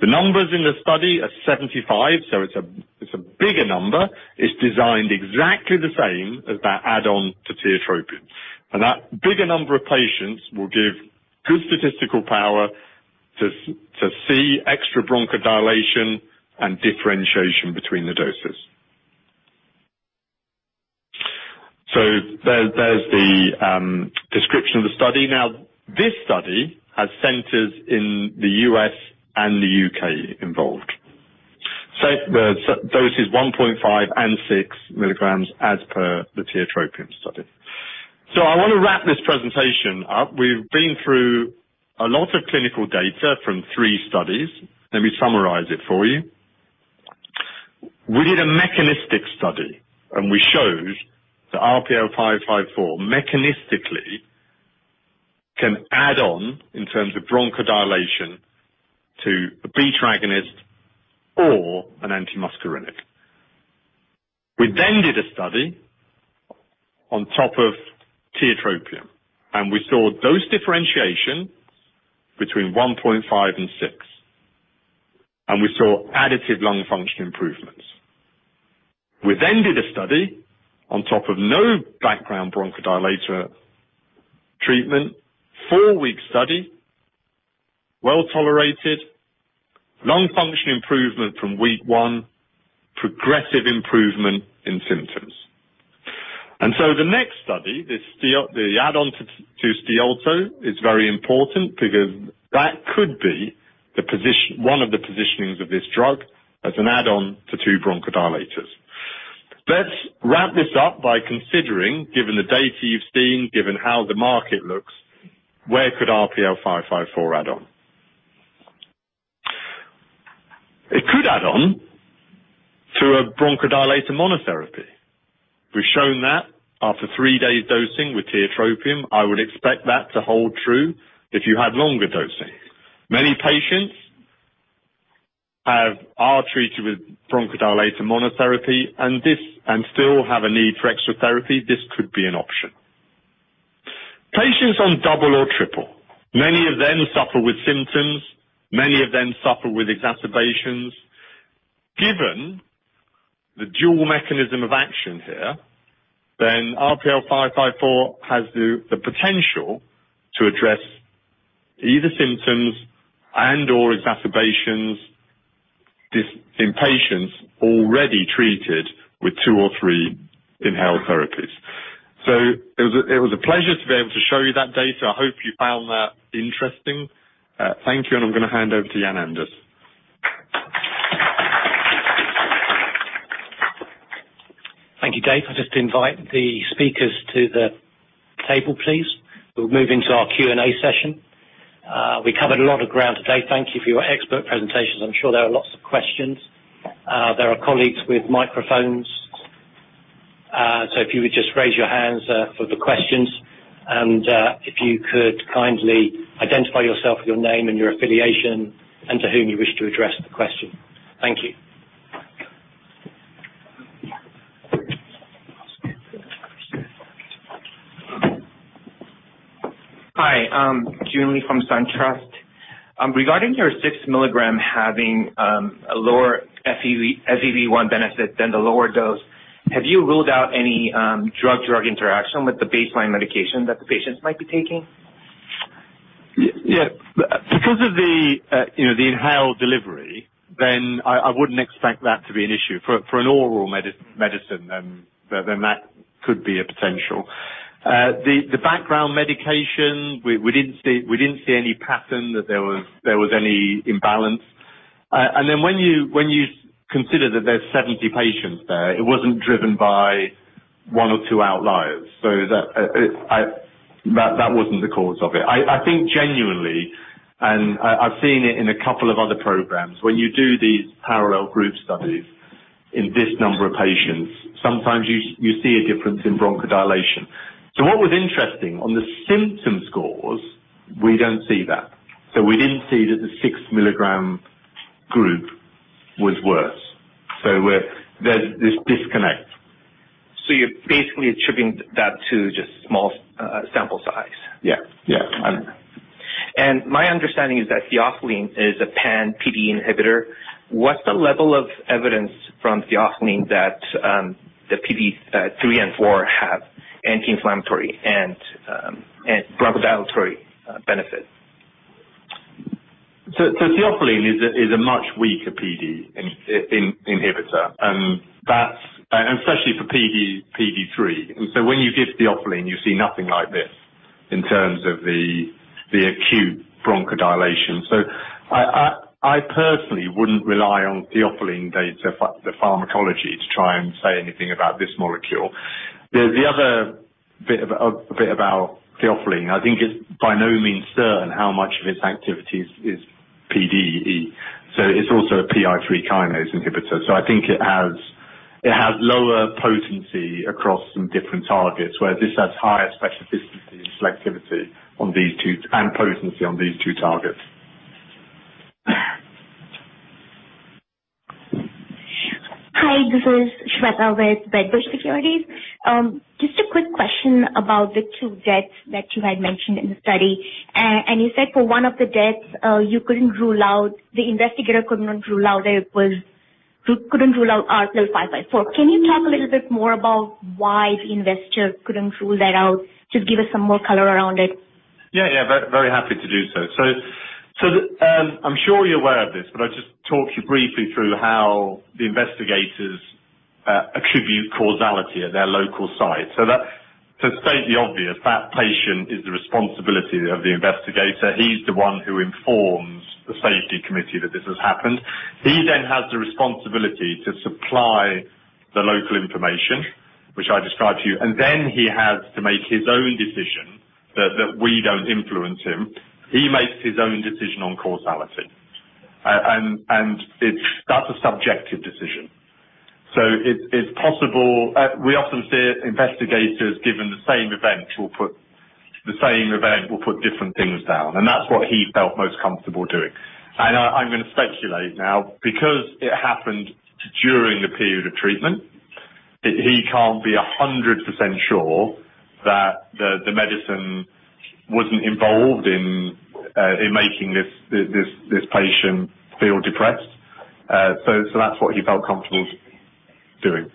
Speaker 6: The numbers in the study are 75, so it's a bigger number. It's designed exactly the same as that add-on to tiotropium. That bigger number of patients will give good statistical power to see extra bronchodilation and differentiation between the doses. There's the description of the study. This study has centers in the U.S. and the U.K. involved. The dose is 1.5 and 6 milligrams as per the tiotropium study. I want to wrap this presentation up. We've been through a lot of clinical data from three studies. Let me summarize it for you. We did a mechanistic study, we showed that ensifentrine mechanistically can add on in terms of bronchodilation to a beta-agonist or an antimuscarinic. We did a study on top of tiotropium, we saw dose differentiation between 1.5 and 6, we saw additive lung function improvements. We did a study on top of no background bronchodilator treatment, four-week study, well-tolerated, lung function improvement from week one, progressive improvement in symptoms. The next study, the add-on to Stiolto, is very important because that could be one of the positionings of this drug as an add-on to two bronchodilators. Let's wrap this up by considering, given the data you've seen, given how the market looks, where could ensifentrine add on? It could add on through a bronchodilator monotherapy. We've shown that after three days dosing with tiotropium, I would expect that to hold true if you had longer dosing. Many patients are treated with bronchodilator monotherapy and still have a need for extra therapy. This could be an option. Patients on double or triple, many of them suffer with symptoms, many of them suffer with exacerbations. Given the dual mechanism of action here, ensifentrine has the potential to address either symptoms and/or exacerbations in patients already treated with two or three inhaled therapies. It was a pleasure to be able to show you that data. I hope you found that interesting. Thank you, I'm going to hand over to Jan-Anders Karlsson.
Speaker 1: Thank you, Dave. I'll just invite the speakers to the table, please. We'll move into our Q&A session. We covered a lot of ground today. Thank you for your expert presentations. I'm sure there are lots of questions. There are colleagues with microphones, if you would just raise your hands for the questions if you could kindly identify yourself with your name and your affiliation and to whom you wish to address the question. Thank you.
Speaker 7: Hi, Joon Lee from SunTrust. Regarding your 6 milligram having a lower FEV1 benefit than the lower dose, have you ruled out any drug-drug interaction with the baseline medication that the patients might be taking?
Speaker 6: Yeah. Because of the inhaled delivery, I wouldn't expect that to be an issue. For an oral medicine, that could be a potential. The background medication, we didn't see any pattern that there was any imbalance. When you consider that there's 70 patients there, it wasn't driven by one or two outliers. That wasn't the cause of it. I think genuinely, and I've seen it in a couple of other programs, when you do these parallel group studies in this number of patients, sometimes you see a difference in bronchodilation. What was interesting, on the symptom scores, we don't see that. We didn't see that the 6-milligram group was worse, there's this disconnect.
Speaker 7: You're basically attributing that to just small sample size.
Speaker 6: Yeah.
Speaker 7: My understanding is that theophylline is a pan PDE inhibitor. What's the level of evidence from theophylline that the PDE3 and 4 have anti-inflammatory and bronchodilatory benefit?
Speaker 6: Theophylline is a much weaker PDE inhibitor, especially for PDE3. When you give theophylline, you see nothing like this in terms of the acute bronchodilation. I personally wouldn't rely on theophylline data, the pharmacology, to try and say anything about this molecule. The other bit about theophylline, I think it's by no means certain how much of its activity is PDE. It's also a PI3 kinase inhibitor. I think it has lower potency across some different targets, where this has higher specificity and selectivity and potency on these two targets.
Speaker 8: Hi, this is Shweta with Wedbush Securities. Just a quick question about the two deaths that you had mentioned in the study. You said for one of the deaths, the investigator couldn't rule out ensifentrine. Can you talk a little bit more about why the investigator couldn't rule that out? Just give us some more color around it.
Speaker 6: Yeah. Very happy to do so. I'm sure you're aware of this, but I'll just talk you briefly through how the investigators attribute causality at their local site. To state the obvious, that patient is the responsibility of the investigator. He's the one who informs the safety committee that this has happened. He has the responsibility to supply the local information, which I described to you, and he has to make his own decision, that we don't influence him. He makes his own decision on causality. That's a subjective decision. It's possible. We often see investigators given the same event will put different things down, and that's what he felt most comfortable doing. I'm going to speculate now, because it happened during the period of treatment, he can't be 100% sure that the medicine wasn't involved in making this patient feel depressed. That's what he felt comfortable doing.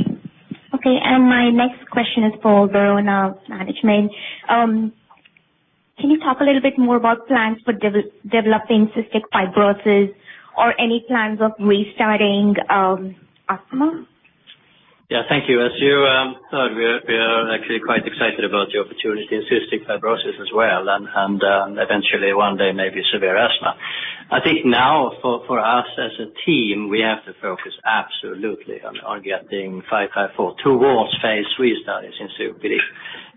Speaker 8: Okay. My next question is for Verona management. Can you talk a little bit more about plans for developing cystic fibrosis or any plans of restarting asthma?
Speaker 1: Yeah, thank you. As you thought, we are actually quite excited about the opportunity in cystic fibrosis as well, and eventually one day, maybe severe asthma. I think now for us as a team, we have to focus absolutely on getting 554 towards phase III studies in COPD.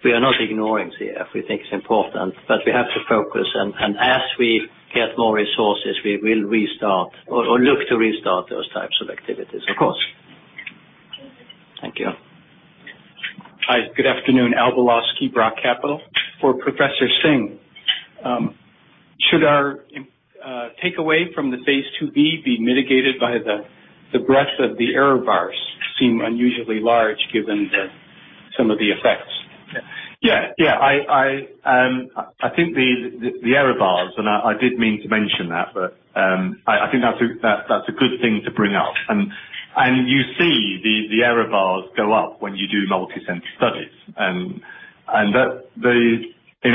Speaker 1: We are not ignoring CF. We think it's important, but we have to focus and as we get more resources, we will restart or look to restart those types of activities, of course.
Speaker 8: Thank you.
Speaker 1: Thank you.
Speaker 9: Hi, good afternoon. Al Biloski, Brock Capital. For Professor Singh. Should our takeaway from the phase II-B be mitigated by the breadth of the error bars seem unusually large given some of the effects?
Speaker 6: Yeah. I think the error bars, I did mean to mention that, but I think that's a good thing to bring up. You see the error bars go up when you do multi-center studies. In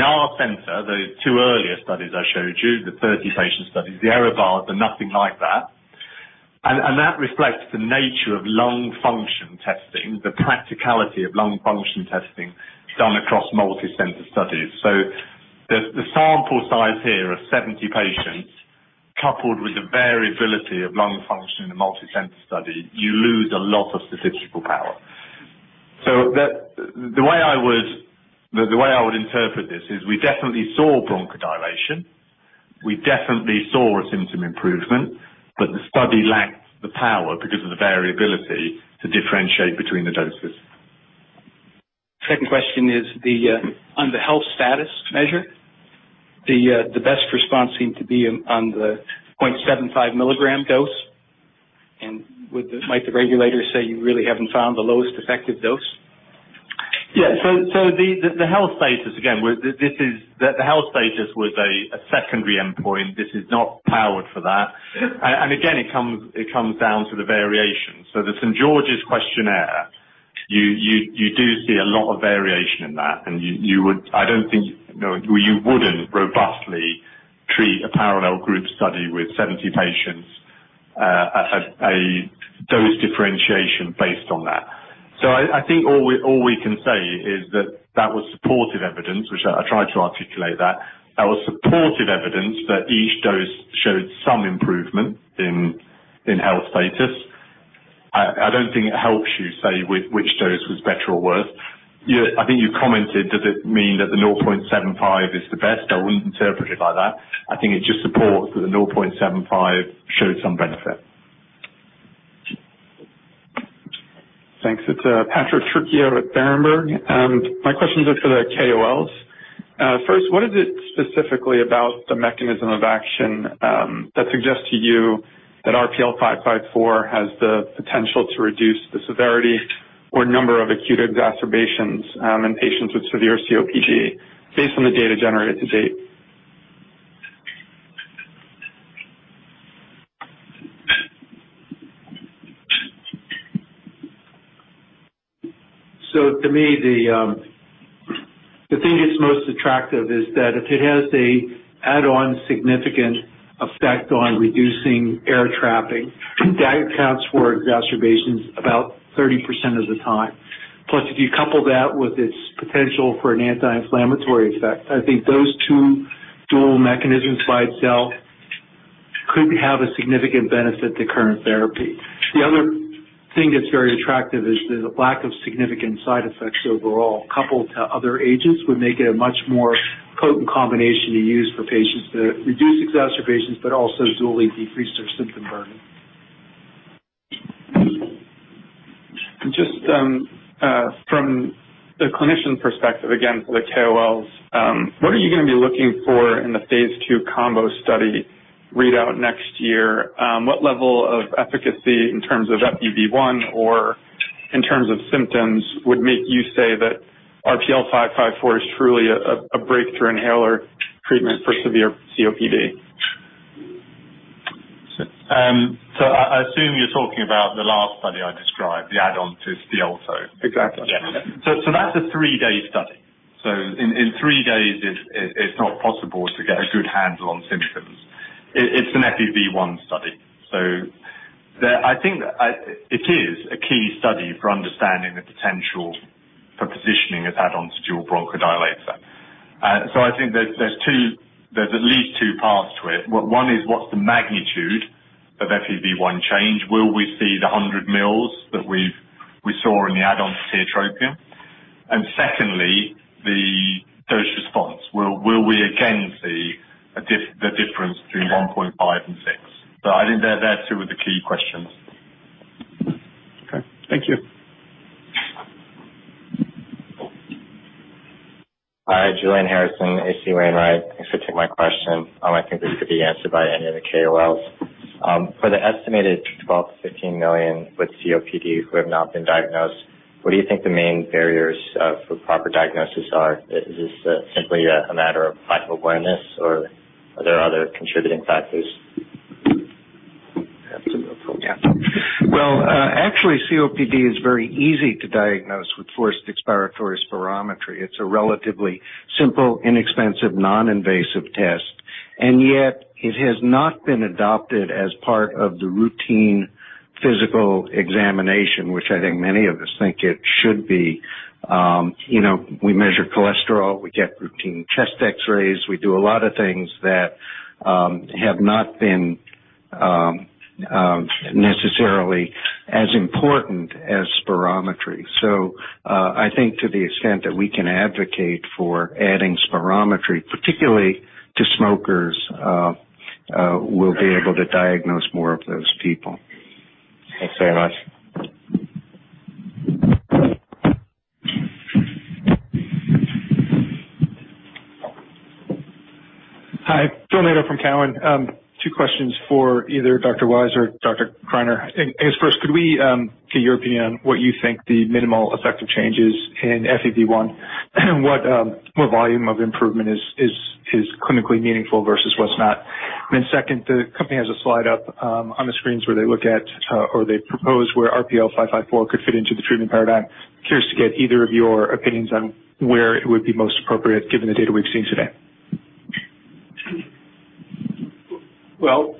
Speaker 6: our center, the two earlier studies I showed you, the 30-patient studies, the error bars are nothing like that. That reflects the nature of lung function testing, the practicality of lung function testing done across multi-center studies. The sample size here of 70 patients, coupled with the variability of lung function in a multi-center study, you lose a lot of statistical power. The way I would interpret this is we definitely saw bronchodilation, we definitely saw a symptom improvement, but the study lacked the power because of the variability to differentiate between the doses.
Speaker 9: Second question is on the health status measure, the best response seemed to be on the 0.75 milligram dose. Might the regulators say you really haven't found the lowest effective dose?
Speaker 6: Yeah. The health status, again, the health status was a secondary endpoint. This is not powered for that. Again, it comes down to the variation. The St. George's Respiratory Questionnaire, you do see a lot of variation in that, and you wouldn't robustly treat a parallel group study with 70 patients, a dose differentiation based on that. I think all we can say is that that was supportive evidence, which I tried to articulate that. That was supportive evidence that each dose showed some improvement in health status. I don't think it helps you say which dose was better or worse. I think you commented, does it mean that the 0.75 is the best? I wouldn't interpret it like that. I think it just supports that the 0.75 showed some benefit.
Speaker 10: Thanks. It's Patrick Trucchio at Berenberg. My questions are for the KOLs. First, what is it specifically about the mechanism of action that suggests to you that ensifentrine has the potential to reduce the severity or number of acute exacerbations in patients with severe COPD based on the data generated to date?
Speaker 5: To me, the thing that's most attractive is that if it has an add-on significant effect on reducing air trapping, that accounts for exacerbations about 30% of the time. If you couple that with its potential for an anti-inflammatory effect, I think those two dual mechanisms by itself could have a significant benefit to current therapy. The other thing that's very attractive is the lack of significant side effects overall, coupled to other agents would make it a much more potent combination to use for patients to reduce exacerbations but also duly decrease their symptom burden.
Speaker 10: Just from the clinician perspective, again for the KOLs, what are you going to be looking for in the phase II combo study readout next year? What level of efficacy in terms of FEV1 or in terms of symptoms would make you say that ensifentrine is truly a breakthrough inhaler treatment for severe COPD?
Speaker 6: I assume you're talking about the last study I described, the add-on to the Stiolto.
Speaker 10: Exactly.
Speaker 6: That's a three-day study. In three days it's not possible to get a good handle on symptoms. It's an FEV1 study, I think it is a key study for understanding the potential for positioning as add-on to dual bronchodilator. I think there's at least two parts to it. One is what's the magnitude of FEV1 change? Will we see the 100 mills that we saw in the add-on to tiotropium? Secondly, the dose response. Will we again see the difference between one point five and six? I think they're two of the key questions.
Speaker 5: Thank you.
Speaker 11: Hi, Julian Harrison, H.C. Wainwright. Thanks for taking my question. I think this could be answered by any of the KOLs. For the estimated 12 to 15 million with COPD who have not been diagnosed, what do you think the main barriers for proper diagnosis are? Is this simply a matter of lack of awareness, or are there other contributing factors?
Speaker 4: Well, actually, COPD is very easy to diagnose with forced expiratory spirometry. It's a relatively simple, inexpensive, non-invasive test, it has not been adopted as part of the routine physical examination, which I think many of us think it should be. We measure cholesterol. We get routine chest X-rays. We do a lot of things that have not been necessarily as important as spirometry. I think to the extent that we can advocate for adding spirometry, particularly to smokers, we'll be able to diagnose more of those people.
Speaker 11: Thanks very much.
Speaker 12: Hi, Philip Nadeau from Cowen. Two questions for either Dr. Wise or Dr. Criner. I guess first, could we get your opinion on what you think the minimal effective change is in FEV1 and what volume of improvement is clinically meaningful versus what's not? Second, the company has a slide up on the screens where they look at or they propose where ensifentrine could fit into the treatment paradigm. Curious to get either of your opinions on where it would be most appropriate given the data we've seen today.
Speaker 5: Well,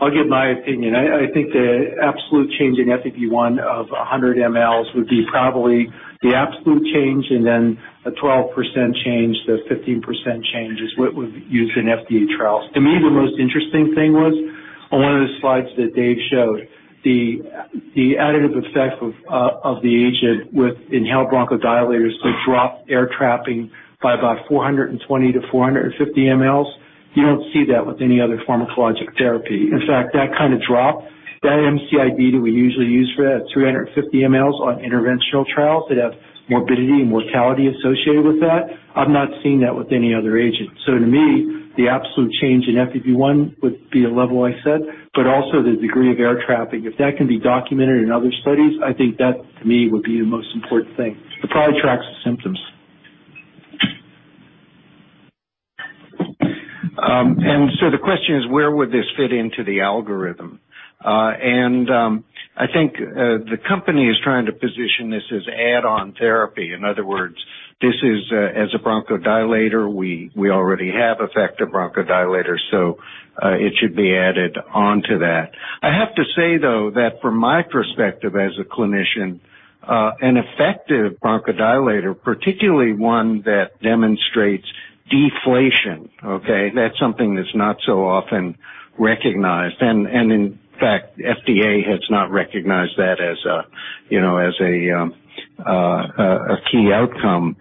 Speaker 5: I'll give my opinion. I think the absolute change in FEV1 of 100 mLs would be probably the absolute change and then a 12%-15% change is what would be used in FDA trials. To me, the most interesting thing was on one of the slides that Dave showed, the additive effect of the agent with inhaled bronchodilators to drop air trapping by about 420 mLs-450 mLs. You don't see that with any other pharmacologic therapy. In fact, that kind of drop, that MCID that we usually use for that, 350 mLs on interventional trials that have morbidity and mortality associated with that. I've not seen that with any other agent. To me, the absolute change in FEV1 would be a level I set, but also the degree of air trapping. If that can be documented in other studies, I think that, to me, would be the most important thing. It probably tracks the symptoms.
Speaker 4: The question is: Where would this fit into the algorithm? I think the company is trying to position this as add-on therapy. In other words, this is as a bronchodilator. We already have effective bronchodilators, it should be added on to that. I have to say, though, that from my perspective as a clinician, an effective bronchodilator, particularly one that demonstrates deflation, okay? That's something that's not so often recognized. In fact, FDA has not recognized that as a key outcome.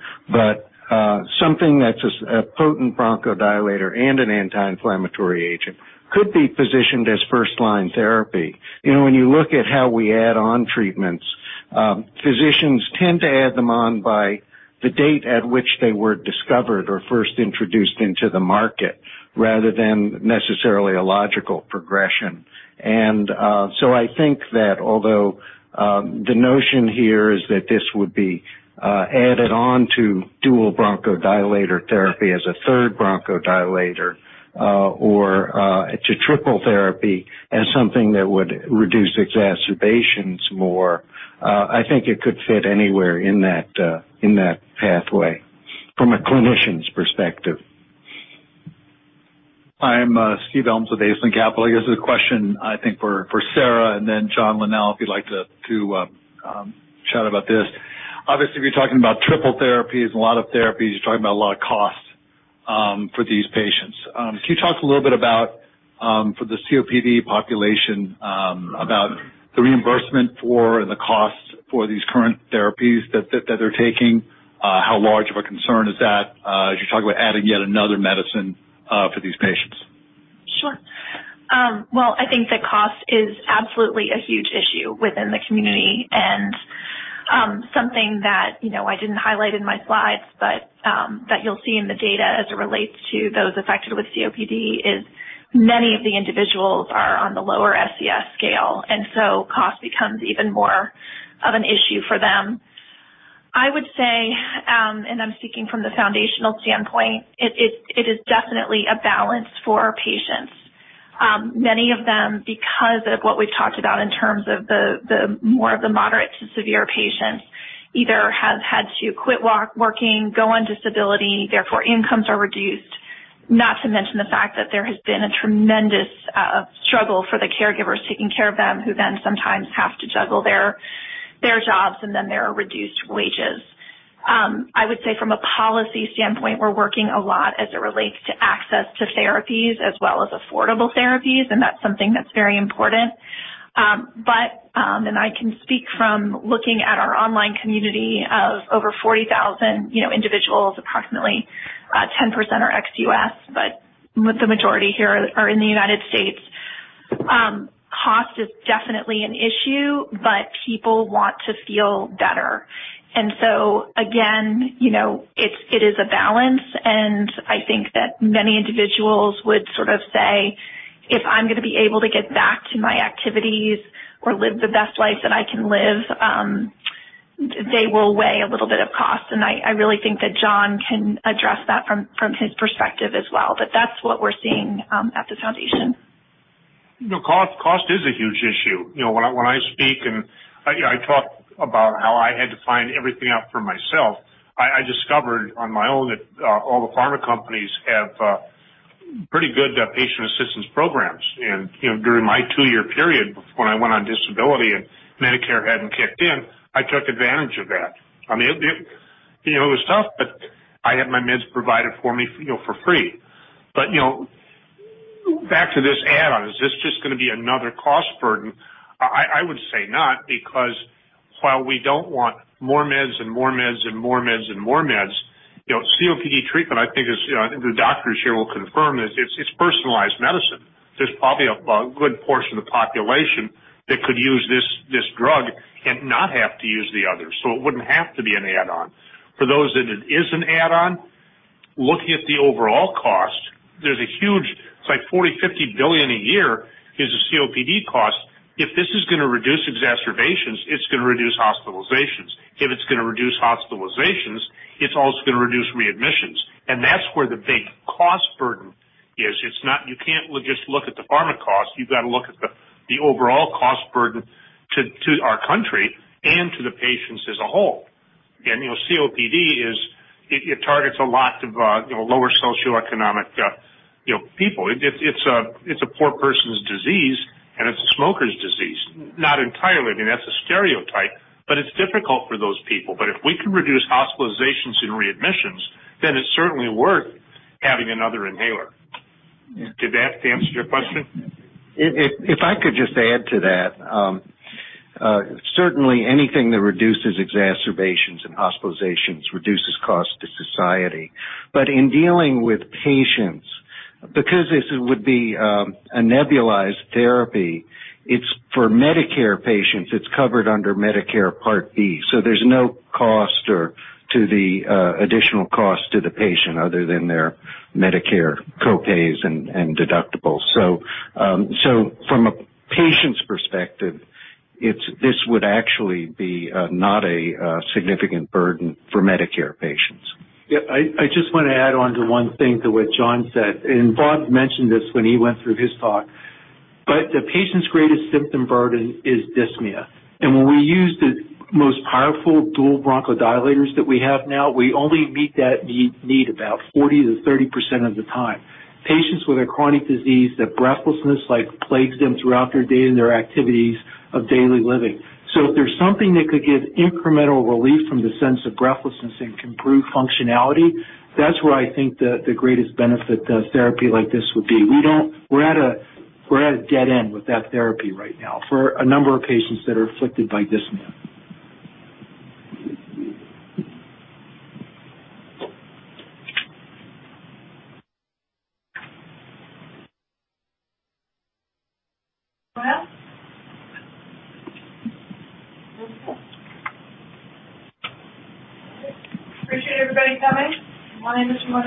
Speaker 4: Something that's a potent bronchodilator and an anti-inflammatory agent could be positioned as first-line therapy. When you look at how we add on treatments, physicians tend to add them on by the date at which they were discovered or first introduced into the market rather than necessarily a logical progression. I think that although the notion here is that this would be added on to dual bronchodilator therapy as a third bronchodilator or to triple therapy as something that would reduce exacerbations more, I think it could fit anywhere in that pathway from a clinician's perspective.
Speaker 13: I'm Steven Elms with Aisling Capital. Here's a question, I think, for Sara and then John Linnell, if you'd like to chat about this. Obviously, if you're talking about triple therapies and a lot of therapies, you're talking about a lot of costs for these patients. Can you talk a little bit about, for the COPD population, about the reimbursement for and the cost for these current therapies that they're taking? How large of a concern is that as you talk about adding yet another medicine for these patients?
Speaker 3: Sure. I think that cost is absolutely a huge issue within the community, something that I didn't highlight in my slides but that you'll see in the data as it relates to those affected with COPD is many of the individuals are on the lower SES scale, cost becomes even more of an issue for them. I would say, I'm speaking from the foundational standpoint, it is definitely a balance for our patients. Many of them, because of what we've talked about in terms of more of the moderate to severe patients, either have had to quit working, go on disability, therefore incomes are reduced. Not to mention the fact that there has been a tremendous struggle for the caregivers taking care of them, who then sometimes have to juggle their jobs and then their reduced wages. I would say from a policy standpoint, we're working a lot as it relates to access to therapies as well as affordable therapies, and that's something that's very important. I can speak from looking at our online community of over 40,000 individuals, approximately 10% are ex-U.S. With the majority here are in the U.S. Cost is definitely an issue, but people want to feel better. Again, it is a balance, and I think that many individuals would sort of say, "If I'm going to be able to get back to my activities or live the best life that I can live," they will weigh a little bit of cost. I really think that John can address that from his perspective as well. That's what we're seeing at the foundation.
Speaker 2: No, cost is a huge issue. When I speak and I talk about how I had to find everything out for myself, I discovered on my own that all the pharma companies have pretty good patient assistance programs. During my two-year period when I went on disability and Medicare hadn't kicked in, I took advantage of that. It was tough, but I had my meds provided for me for free. Back to this add-on, is this just going to be another cost burden? I would say not, because while we don't want more meds and more meds, COPD treatment, I think the doctors here will confirm, is personalized medicine. There's probably a good portion of the population that could use this drug and not have to use the others, so it wouldn't have to be an add-on. For those that it is an add-on, looking at the overall cost, there's a huge, it's like $40 billion, $50 billion a year is the COPD cost. If this is going to reduce exacerbations, it's going to reduce hospitalizations. If it's going to reduce hospitalizations, it's also going to reduce readmissions. That's where the big cost burden is. You can't just look at the pharma cost, you've got to look at the overall cost burden to our country and to the patients as a whole. COPD, it targets a lot of lower socioeconomic people. It's a poor person's disease and it's a smoker's disease. Not entirely, that's a stereotype, but it's difficult for those people. If we can reduce hospitalizations and readmissions, then it's certainly worth having another inhaler. Did that answer your question?
Speaker 4: If I could just add to that. Certainly, anything that reduces exacerbations and hospitalizations reduces cost to society. In dealing with patients, because this would be a nebulized therapy, for Medicare patients, it's covered under Medicare Part B, so there's no additional cost to the patient other than their Medicare co-pays and deductibles. From a patient's perspective, this would actually be not a significant burden for Medicare patients.
Speaker 5: I just want to add on to one thing to what John said, and Bob mentioned this when he went through his talk. The patient's greatest symptom burden is dyspnea. When we use the most powerful dual bronchodilators that we have now, we only meet that need about 40% to 30% of the time. Patients with a chronic disease, that breathlessness plagues them throughout their day and their activities of daily living. If there's something that could give incremental relief from the sense of breathlessness and can improve functionality, that's where I think the greatest benefit of therapy like this would be. We're at a dead end with that therapy right now for a number of patients that are afflicted by dyspnea. Well, I appreciate everybody coming. My name is
Speaker 1: May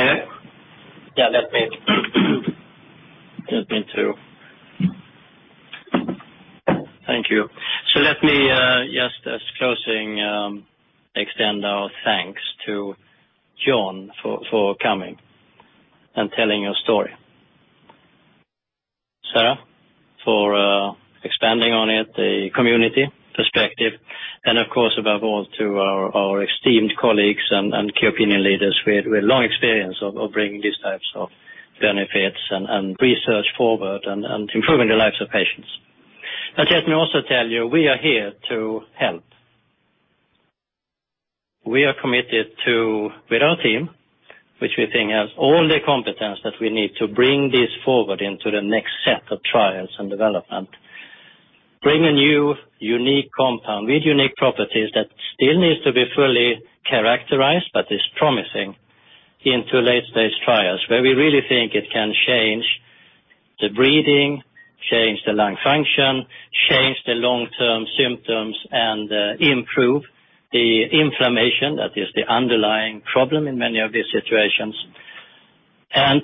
Speaker 1: I? Yeah, let me too. Thank you. Let me just, as closing, extend our thanks to John for coming and telling your story. Sara, for expanding on it, the community perspective, and of course, above all, to our esteemed colleagues and key opinion leaders with long experience of bringing these types of benefits and research forward and improving the lives of patients. Let me also tell you, we are here to help. We are committed to, with our team, which we think has all the competence that we need to bring this forward into the next set of trials and development, bring a new, unique compound with unique properties that still needs to be fully characterized, but is promising, into late-stage trials, where we really think it can change the breathing, change the lung function, change the long-term symptoms, and improve the inflammation that is the underlying problem in many of these situations.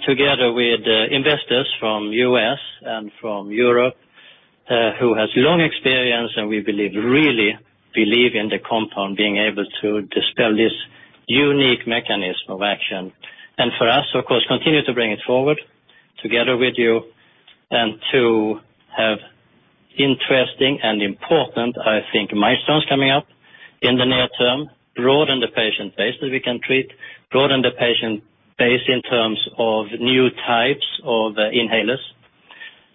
Speaker 1: Together with investors from the U.S. and from Europe who has long experience, and we really believe in the compound being able to dispel this unique mechanism of action. For us, of course, continue to bring it forward together with you and to have interesting and important, I think, milestones coming up in the near term, broaden the patient base that we can treat, broaden the patient base in terms of new types of inhalers.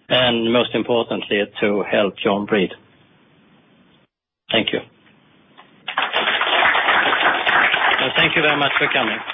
Speaker 1: Most importantly, to help John breathe. Thank you. Thank you very much for coming.